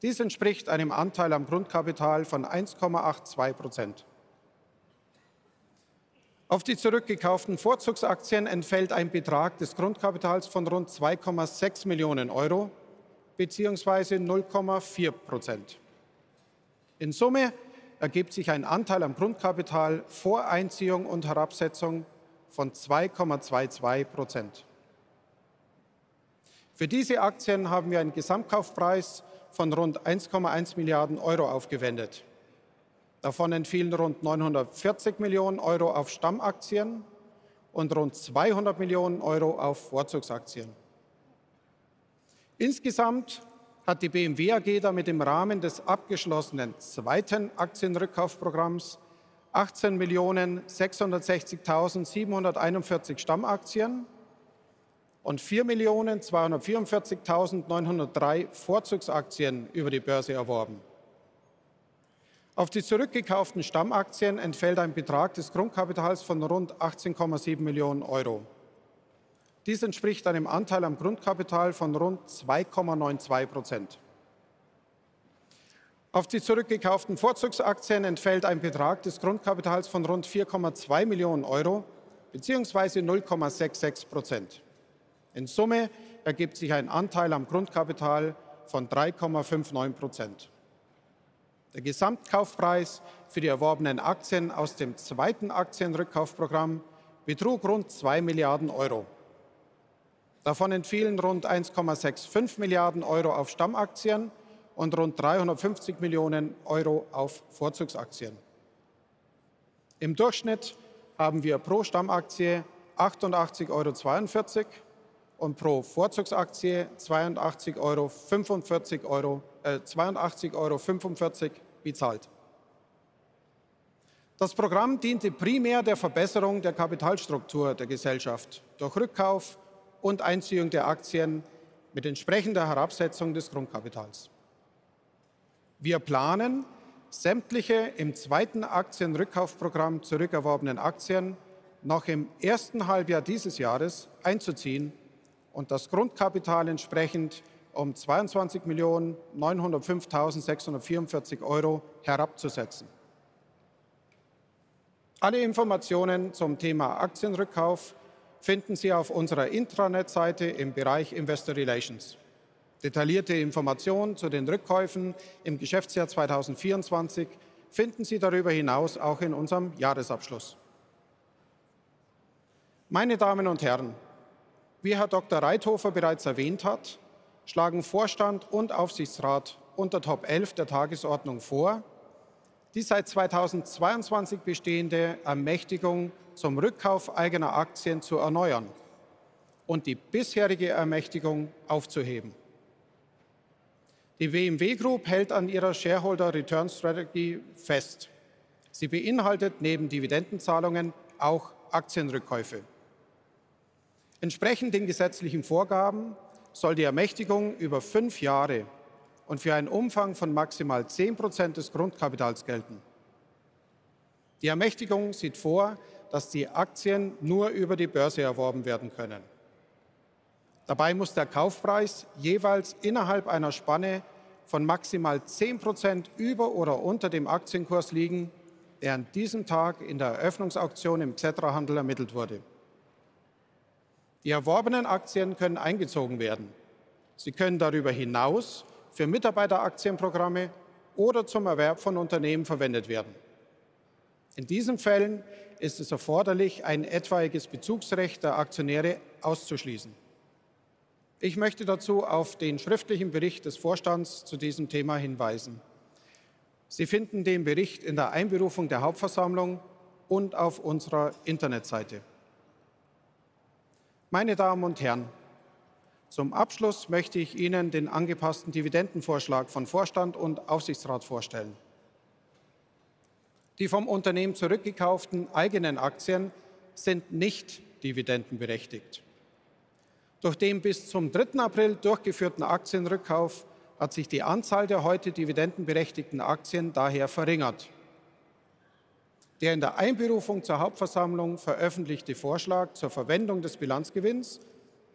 Dies entspricht einem Anteil am Grundkapital von 1,82%. Auf die zurückgekauften Vorzugsaktien entfällt ein Betrag des Grundkapitals von rund €2,6 Millionen bzw. 0,4%. In Summe ergibt sich ein Anteil am Grundkapital vor Einziehung und Herabsetzung von 2,22%. Für diese Aktien haben wir einen Gesamtkaufpreis von rund €1,1 Milliarden aufgewendet. Davon entfielen rund €940 Millionen auf Stammaktien und rund €200 Millionen auf Vorzugsaktien. Insgesamt hat die BMW AG damit im Rahmen des abgeschlossenen zweiten Aktienrückkaufprogramms 18.660.741 Stammaktien und 4.244.903 Vorzugsaktien über die Börse erworben. Auf die zurückgekauften Stammaktien entfällt ein Betrag des Grundkapitals von rund €18,7 Millionen. Dies entspricht einem Anteil am Grundkapital von rund 2,92%. Auf die zurückgekauften Vorzugsaktien entfällt ein Betrag des Grundkapitals von rund €4,2 Millionen bzw. 0,66%. In Summe ergibt sich ein Anteil am Grundkapital von 3,59%. Der Gesamtkaufpreis für die erworbenen Aktien aus dem zweiten Aktienrückkaufprogramm betrug rund €2 Milliarden. Davon entfielen rund €1,65 Milliarden auf Stammaktien und rund €350 Millionen auf Vorzugsaktien. Im Durchschnitt haben wir pro Stammaktie €88,42 und pro Vorzugsaktie €82,45 bezahlt. Das Programm diente primär der Verbesserung der Kapitalstruktur der Gesellschaft durch Rückkauf und Einziehung der Aktien mit entsprechender Herabsetzung des Grundkapitals. Wir planen, sämtliche im zweiten Aktienrückkaufprogramm zurückerworbenen Aktien noch im ersten Halbjahr dieses Jahres einzuziehen und das Grundkapital entsprechend €22.905.644 herabzusetzen. Alle Informationen zum Thema Aktienrückkauf finden Sie auf unserer Intranet-Seite im Bereich Investor Relations. Detaillierte Informationen zu den Rückkäufen im Geschäftsjahr 2024 finden Sie darüber hinaus auch in unserem Jahresabschluss. Meine Damen und Herren, wie Herr Dr. Reithofer bereits erwähnt hat, schlagen Vorstand und Aufsichtsrat unter TOP 11 der Tagesordnung vor, die seit 2022 bestehende Ermächtigung zum Rückkauf eigener Aktien zu erneuern und die bisherige Ermächtigung aufzuheben. Die BMW Group hält an ihrer Shareholder Return Strategy fest. Sie beinhaltet neben Dividendenzahlungen auch Aktienrückkäufe. Entsprechend den gesetzlichen Vorgaben soll die Ermächtigung über fünf Jahre und für einen Umfang von maximal 10% des Grundkapitals gelten. Die Ermächtigung sieht vor, dass die Aktien nur über die Börse erworben werden können. Dabei muss der Kaufpreis jeweils innerhalb einer Spanne von maximal 10% über oder unter dem Aktienkurs liegen, der an diesem Tag in der Eröffnungsauktion im XETRA-Handel ermittelt wurde. Die erworbenen Aktien können eingezogen werden. Sie können darüber hinaus für Mitarbeiteraktienprogramme oder zum Erwerb von Unternehmen verwendet werden. In diesen Fällen ist es erforderlich, ein etwaiges Bezugsrecht der Aktionäre auszuschließen. Ich möchte dazu auf den schriftlichen Bericht des Vorstands zu diesem Thema hinweisen. Sie finden den Bericht in der Einberufung der Hauptversammlung und auf unserer Internetseite. Meine Damen und Herren, zum Abschluss möchte ich Ihnen den angepassten Dividendenvorschlag von Vorstand und Aufsichtsrat vorstellen. Die vom Unternehmen zurückgekauften eigenen Aktien sind nicht dividendenberechtigt. Durch den bis zum 3. April durchgeführten Aktienrückkauf hat sich die Anzahl der heute dividendenberechtigten Aktien daher verringert. Der in der Einberufung zur Hauptversammlung veröffentlichte Vorschlag zur Verwendung des Bilanzgewinns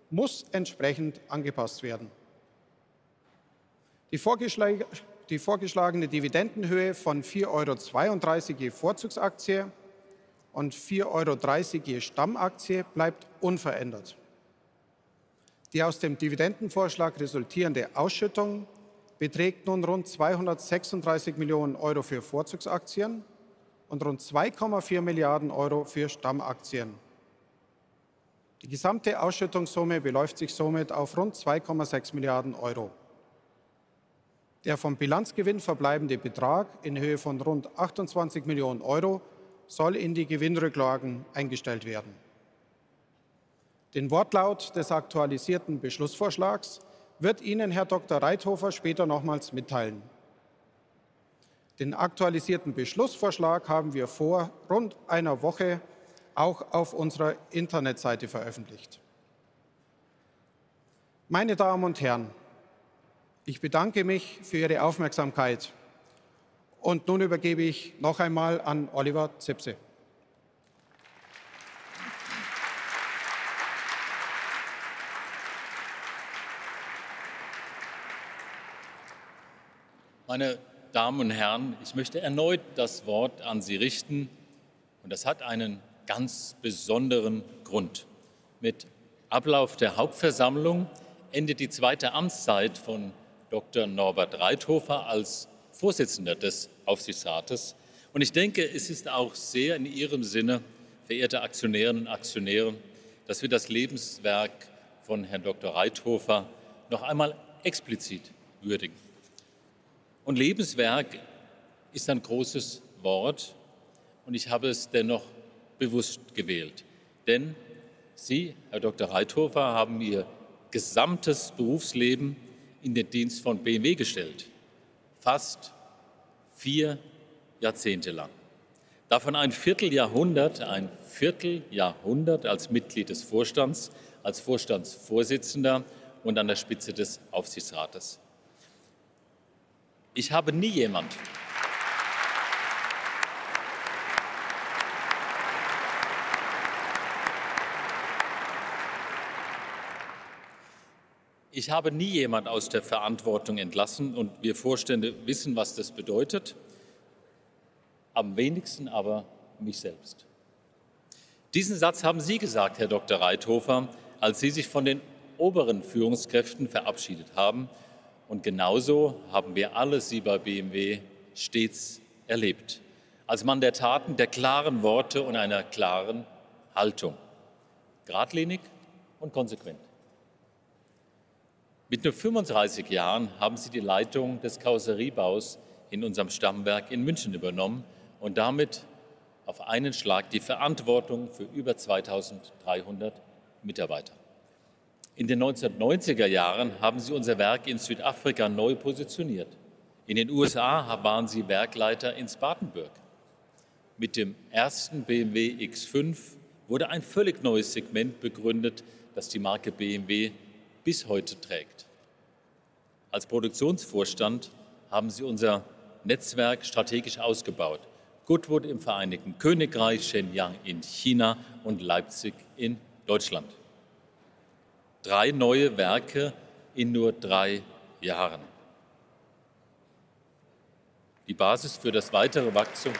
muss entsprechend angepasst werden. Die vorgeschlagene Dividendenhöhe von €4,32 je Vorzugsaktie und €4,30 je Stammaktie bleibt unverändert. Die aus dem Dividendenvorschlag resultierende Ausschüttung beträgt nun rund €236 Millionen für Vorzugsaktien und rund €2,4 Milliarden für Stammaktien. Die gesamte Ausschüttungssumme beläuft sich somit auf rund €2,6 Milliarden. Der vom Bilanzgewinn verbleibende Betrag in Höhe von rund €28 Millionen soll in die Gewinnrücklagen eingestellt werden. Den Wortlaut des aktualisierten Beschlussvorschlags wird Ihnen Herr Dr. Reithofer später nochmals mitteilen. Den aktualisierten Beschlussvorschlag haben wir vor rund einer Woche auch auf unserer Internetseite veröffentlicht. Meine Damen und Herren, ich bedanke mich für Ihre Aufmerksamkeit und nun übergebe ich noch einmal an Oliver Zipse. Meine Damen und Herren. ich möchte erneut das Wort an Sie richten, und das hat einen ganz besonderen Grund. Mit Ablauf der Hauptversammlung endet die zweite Amtszeit von Dr. Norbert Reithofer als Vorsitzender des Aufsichtsrates. Ich denke, es ist auch sehr in Ihrem Sinne, verehrte Aktionärinnen und Aktionäre, dass wir das Lebenswerk von Herrn Dr. Reithofer noch einmal explizit würdigen. Lebenswerk ist ein großes Wort, und ich habe es dennoch bewusst gewählt. Denn Sie, Herr Dr. Reithofer, haben Ihr gesamtes Berufsleben in den Dienst von BMW gestellt, fast vier Jahrzehnte lang. Davon ein Vierteljahrhundert als Mitglied des Vorstands, als Vorstandsvorsitzender und an der Spitze des Aufsichtsrates. "Ich habe nie jemanden aus der Verantwortung entlassen, und wir Vorstände wissen, was das bedeutet, am wenigsten aber mich selbst." Diesen Satz haben Sie gesagt, Herr Dr. Reithofer, als Sie sich von den oberen Führungskräften verabschiedet haben. Und genauso haben wir alle Sie bei BMW stets erlebt. Als Mann der Taten, der klaren Worte und einer klaren Haltung. Geradlinig und konsequent. Mit nur 35 Jahren haben Sie die Leitung des Karosseriebaus in unserem Stammwerk in München übernommen und damit auf einen Schlag die Verantwortung für über 2.300 Mitarbeiter. In den 1990er Jahren haben Sie unser Werk in Südafrika neu positioniert. In den USA waren Sie Werkleiter in Spartanburg. Mit dem ersten BMW X5 wurde ein völlig neues Segment begründet, das die Marke BMW bis heute trägt. Als Produktionsvorstand haben Sie unser Netzwerk strategisch ausgebaut. Goodwood im Vereinigten Königreich, Shenyang in China und Leipzig in Deutschland. Drei neue Werke in nur drei Jahren. Die Basis für das weitere Wachstum,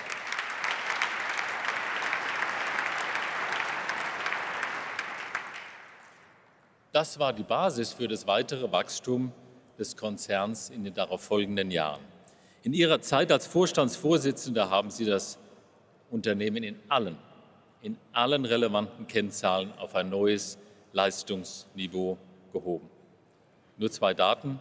das war die Basis für das weitere Wachstum des Konzerns in den darauf folgenden Jahren. In Ihrer Zeit als Vorstandsvorsitzender haben Sie das Unternehmen in allen relevanten Kennzahlen auf ein neues Leistungsniveau gehoben. Nur zwei Daten: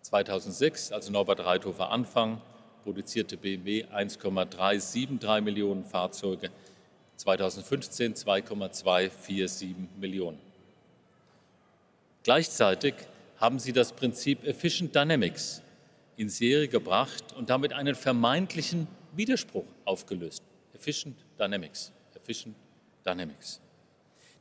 2006, also Norbert Reithofer Anfang, produzierte BMW 1,373 Millionen Fahrzeuge, 2015 2,247 Millionen. Gleichzeitig haben Sie das Prinzip EfficientDynamics in Serie gebracht und damit einen vermeintlichen Widerspruch aufgelöst.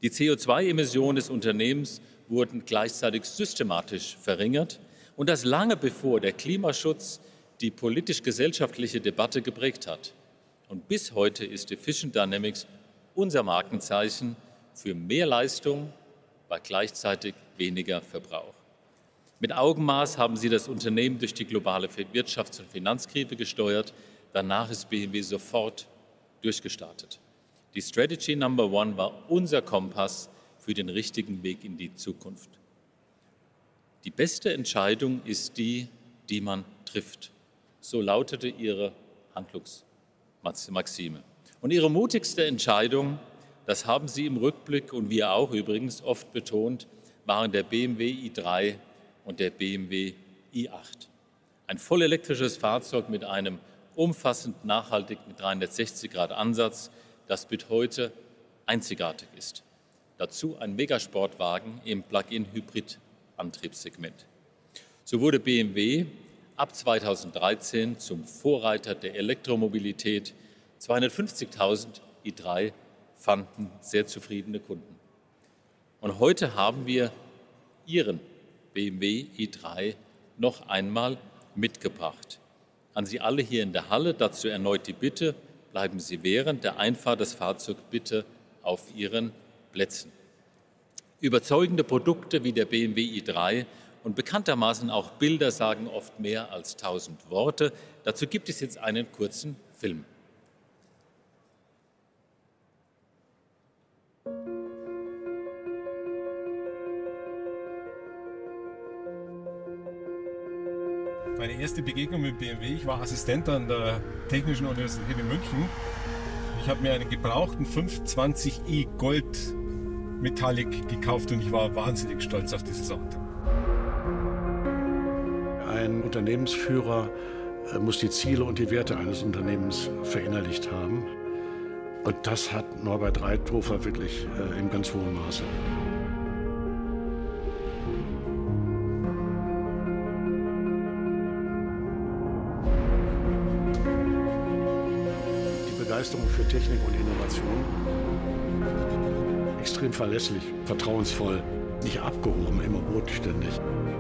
Die CO2-Emissionen des Unternehmens wurden gleichzeitig systematisch verringert, und das lange bevor der Klimaschutz die politisch-gesellschaftliche Debatte geprägt hat. Und bis heute ist EfficientDynamics unser Markenzeichen für mehr Leistung bei gleichzeitig weniger Verbrauch. Mit Augenmaß haben Sie das Unternehmen durch die globale Wirtschafts- und Finanzkrise gesteuert. Danach ist BMW sofort durchgestartet. Die Strategy Number ONE war unser Kompass für den richtigen Weg in die Zukunft. Die beste Entscheidung ist die, die man trifft, so lautete Ihre Handlungsmaxime. Ihre mutigste Entscheidung, das haben Sie im Rückblick und wir auch übrigens oft betont, waren der BMW i3 und der BMW i8. Ein vollelektrisches Fahrzeug mit einem umfassend nachhaltigen 360-Grad-Ansatz, das bis heute einzigartig ist. Dazu ein Megasportwagen im Plug-in-Hybrid-Antriebssegment. So wurde BMW ab 2013 zum Vorreiter der Elektromobilität. 250.000 i3 fanden sehr zufriedene Kunden. Heute haben wir Ihren BMW i3 noch einmal mitgebracht. An Sie alle hier in der Halle dazu erneut die Bitte: Bleiben Sie während der Einfahrt des Fahrzeugs bitte auf Ihren Plätzen. Überzeugende Produkte wie der BMW i3 und bekanntermaßen auch Bilder sagen oft mehr als tausend Worte. Dazu gibt es jetzt einen kurzen Film. Meine erste Begegnung mit BMW: Ich war Assistent an der Technischen Universität in München. Ich habe mir einen gebrauchten 520i Gold Metallic gekauft, und ich war wahnsinnig stolz auf dieses Auto. Ein Unternehmensführer muss die Ziele und die Werte eines Unternehmens verinnerlicht haben, und das hat Norbert Reithofer wirklich in ganz hohem Maße. Die Begeisterung für Technik und Innovation. Extrem verlässlich, vertrauensvoll, nicht abgehoben, immer bodenständig,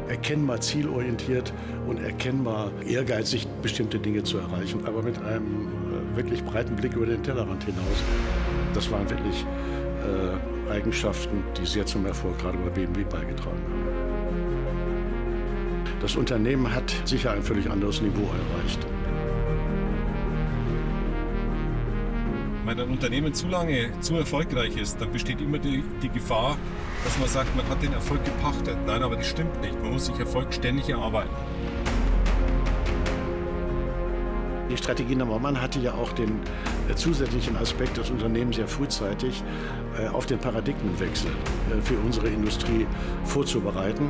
erkennbar zielorientiert und erkennbar ehrgeizig, bestimmte Dinge zu erreichen, aber mit einem wirklich breiten Blick über den Tellerrand hinaus. Das waren wirklich Eigenschaften, die sehr zum Erfolg gerade bei BMW beigetragen haben. Das Unternehmen hat sicher ein völlig anderes Niveau erreicht. Wenn ein Unternehmen zu lange zu erfolgreich ist, dann besteht immer die Gefahr, dass man sagt, man hat den Erfolg gepachtet. Nein, aber das stimmt nicht. Man muss sich Erfolg ständig erarbeiten. Die Strategie Nummer eins hatte ja auch den zusätzlichen Aspekt, das Unternehmen sehr frühzeitig auf den Paradigmenwechsel für unsere Industrie vorzubereiten.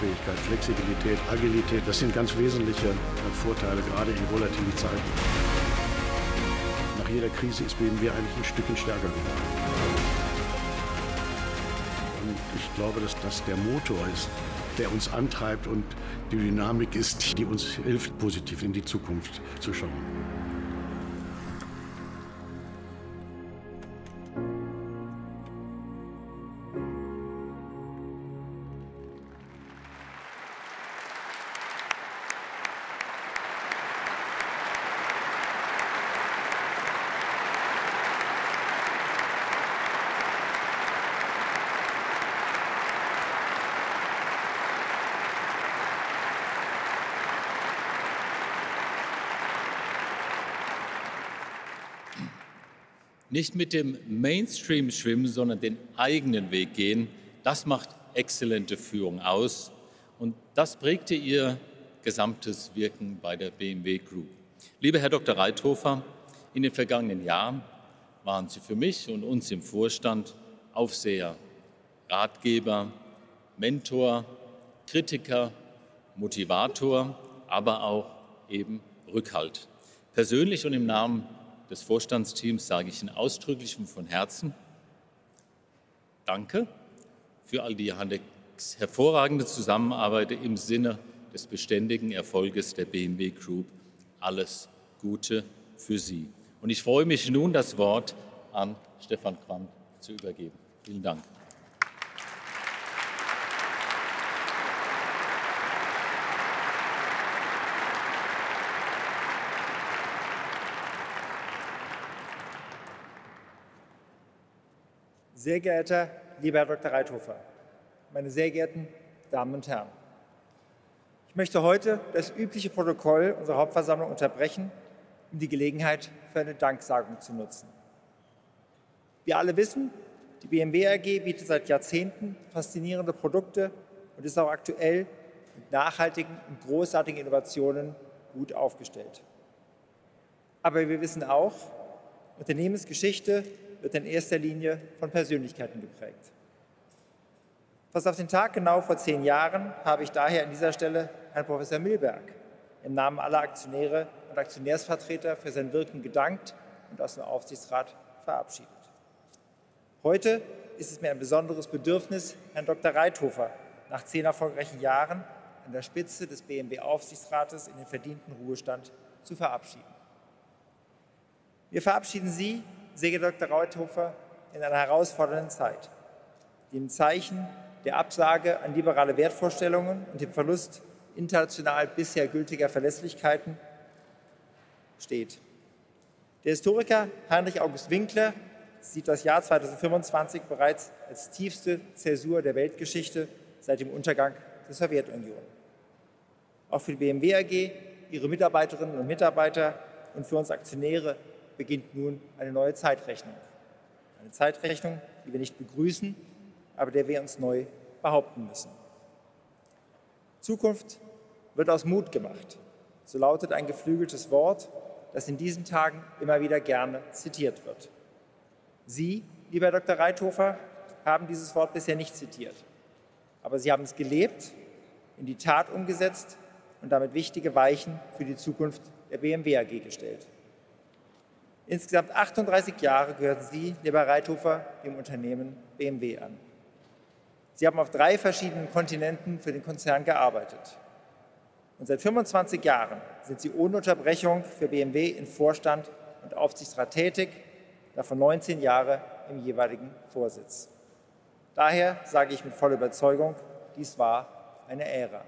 Handlungsfähigkeit, Flexibilität, Agilität, das sind ganz wesentliche Vorteile, gerade in volatilen Zeiten. Nach jeder Krise ist BMW eigentlich ein Stückchen stärker geworden. Ich glaube, dass das der Motor ist, der uns antreibt, und die Dynamik ist, die uns hilft, positiv in die Zukunft zu schauen. Nicht mit dem Mainstream schwimmen, sondern den eigenen Weg gehen, das macht exzellente Führung aus, und das prägte Ihr gesamtes Wirken bei der BMW Group. Lieber Herr Dr. Reithofer, in den vergangenen Jahren waren Sie für mich und uns im Vorstand Aufseher, Ratgeber, Mentor, Kritiker, Motivator, aber auch eben Rückhalt. Persönlich und im Namen des Vorstandsteams sage ich Ihnen ausdrücklich und von Herzen Danke für all die hervorragende Zusammenarbeit im Sinne des beständigen Erfolges der BMW Group. Alles Gute für Sie. Ich freue mich nun, das Wort an Stefan Quandt zu übergeben. Vielen Dank. Sehr geehrter, lieber Herr Dr. Reithofer, meine sehr geehrten Damen und Herren, ich möchte heute das übliche Protokoll unserer Hauptversammlung unterbrechen, die Gelegenheit für eine Danksagung zu nutzen. Wir alle wissen, die BMW AG bietet seit Jahrzehnten faszinierende Produkte und ist auch aktuell mit nachhaltigen und großartigen Innovationen gut aufgestellt. Aber wir wissen auch, Unternehmensgeschichte wird in erster Linie von Persönlichkeiten geprägt. Fast auf den Tag genau vor zehn Jahren habe ich daher an dieser Stelle Herrn Professor Milberg im Namen aller Aktionäre und Aktionärsvertreter für sein Wirken gedankt und aus dem Aufsichtsrat verabschiedet. Heute ist es mir ein besonderes Bedürfnis, Herrn Dr. Reithofer nach zehn erfolgreichen Jahren an der Spitze des BMW Aufsichtsrates in den verdienten Ruhestand zu verabschieden. Wir verabschieden Sie, sehr geehrter Herr Dr. Reithofer, in einer herausfordernden Zeit, die im Zeichen der Absage an liberale Wertvorstellungen und dem Verlust international bisher gültiger Verlässlichkeiten steht. Der Historiker Heinrich August Winkler sieht das Jahr 2025 bereits als tiefste Zäsur der Weltgeschichte seit dem Untergang der Sowjetunion. Auch für die BMW AG, ihre Mitarbeiterinnen und Mitarbeiter und für uns Aktionäre beginnt nun eine neue Zeitrechnung. Eine Zeitrechnung, die wir nicht begrüßen, aber der wir uns neu behaupten müssen. Zukunft wird aus Mut gemacht, so lautet ein geflügeltes Wort, das in diesen Tagen immer wieder gerne zitiert wird. Sie, lieber Herr Dr. Reithofer, haben dieses Wort bisher nicht zitiert, aber Sie haben es gelebt, in die Tat umgesetzt und damit wichtige Weichen für die Zukunft der BMW AG gestellt. Insgesamt 38 Jahre gehörten Sie, lieber Herr Reithofer, dem Unternehmen BMW an. Sie haben auf drei verschiedenen Kontinenten für den Konzern gearbeitet. Und seit 25 Jahren sind Sie ohne Unterbrechung für BMW im Vorstand und Aufsichtsrat tätig, davon 19 Jahre im jeweiligen Vorsitz. Daher sage ich mit voller Überzeugung: Dies war eine Ära.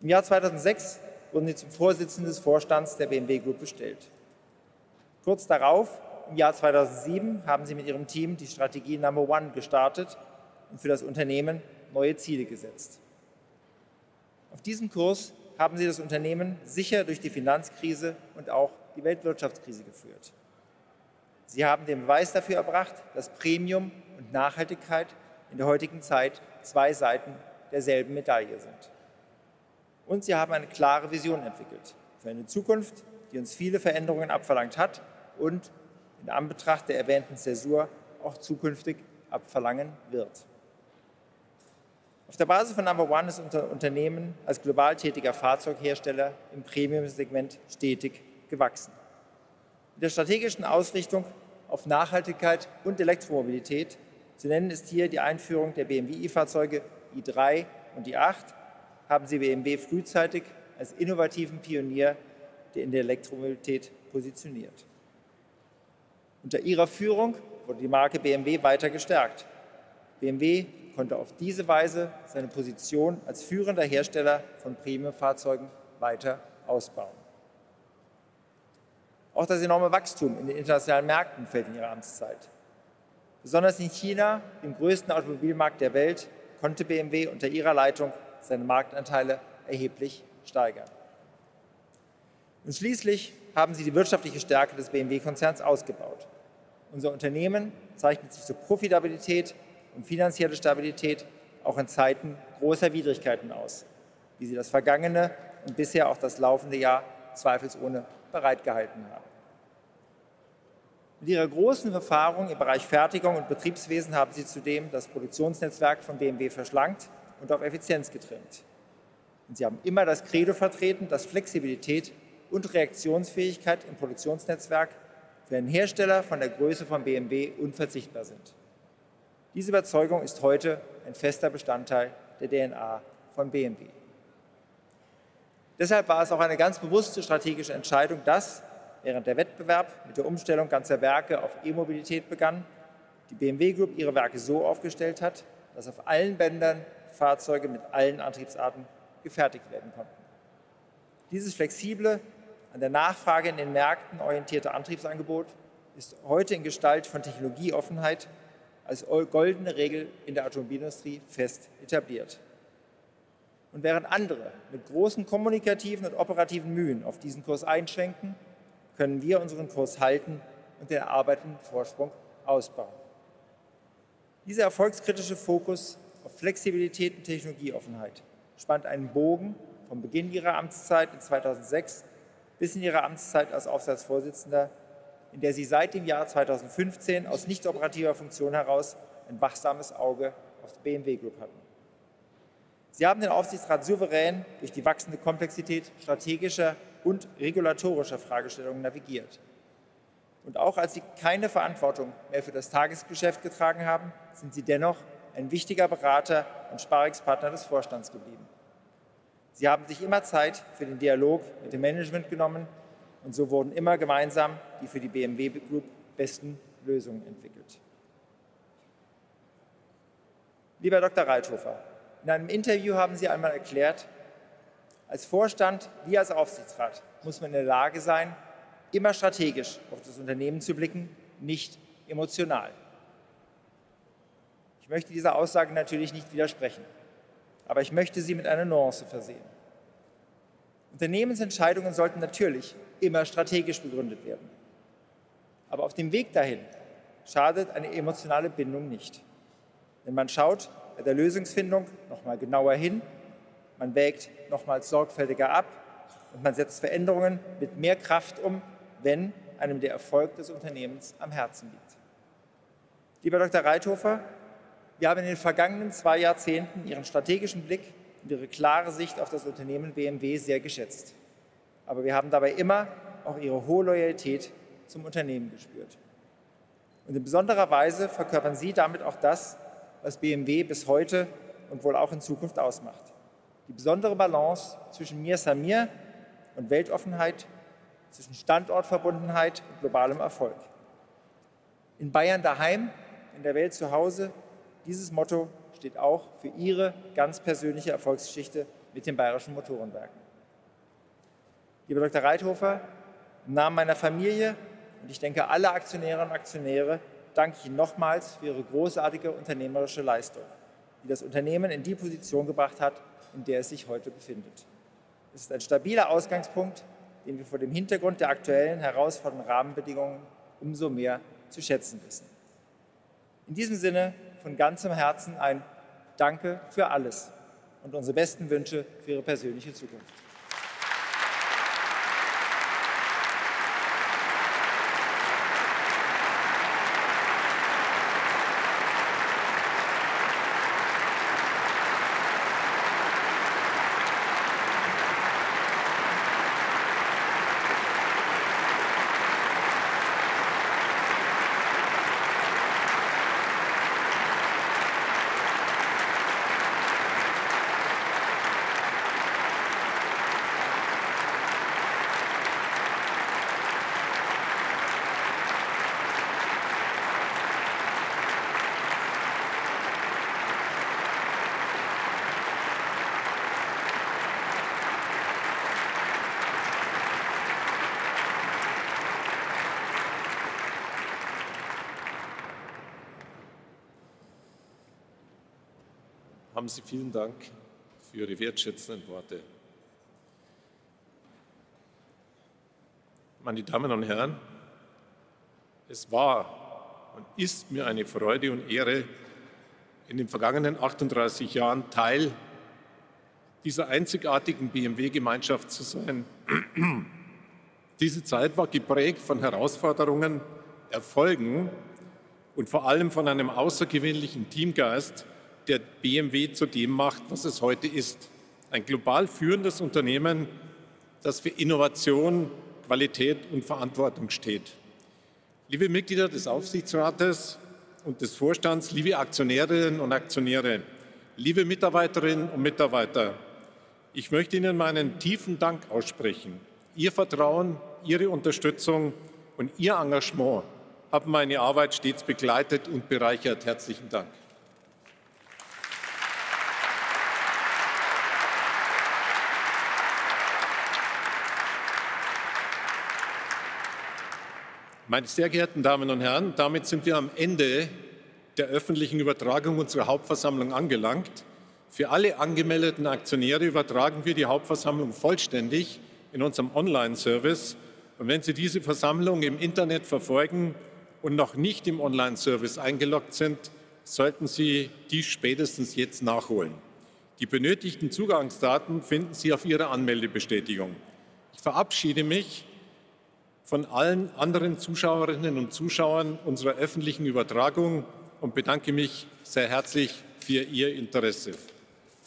Im Jahr 2006 wurden Sie zum Vorsitzenden des Vorstands der BMW Group bestellt. Kurz darauf, im Jahr 2007, haben Sie mit Ihrem Team die Strategie Number ONE gestartet und für das Unternehmen neue Ziele gesetzt. Auf diesem Kurs haben Sie das Unternehmen sicher durch die Finanzkrise und auch die Weltwirtschaftskrise geführt. Sie haben den Beweis dafür erbracht, dass Premium und Nachhaltigkeit in der heutigen Zeit zwei Seiten derselben Medaille sind. Sie haben eine klare Vision entwickelt für eine Zukunft, die uns viele Veränderungen abverlangt hat und in Anbetracht der erwähnten Zäsur auch zukünftig abverlangen wird. Auf der Basis von Number ONE ist unser Unternehmen als global tätiger Fahrzeughersteller im Premiumsegment stetig gewachsen. In der strategischen Ausrichtung auf Nachhaltigkeit und Elektromobilität, Sie nennen es hier die Einführung der BMW i-Fahrzeuge, i3 und i8, haben Sie BMW frühzeitig als innovativen Pionier der Elektromobilität positioniert. Unter Ihrer Führung wurde die Marke BMW weiter gestärkt. BMW konnte auf diese Weise seine Position als führender Hersteller von Premiumfahrzeugen weiter ausbauen. Auch das enorme Wachstum in den internationalen Märkten fällt in Ihre Amtszeit. Besonders in China, dem größten Automobilmarkt der Welt, konnte BMW unter Ihrer Leitung seine Marktanteile erheblich steigern. Schließlich haben Sie die wirtschaftliche Stärke des BMW-Konzerns ausgebaut. Unser Unternehmen zeichnet sich für Profitabilität und finanzielle Stabilität auch in Zeiten großer Widrigkeiten aus, wie Sie das vergangene und bisher auch das laufende Jahr zweifelsohne bereitgehalten haben. Mit Ihrer großen Erfahrung im Bereich Fertigung und Betriebswesen haben Sie zudem das Produktionsnetzwerk von BMW verschlankt und auf Effizienz getrimmt. Sie haben immer das Credo vertreten, dass Flexibilität und Reaktionsfähigkeit im Produktionsnetzwerk für einen Hersteller von der Größe von BMW unverzichtbar sind. Diese Überzeugung ist heute ein fester Bestandteil der DNA von BMW. Deshalb war es auch eine ganz bewusste strategische Entscheidung, dass, während der Wettbewerb mit der Umstellung ganzer Werke auf E-Mobilität begann, die BMW Group ihre Werke so aufgestellt hat, dass auf allen Bändern Fahrzeuge mit allen Antriebsarten gefertigt werden konnten. Dieses flexible, an der Nachfrage in den Märkten orientierte Antriebsangebot ist heute in Gestalt von Technologieoffenheit als goldene Regel in der Automobilindustrie fest etabliert. Während andere mit großen kommunikativen und operativen Mühen auf diesen Kurs einschwenken, können wir unseren Kurs halten und den erarbeiteten Vorsprung ausbauen. Dieser erfolgskritische Fokus auf Flexibilität und Technologieoffenheit spannt einen Bogen vom Beginn Ihrer Amtszeit in 2006 bis in Ihre Amtszeit als Aufsichtsratsvorsitzender, in der Sie seit dem Jahr 2015 aus nicht operativer Funktion heraus ein wachsames Auge auf die BMW Group hatten. Sie haben den Aufsichtsrat souverän durch die wachsende Komplexität strategischer und regulatorischer Fragestellungen navigiert. Auch als Sie keine Verantwortung mehr für das Tagesgeschäft getragen haben, sind Sie dennoch ein wichtiger Berater und Sparringspartner des Vorstands geblieben. Sie haben sich immer Zeit für den Dialog mit dem Management genommen, und so wurden immer gemeinsam die für die BMW Group besten Lösungen entwickelt. Lieber Herr Dr. Reithofer, in einem Interview haben Sie einmal erklärt: "Als Vorstand wie als Aufsichtsrat muss man in der Lage sein, immer strategisch auf das Unternehmen zu blicken, nicht emotional." Ich möchte dieser Aussage natürlich nicht widersprechen, aber ich möchte sie mit einer Nuance versehen. Unternehmensentscheidungen sollten natürlich immer strategisch begründet werden. Aber auf dem Weg dahin schadet eine emotionale Bindung nicht. Denn man schaut bei der Lösungsfindung nochmal genauer hin, man wägt nochmals sorgfältiger ab und man setzt Veränderungen mit mehr Kraft um, wenn einem der Erfolg des Unternehmens am Herzen liegt. Lieber Herr Dr. Reithofer, wir haben in den vergangenen zwei Jahrzehnten Ihren strategischen Blick und Ihre klare Sicht auf das Unternehmen BMW sehr geschätzt. Aber wir haben dabei immer auch Ihre hohe Loyalität zum Unternehmen gespürt. Und in besonderer Weise verkörpern Sie damit auch das, was BMW bis heute und wohl auch in Zukunft ausmacht: die besondere Balance zwischen Bodenständigkeit und Weltoffenheit, zwischen Standortverbundenheit und globalem Erfolg. In Bayern daheim, in der Welt zu Hause – dieses Motto steht auch für Ihre ganz persönliche Erfolgsgeschichte mit den Bayerischen Motoren Werken. Lieber Herr Dr. Reithofer. Reithofer, im Namen meiner Familie und ich denke aller Aktionäre danke ich Ihnen nochmals für Ihre großartige unternehmerische Leistung, die das Unternehmen in die Position gebracht hat, in der es sich heute befindet. Es ist ein stabiler Ausgangspunkt, den wir vor dem Hintergrund der aktuellen herausfordernden Rahmenbedingungen umso mehr zu schätzen wissen. In diesem Sinne von ganzem Herzen ein Danke für alles und unsere besten Wünsche für Ihre persönliche Zukunft. Haben Sie vielen Dank für Ihre wertschätzenden Worte. Meine Damen und Herren, es war und ist mir eine Freude und Ehre, in den vergangenen 38 Jahren Teil dieser einzigartigen BMW-Gemeinschaft zu sein. Diese Zeit war geprägt von Herausforderungen, Erfolgen und vor allem von einem außergewöhnlichen Teamgeist, der BMW zu dem macht, was es heute ist: ein global führendes Unternehmen, das für Innovation, Qualität und Verantwortung steht. Liebe Mitglieder des Aufsichtsrates und des Vorstands, liebe Aktionärinnen und Aktionäre, liebe Mitarbeiterinnen und Mitarbeiter, ich möchte Ihnen meinen tiefen Dank aussprechen. Ihr Vertrauen, Ihre Unterstützung und Ihr Engagement haben meine Arbeit stets begleitet und bereichert. Herzlichen Dank. Meine sehr geehrten Damen und Herren, damit sind wir am Ende der öffentlichen Übertragung unserer Hauptversammlung angelangt. Für alle angemeldeten Aktionäre übertragen wir die Hauptversammlung vollständig in unserem Online-Service. Wenn Sie diese Versammlung im Internet verfolgen und noch nicht im Online-Service eingeloggt sind, sollten Sie das spätestens jetzt nachholen. Die benötigten Zugangsdaten finden Sie auf Ihrer Anmeldebestätigung. Ich verabschiede mich von allen anderen Zuschauerinnen und Zuschauern unserer öffentlichen Übertragung und bedanke mich sehr herzlich für Ihr Interesse.